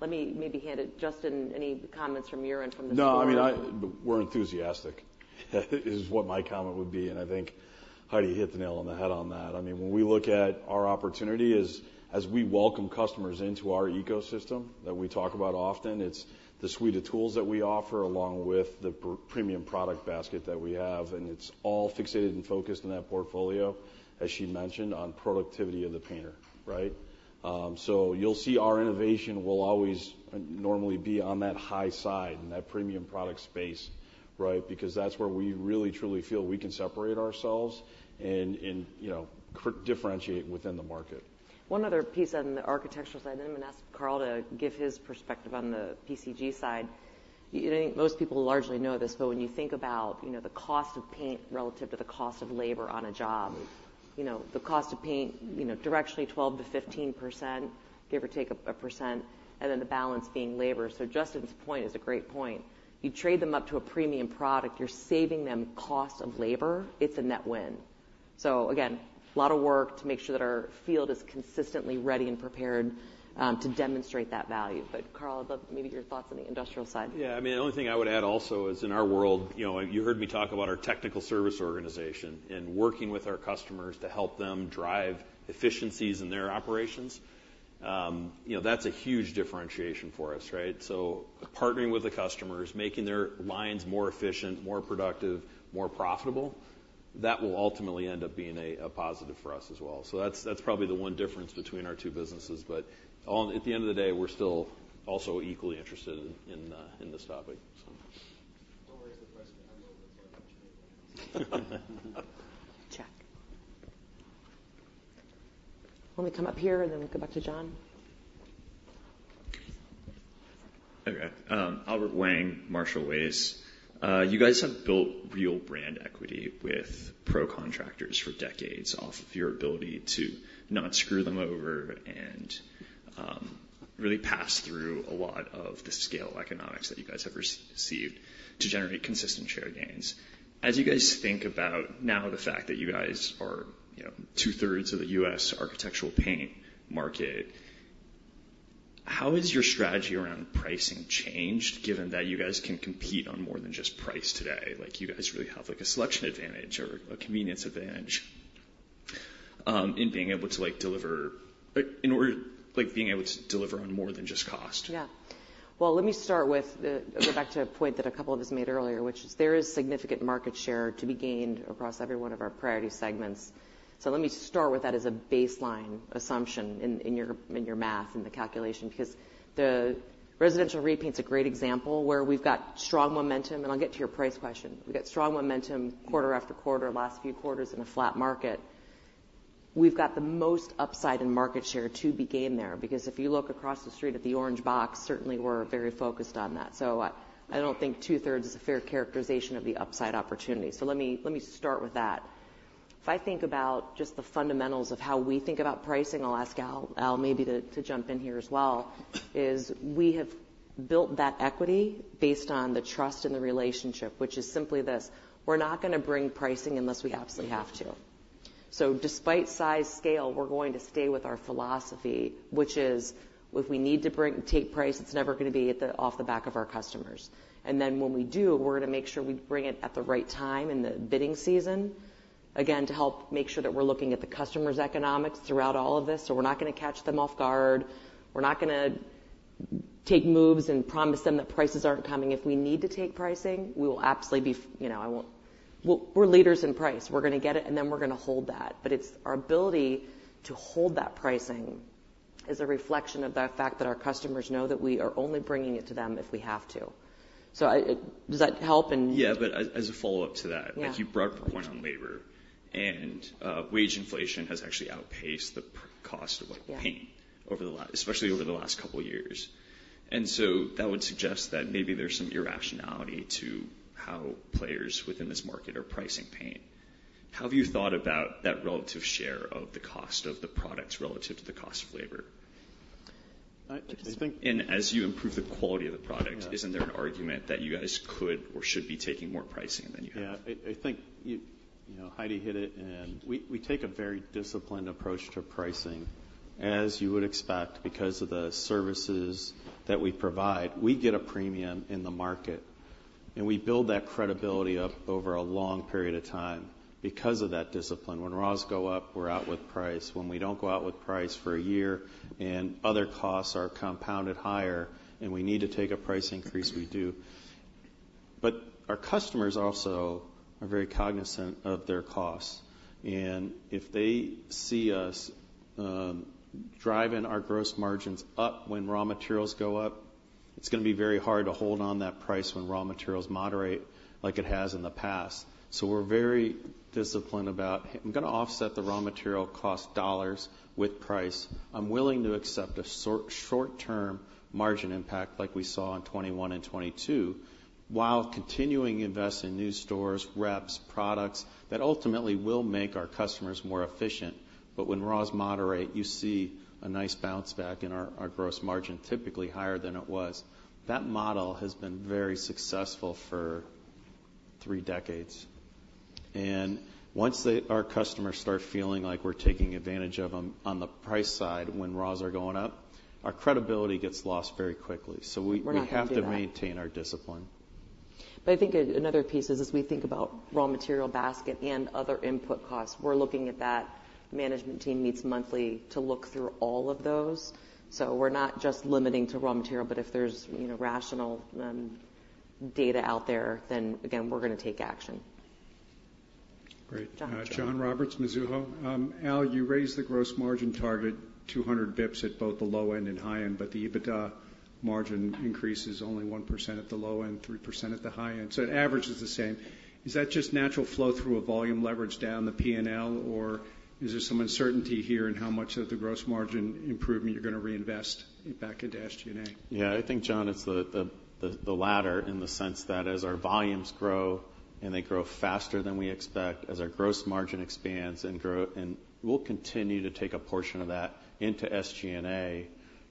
let me maybe hand it... Justin, any comments from your end, from the store? No, I mean, we're enthusiastic, is what my comment would be, and I think Heidi hit the nail on the head on that. I mean, when we look at our opportunity as we welcome customers into our ecosystem that we talk about often, it's the suite of tools that we offer, along with the premium product basket that we have, and it's all fixated and focused on that portfolio, as she mentioned, on productivity of the painter, right? So you'll see our innovation will always normally be on that high side, in that premium product space, right? Because that's where we really, truly feel we can separate ourselves and, you know, differentiate within the market. One other piece on the architectural side, then I'm gonna ask Karl to give his perspective on the PCG side. I think most people largely know this, but when you think about, you know, the cost of paint relative to the cost of labor on a job, you know, the cost of paint, you know, directionally 12%-15%, give or take a percent, and then the balance being labor. So Justin's point is a great point. You trade them up to a premium product, you're saving them cost of labor, it's a net win. So again, a lot of work to make sure that our field is consistently ready and prepared to demonstrate that value. But Karl, maybe your thoughts on the industrial side. Yeah, I mean, the only thing I would add also is in our world, you know, you heard me talk about our technical service organization and working with our customers to help them drive efficiencies in their operations. You know, that's a huge differentiation for us, right? So partnering with the customers, making their lines more efficient, more productive, more profitable, that will ultimately end up being a positive for us as well. So that's probably the one difference between our two businesses, but at the end of the day, we're still also equally interested in this topic, so. Don't raise the price. Check. Why don't we come up here, and then we'll go back to John? Okay, Albert Wang, Marshall Wace. You guys have built real brand equity with pro contractors for decades, off of your ability to not screw them over and, really pass through a lot of the scale economics that you guys have received to generate consistent share gains. As you guys think about now, the fact that you guys are, you know, two-thirds of the US architectural paint market, how has your strategy around pricing changed, given that you guys can compete on more than just price today? Like, you guys really have, like, a selection advantage or a convenience advantage, in being able to, like, deliver... in order, like, being able to deliver on more than just cost. Yeah. Well, let me go back to a point that a couple of us made earlier, which is there is significant market share to be gained across every one of our priority segments. So let me start with that as a baseline assumption in your math, in the calculation, because the residential repaint's a great example, where we've got strong momentum, and I'll get to your price question. We've got strong momentum quarter after quarter, last few quarters in a flat market. We've got the most upside in market share to be gained there, because if you look across the street at the orange box, certainly we're very focused on that. So I don't think two-thirds is a fair characterization of the upside opportunity. So let me start with that. If I think about just the fundamentals of how we think about pricing, I'll ask Al, maybe to jump in here as well, is we have built that equity based on the trust and the relationship, which is simply this: we're not gonna bring pricing unless we absolutely have to. So despite size, scale, we're going to stay with our philosophy, which is, if we need to take price, it's never gonna be at the, off the back of our customers. And then when we do, we're gonna make sure we bring it at the right time in the bidding season, again, to help make sure that we're looking at the customer's economics throughout all of this, so we're not gonna catch them off guard. We're not gonna make moves and promise them that prices aren't coming. If we need to take pricing, we will absolutely be, you know, I won't-- we're, we're leaders in price. We're gonna get it, and then we're gonna hold that. But it's our ability to hold that pricing is a reflection of the fact that our customers know that we are only bringing it to them if we have to. So I-- does that help? And- Yeah, but as a follow-up to that- Yeah. Like, you brought up a point on labor, and wage inflation has actually outpaced the cost of like paint- Yeah Over the last, especially over the last couple of years, and so that would suggest that maybe there's some irrationality to how players within this market are pricing paint. How have you thought about that relative share of the cost of the products relative to the cost of labor? I think. As you improve the quality of the product- Yeah Isn't there an argument that you guys could or should be taking more pricing than you have? Yeah, I think you know, Heidi hit it, and we take a very disciplined approach to pricing. As you would expect, because of the services that we provide, we get a premium in the market, and we build that credibility up over a long period of time because of that discipline. When raws go up, we're out with price. When we don't go out with price for a year and other costs are compounded higher, and we need to take a price increase, we do. But our customers also are very cognizant of their costs, and if they see us driving our gross margins up when raw materials go up, it's gonna be very hard to hold on that price when raw materials moderate, like it has in the past. So we're very disciplined about, "I'm gonna offset the raw material cost dollars with price. I'm willing to accept a short-term margin impact like we saw in 2021 and 2022, while continuing to invest in new stores, reps, products that ultimately will make our customers more efficient, but when raws moderate, you see a nice bounce back in our gross margin, typically higher than it was. That model has been very successful for three decades, and once our customers start feeling like we're taking advantage of them on the price side when raws are going up, our credibility gets lost very quickly. So we- We're not gonna do that.... we have to maintain our discipline. But I think another piece is, as we think about raw material basket and other input costs, we're looking at that. Management team meets monthly to look through all of those, so we're not just limiting to raw material, but if there's, you know, rational, data out there, then, again, we're gonna take action. Great. John. John Roberts, Mizuho. Al, you raised the gross margin target 200 basis points at both the low end and high end, but the EBITDA margin increase is only 1% at the low end, 3% at the high end, so it averages the same. Is that just natural flow through a volume leverage down the P&L, or is there some uncertainty here in how much of the gross margin improvement you're gonna reinvest back into SG&A? Yeah, I think, John, it's the latter, in the sense that as our volumes grow and they grow faster than we expect, as our gross margin expands and grow, and we'll continue to take a portion of that into SG&A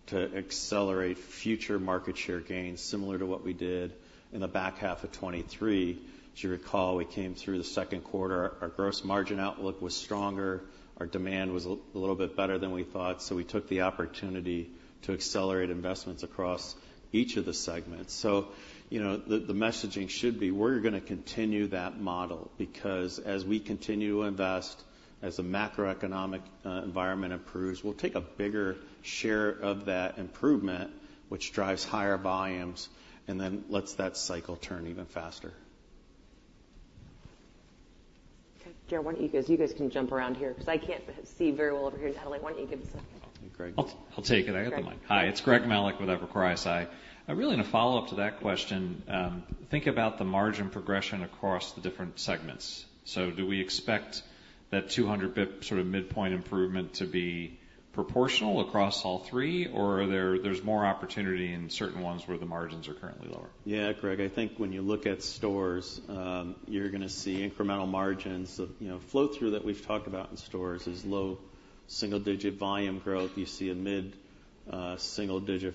to accelerate future market share gains, similar to what we did in the back half of 2023. As you recall, we came through the second quarter, our gross margin outlook was stronger, our demand was a little bit better than we thought, so we took the opportunity to accelerate investments across each of the segments. So, you know, the messaging should be: We're gonna continue that model because as we continue to invest, as the macroeconomic environment improves, we'll take a bigger share of that improvement, which drives higher volumes and then lets that cycle turn even faster. Okay, Jared, why don't you guys, you guys can jump around here because I can't see very well over here in L.A. Why don't you give us- Greg.I'll take it. I got the mic. Great. Hi, it's Greg Melich with Evercore ISI. I really, in a follow-up to that question, think about the margin progression across the different segments. So do we expect that 200 basis points sort of midpoint improvement to be proportional across all three, or there's more opportunity in certain ones where the margins are currently lower? Yeah, Greg, I think when you look at stores, you're gonna see incremental margins of, you know, flow-through that we've talked about in stores is low single digit volume growth. You see a mid single digit,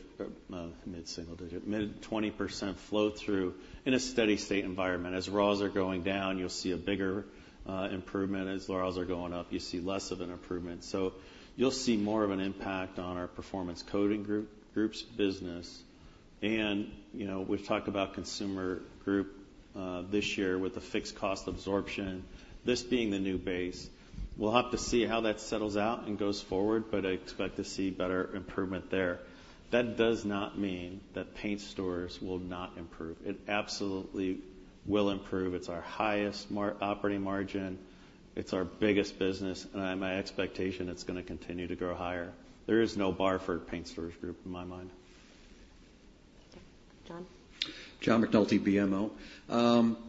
mid 20% flow-through in a steady state environment. As raws are going down, you'll see a bigger improvement. As raws are going up, you see less of an improvement. So you'll see more of an impact on our Performance Coatings Group business. And, you know, we've talked about Consumer Brands Group this year with the fixed cost absorption. This being the new base, we'll have to see how that settles out and goes forward, but I expect to see better improvement there. That does not mean that Paint Stores will not improve. It absolutely will improve.It's our highest margin, it's our biggest business, and my expectation, it's gonna continue to grow higher. There is no bar for Paint Stores Group, in my mind. Okay. John? John McNulty, BMO.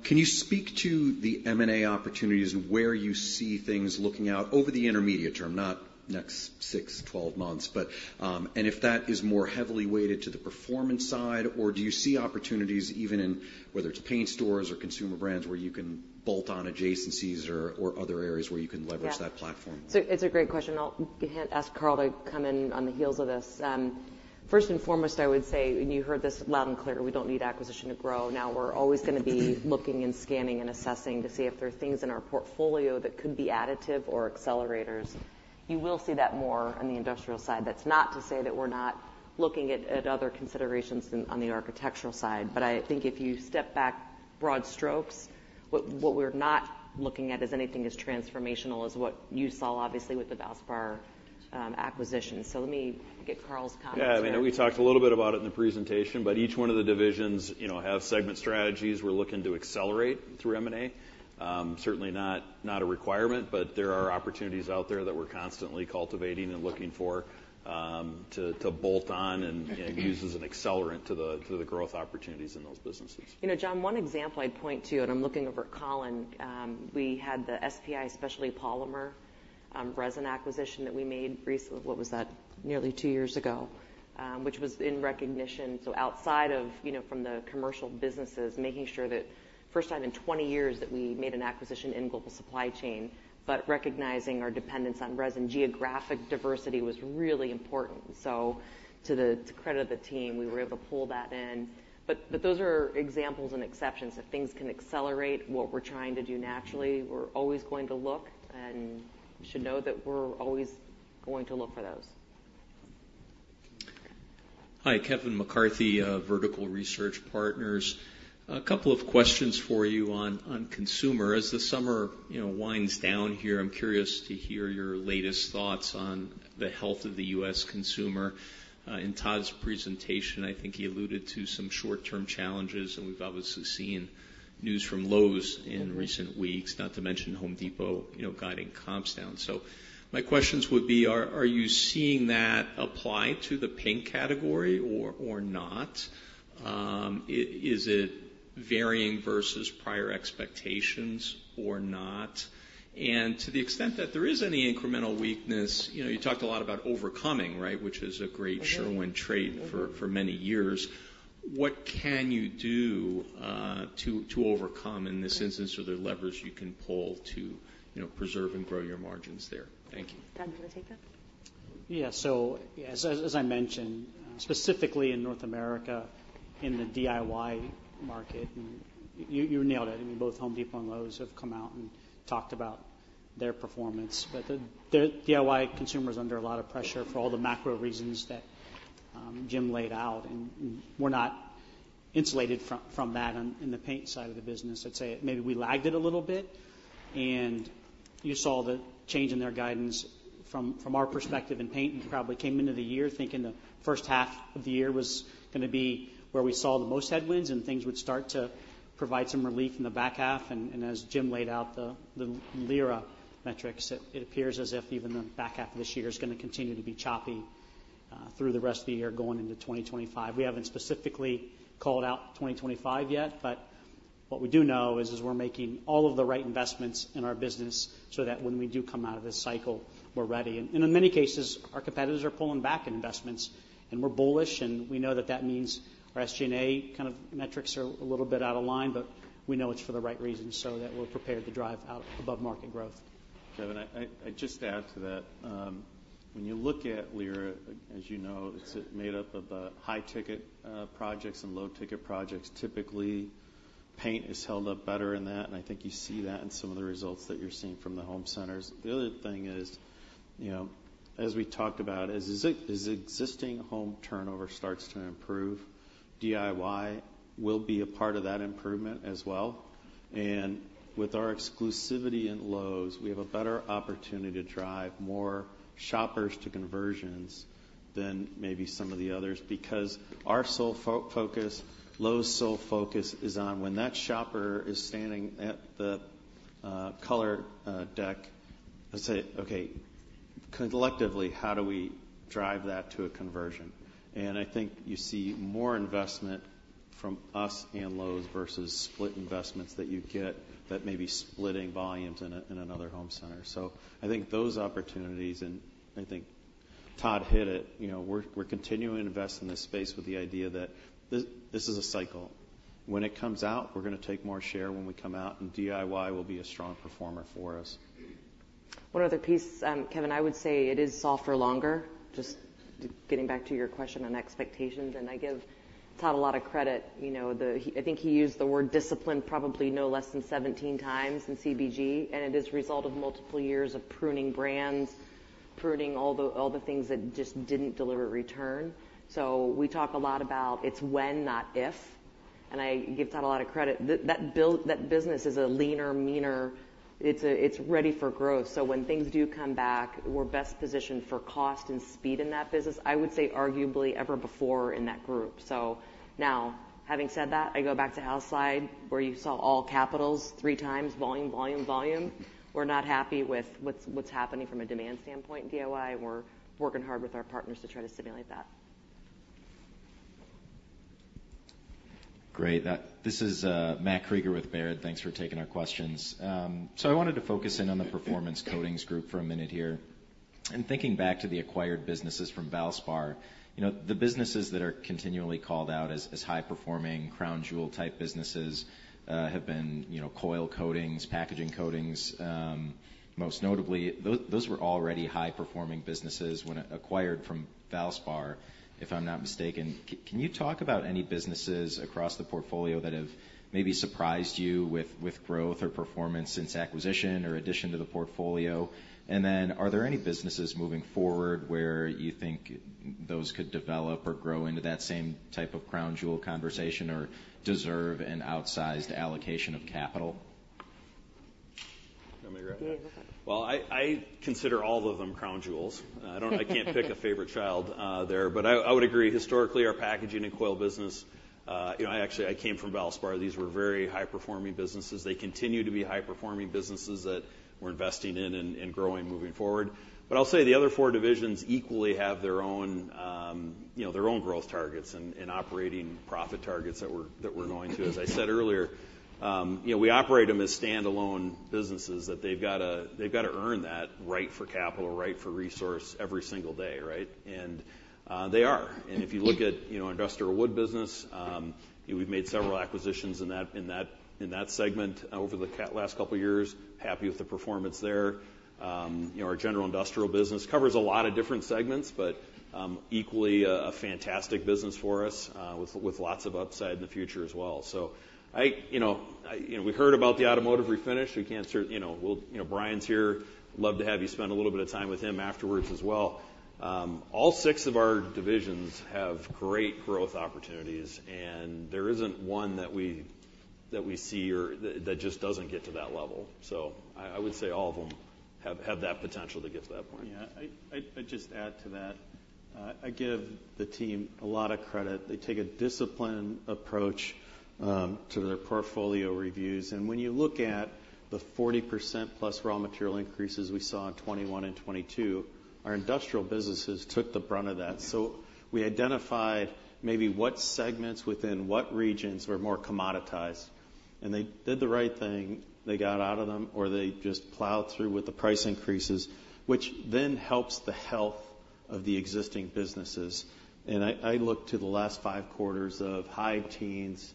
Can you speak to the M&A opportunities and where you see things looking out over the intermediate term, not next six, 12 months, but and if that is more heavily weighted to the performance side, or do you see opportunities even in, whether it's paint stores or consumer brands, where you can bolt on adjacencies or other areas where you can leverage- Yeah - that platform? It's a great question, and I'll ask Karl to come in on the heels of this. First and foremost, I would say, and you heard this loud and clear, we don't need acquisition to grow. Now, we're always gonna be looking and scanning and assessing to see if there are things in our portfolio that could be additive or accelerators. You will see that more on the industrial side. That's not to say that we're not looking at other considerations on the architectural side, but I think if you step back, broad strokes, what we're not looking at is anything as transformational as what you saw, obviously, with the Valspar acquisition. Let me get Karl's comments there. Yeah, I mean, we talked a little bit about it in the presentation, but each one of the divisions, you know, have segment strategies we're looking to accelerate through M&A. Certainly not a requirement, but there are opportunities out there that we're constantly cultivating and looking for, to bolt on and use as an accelerant to the growth opportunities in those businesses. You know, John, one example I'd point to, and I'm looking over at Colin, we had the SPI, Specialty Polymers, resin acquisition that we made recent-- what was that? Nearly two years ago, which was in recognition. So outside of, you know, from the commercial businesses, making sure that first time in 20 years that we made an acquisition in global supply chain, but recognizing our dependence on resin, geographic diversity was really important. So to the-- to credit the team, we were able to pull that in. But those are examples and exceptions, if things can accelerate what we're trying to do naturally, we're always going to look and you should know that we're always going to look for those. Hi, Kevin McCarthy, Vertical Research Partners. A couple of questions for you on, on consumer. As the summer, you know, winds down here, I'm curious to hear your latest thoughts on the health of the US consumer. In Todd's presentation, I think he alluded to some short-term challenges, and we've obviously seen news from Lowe's in recent weeks, not to mention Home Depot, you know, guiding comps down. So my questions would be, are, are you seeing that apply to the paint category or, or not? Is it varying versus prior expectations or not? And to the extent that there is any incremental weakness, you know, you talked a lot about overcoming, right? Which is a great Sherwin trait- Mm-hmm... for many years. What can you do to overcome in this instance? Are there levers you can pull to, you know, preserve and grow your margins there? Thank you. Todd, do you want to take that? Yeah. So as I mentioned, specifically in North America, in the DIY market, you nailed it. I mean, both Home Depot and Lowe's have come out and talked about their performance. But the DIY consumer is under a lot of pressure for all the macro reasons that Jim laid out, and we're not insulated from that in the paint side of the business. I'd say maybe we lagged it a little bit, and you saw the change in their guidance from our perspective in paint, and probably came into the year thinking the first half of the year was going to be where we saw the most headwinds, and things would start to provide some relief in the back half. As Jim laid out, the LIRA metrics, it appears as if even the back half of this year is going to continue to be choppy through the rest of the year, going into 2025. We haven't specifically called out 2025 yet, but what we do know is we're making all of the right investments in our business so that when we do come out of this cycle, we're ready. And in many cases, our competitors are pulling back investments, and we're bullish, and we know that that means our SG&A kind of metrics are a little bit out of line, but we know it's for the right reasons, so that we're prepared to drive out above market growth. Kevin, I'd just add to that. When you look at LIRA, as you know, it's made up of high-ticket projects and low-ticket projects. Typically, paint is held up better in that, and I think you see that in some of the results that you're seeing from the home centers. The other thing is, you know, as we talked about, as existing home turnover starts to improve, DIY will be a part of that improvement as well. And with our exclusivity in Lowe's, we have a better opportunity to drive more shoppers to conversions than maybe some of the others, because our sole focus, Lowe's sole focus, is on when that shopper is standing at the color deck, let's say, okay, collectively, how do we drive that to a conversion? I think you see more investment from us and Lowe's versus split investments that you get that may be splitting volumes in another home center. So I think those opportunities, and I think Todd hit it, you know. We're continuing to invest in this space with the idea that this is a cycle. When it comes out, we're going to take more share when we come out, and DIY will be a strong performer for us. One other piece, Kevin, I would say it is softer longer. Just getting back to your question on expectations, and I give Todd a lot of credit. You know, he, I think he used the word discipline probably no less than 17x in CBG, and it is a result of multiple years of pruning brands, pruning all the, all the things that just didn't deliver return. So we talk a lot about it's when, not if, and I give Todd a lot of credit. That, that business is a leaner, meaner... It's, it's ready for growth. So when things do come back, we're best positioned for cost and speed in that business, I would say arguably ever before in that group. So now, having said that, I go back to Al's side, where you saw all capitals three times, volume, volume, volume. We're not happy with what's happening from a demand standpoint in DIY. We're working hard with our partners to try to stimulate that. Great. This is Matt Krieger with Baird. Thanks for taking our questions. So I wanted to focus in on the Performance Coatings Group for a minute here. In thinking back to the acquired businesses from Valspar, you know, the businesses that are continually called out as high-performing, crown jewel-type businesses, have been, you know, coil coatings, packaging coatings, most notably. Those were already high-performing businesses when acquired from Valspar, if I'm not mistaken. Can you talk about any businesses across the portfolio that have maybe surprised you with growth or performance since acquisition or addition to the portfolio? And then are there any businesses moving forward where you think those could develop or grow into that same type of crown jewel conversation or deserve an outsized allocation of capital?... Well, I consider all of them crown jewels. I don't, I can't pick a favorite child, there, but I would agree, historically, our packaging and coil business, you know, I actually, I came from Valspar. These were very high-performing businesses. They continue to be high-performing businesses that we're investing in and growing moving forward. But I'll say the other four divisions equally have their own, you know, their own growth targets and operating profit targets that we're going to. As I said earlier, you know, we operate them as standalone businesses, that they've gotta earn that right for capital, right for resource every single day, right? And they are. And if you look at, you know, Industrial Wood business, we've made several acquisitions in that segment over the last couple of years. Happy with the performance there. You know, our general industrial business covers a lot of different segments, but equally, a fantastic business for us, with lots of upside in the future as well. So you know, we heard about the automotive refinish. You know, Brian's here, love to have you spend a little bit of time with him afterwards as well. All six of our divisions have great growth opportunities, and there isn't one that we see or that just doesn't get to that level. So I would say all of them have that potential to get to that point. Yeah. I'd, I'd just add to that. I give the team a lot of credit. They take a disciplined approach to their portfolio reviews, and when you look at the 40% plus raw material increases we saw in 2021 and 2022, our industrial businesses took the brunt of that. So we identified maybe what segments within what regions were more commoditized, and they did the right thing. They got out of them, or they just plowed through with the price increases, which then helps the health of the existing businesses. And I look to the last five quarters of high teens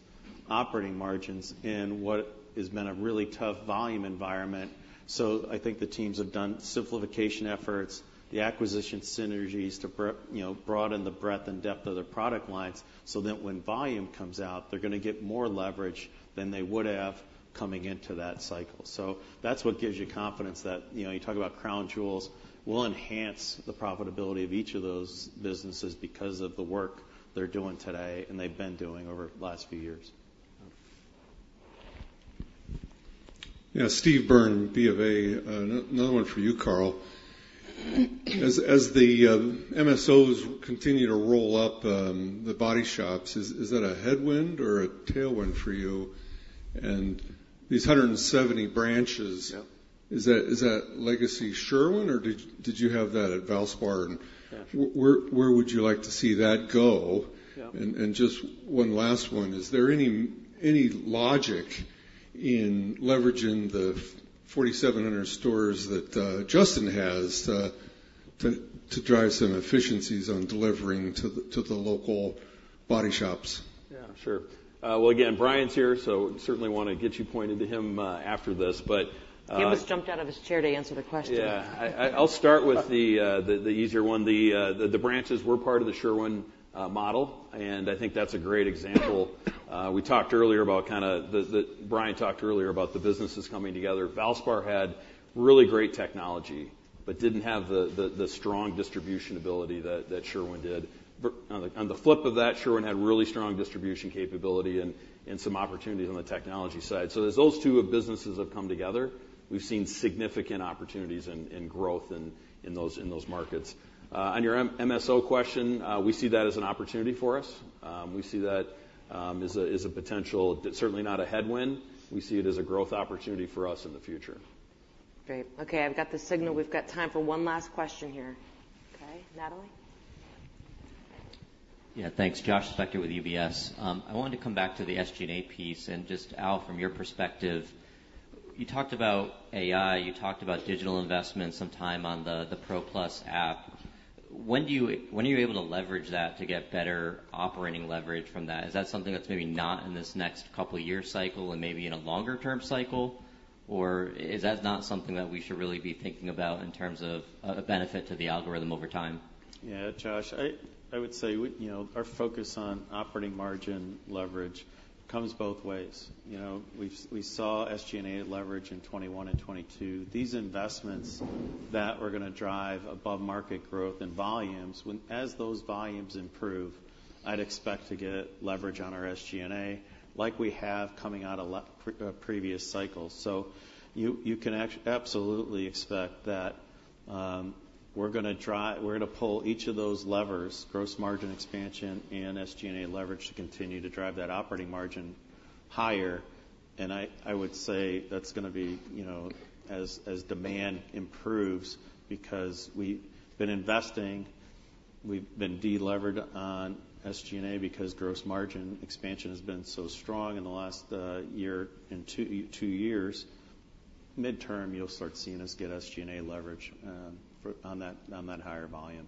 operating margins in what has been a really tough volume environment. So I think the teams have done simplification efforts, the acquisition synergies to you know, broaden the breadth and depth of their product lines, so that when volume comes out, they're gonna get more leverage than they would have coming into that cycle. So that's what gives you confidence that, you know, you talk about crown jewels, we'll enhance the profitability of each of those businesses because of the work they're doing today, and they've been doing over the last few years. Yeah, Steve Byrne, BofA. Another one for you, Karl. As the MSOs continue to roll up the body shops, is that a headwind or a tailwind for you? And these 170 branches- Yeah. Is that legacy Sherwin, or did you have that at Valspar? Yeah. Where would you like to see that go? Yeah. Just one last one, is there any logic in leveraging the 4,700 stores that Justin has to drive some efficiencies on delivering to the local body shops? Yeah, sure. Well, again, Brian's here, so certainly wanna get you pointed to him after this, but- He almost jumped out of his chair to answer the question. Yeah. I'll start with the easier one. The branches were part of the Sherwin model, and I think that's a great example. We talked earlier. Brian talked earlier about the businesses coming together. Valspar had really great technology, but didn't have the strong distribution ability that Sherwin did. But on the flip of that, Sherwin had really strong distribution capability and some opportunities on the technology side. So as those two businesses have come together, we've seen significant opportunities and growth in those markets. On your MSO question, we see that as an opportunity for us. We see that as a potential, certainly not a headwind. We see it as a growth opportunity for us in the future. Great. Okay, I've got the signal. We've got time for one last question here. Okay, Natalie? Yeah, thanks. Josh Zucker with UBS. I wanted to come back to the SG&A piece, and just, Al, from your perspective, you talked about AI, you talked about digital investment, some time on the Pro+ app. When are you able to leverage that to get better operating leverage from that? Is that something that's maybe not in this next couple-year cycle and maybe in a longer-term cycle, or is that not something that we should really be thinking about in terms of the benefit to the algorithm over time? Yeah, Josh, I would say we, you know, our focus on operating margin leverage comes both ways. You know, we saw SG&A leverage in 2021 and 2022. These investments that were gonna drive above-market growth and volumes, as those volumes improve, I'd expect to get leverage on our SG&A, like we have coming out of previous cycles. So you can absolutely expect that, we're gonna pull each of those levers, gross margin expansion and SG&A leverage, to continue to drive that operating margin higher. And I would say that's gonna be, you know, as demand improves, because we've been investing, we've been delevered on SG&A because gross margin expansion has been so strong in the last year and two years. Midterm, you'll start seeing us get SG&A leverage, for on that higher volume.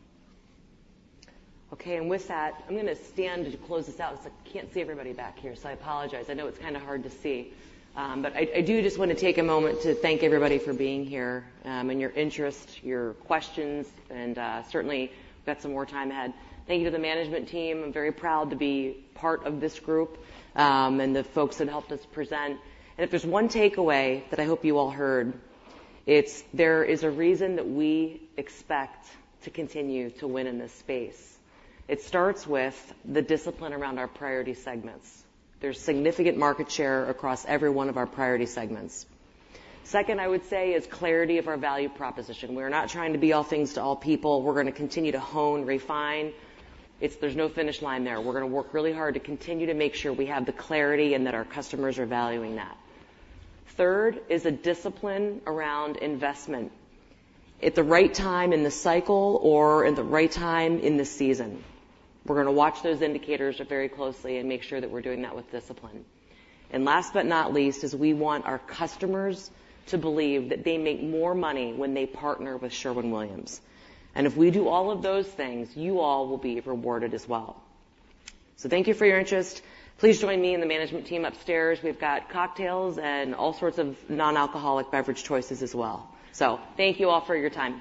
Okay, and with that, I'm gonna stand to close this out, because I can't see everybody back here, so I apologize. I know it's kinda hard to see. But I do just wanna take a moment to thank everybody for being here, and your interest, your questions, and certainly, we've got some more time ahead. Thank you to the management team. I'm very proud to be part of this group, and the folks that helped us present. And if there's one takeaway that I hope you all heard, it's there is a reason that we expect to continue to win in this space. It starts with the discipline around our priority segments. There's significant market share across every one of our priority segments. Second, I would say, is clarity of our value proposition. We're not trying to be all things to all people. We're gonna continue to hone, refine. It's. There's no finish line there. We're gonna work really hard to continue to make sure we have the clarity, and that our customers are valuing that. Third is a discipline around investment. At the right time in the cycle or in the right time in the season, we're gonna watch those indicators very closely and make sure that we're doing that with discipline. And last but not least, is we want our customers to believe that they make more money when they partner with Sherwin-Williams. And if we do all of those things, you all will be rewarded as well. So thank you for your interest. Please join me and the management team upstairs. We've got cocktails and all sorts of non-alcoholic beverage choices as well. So thank you all for your time.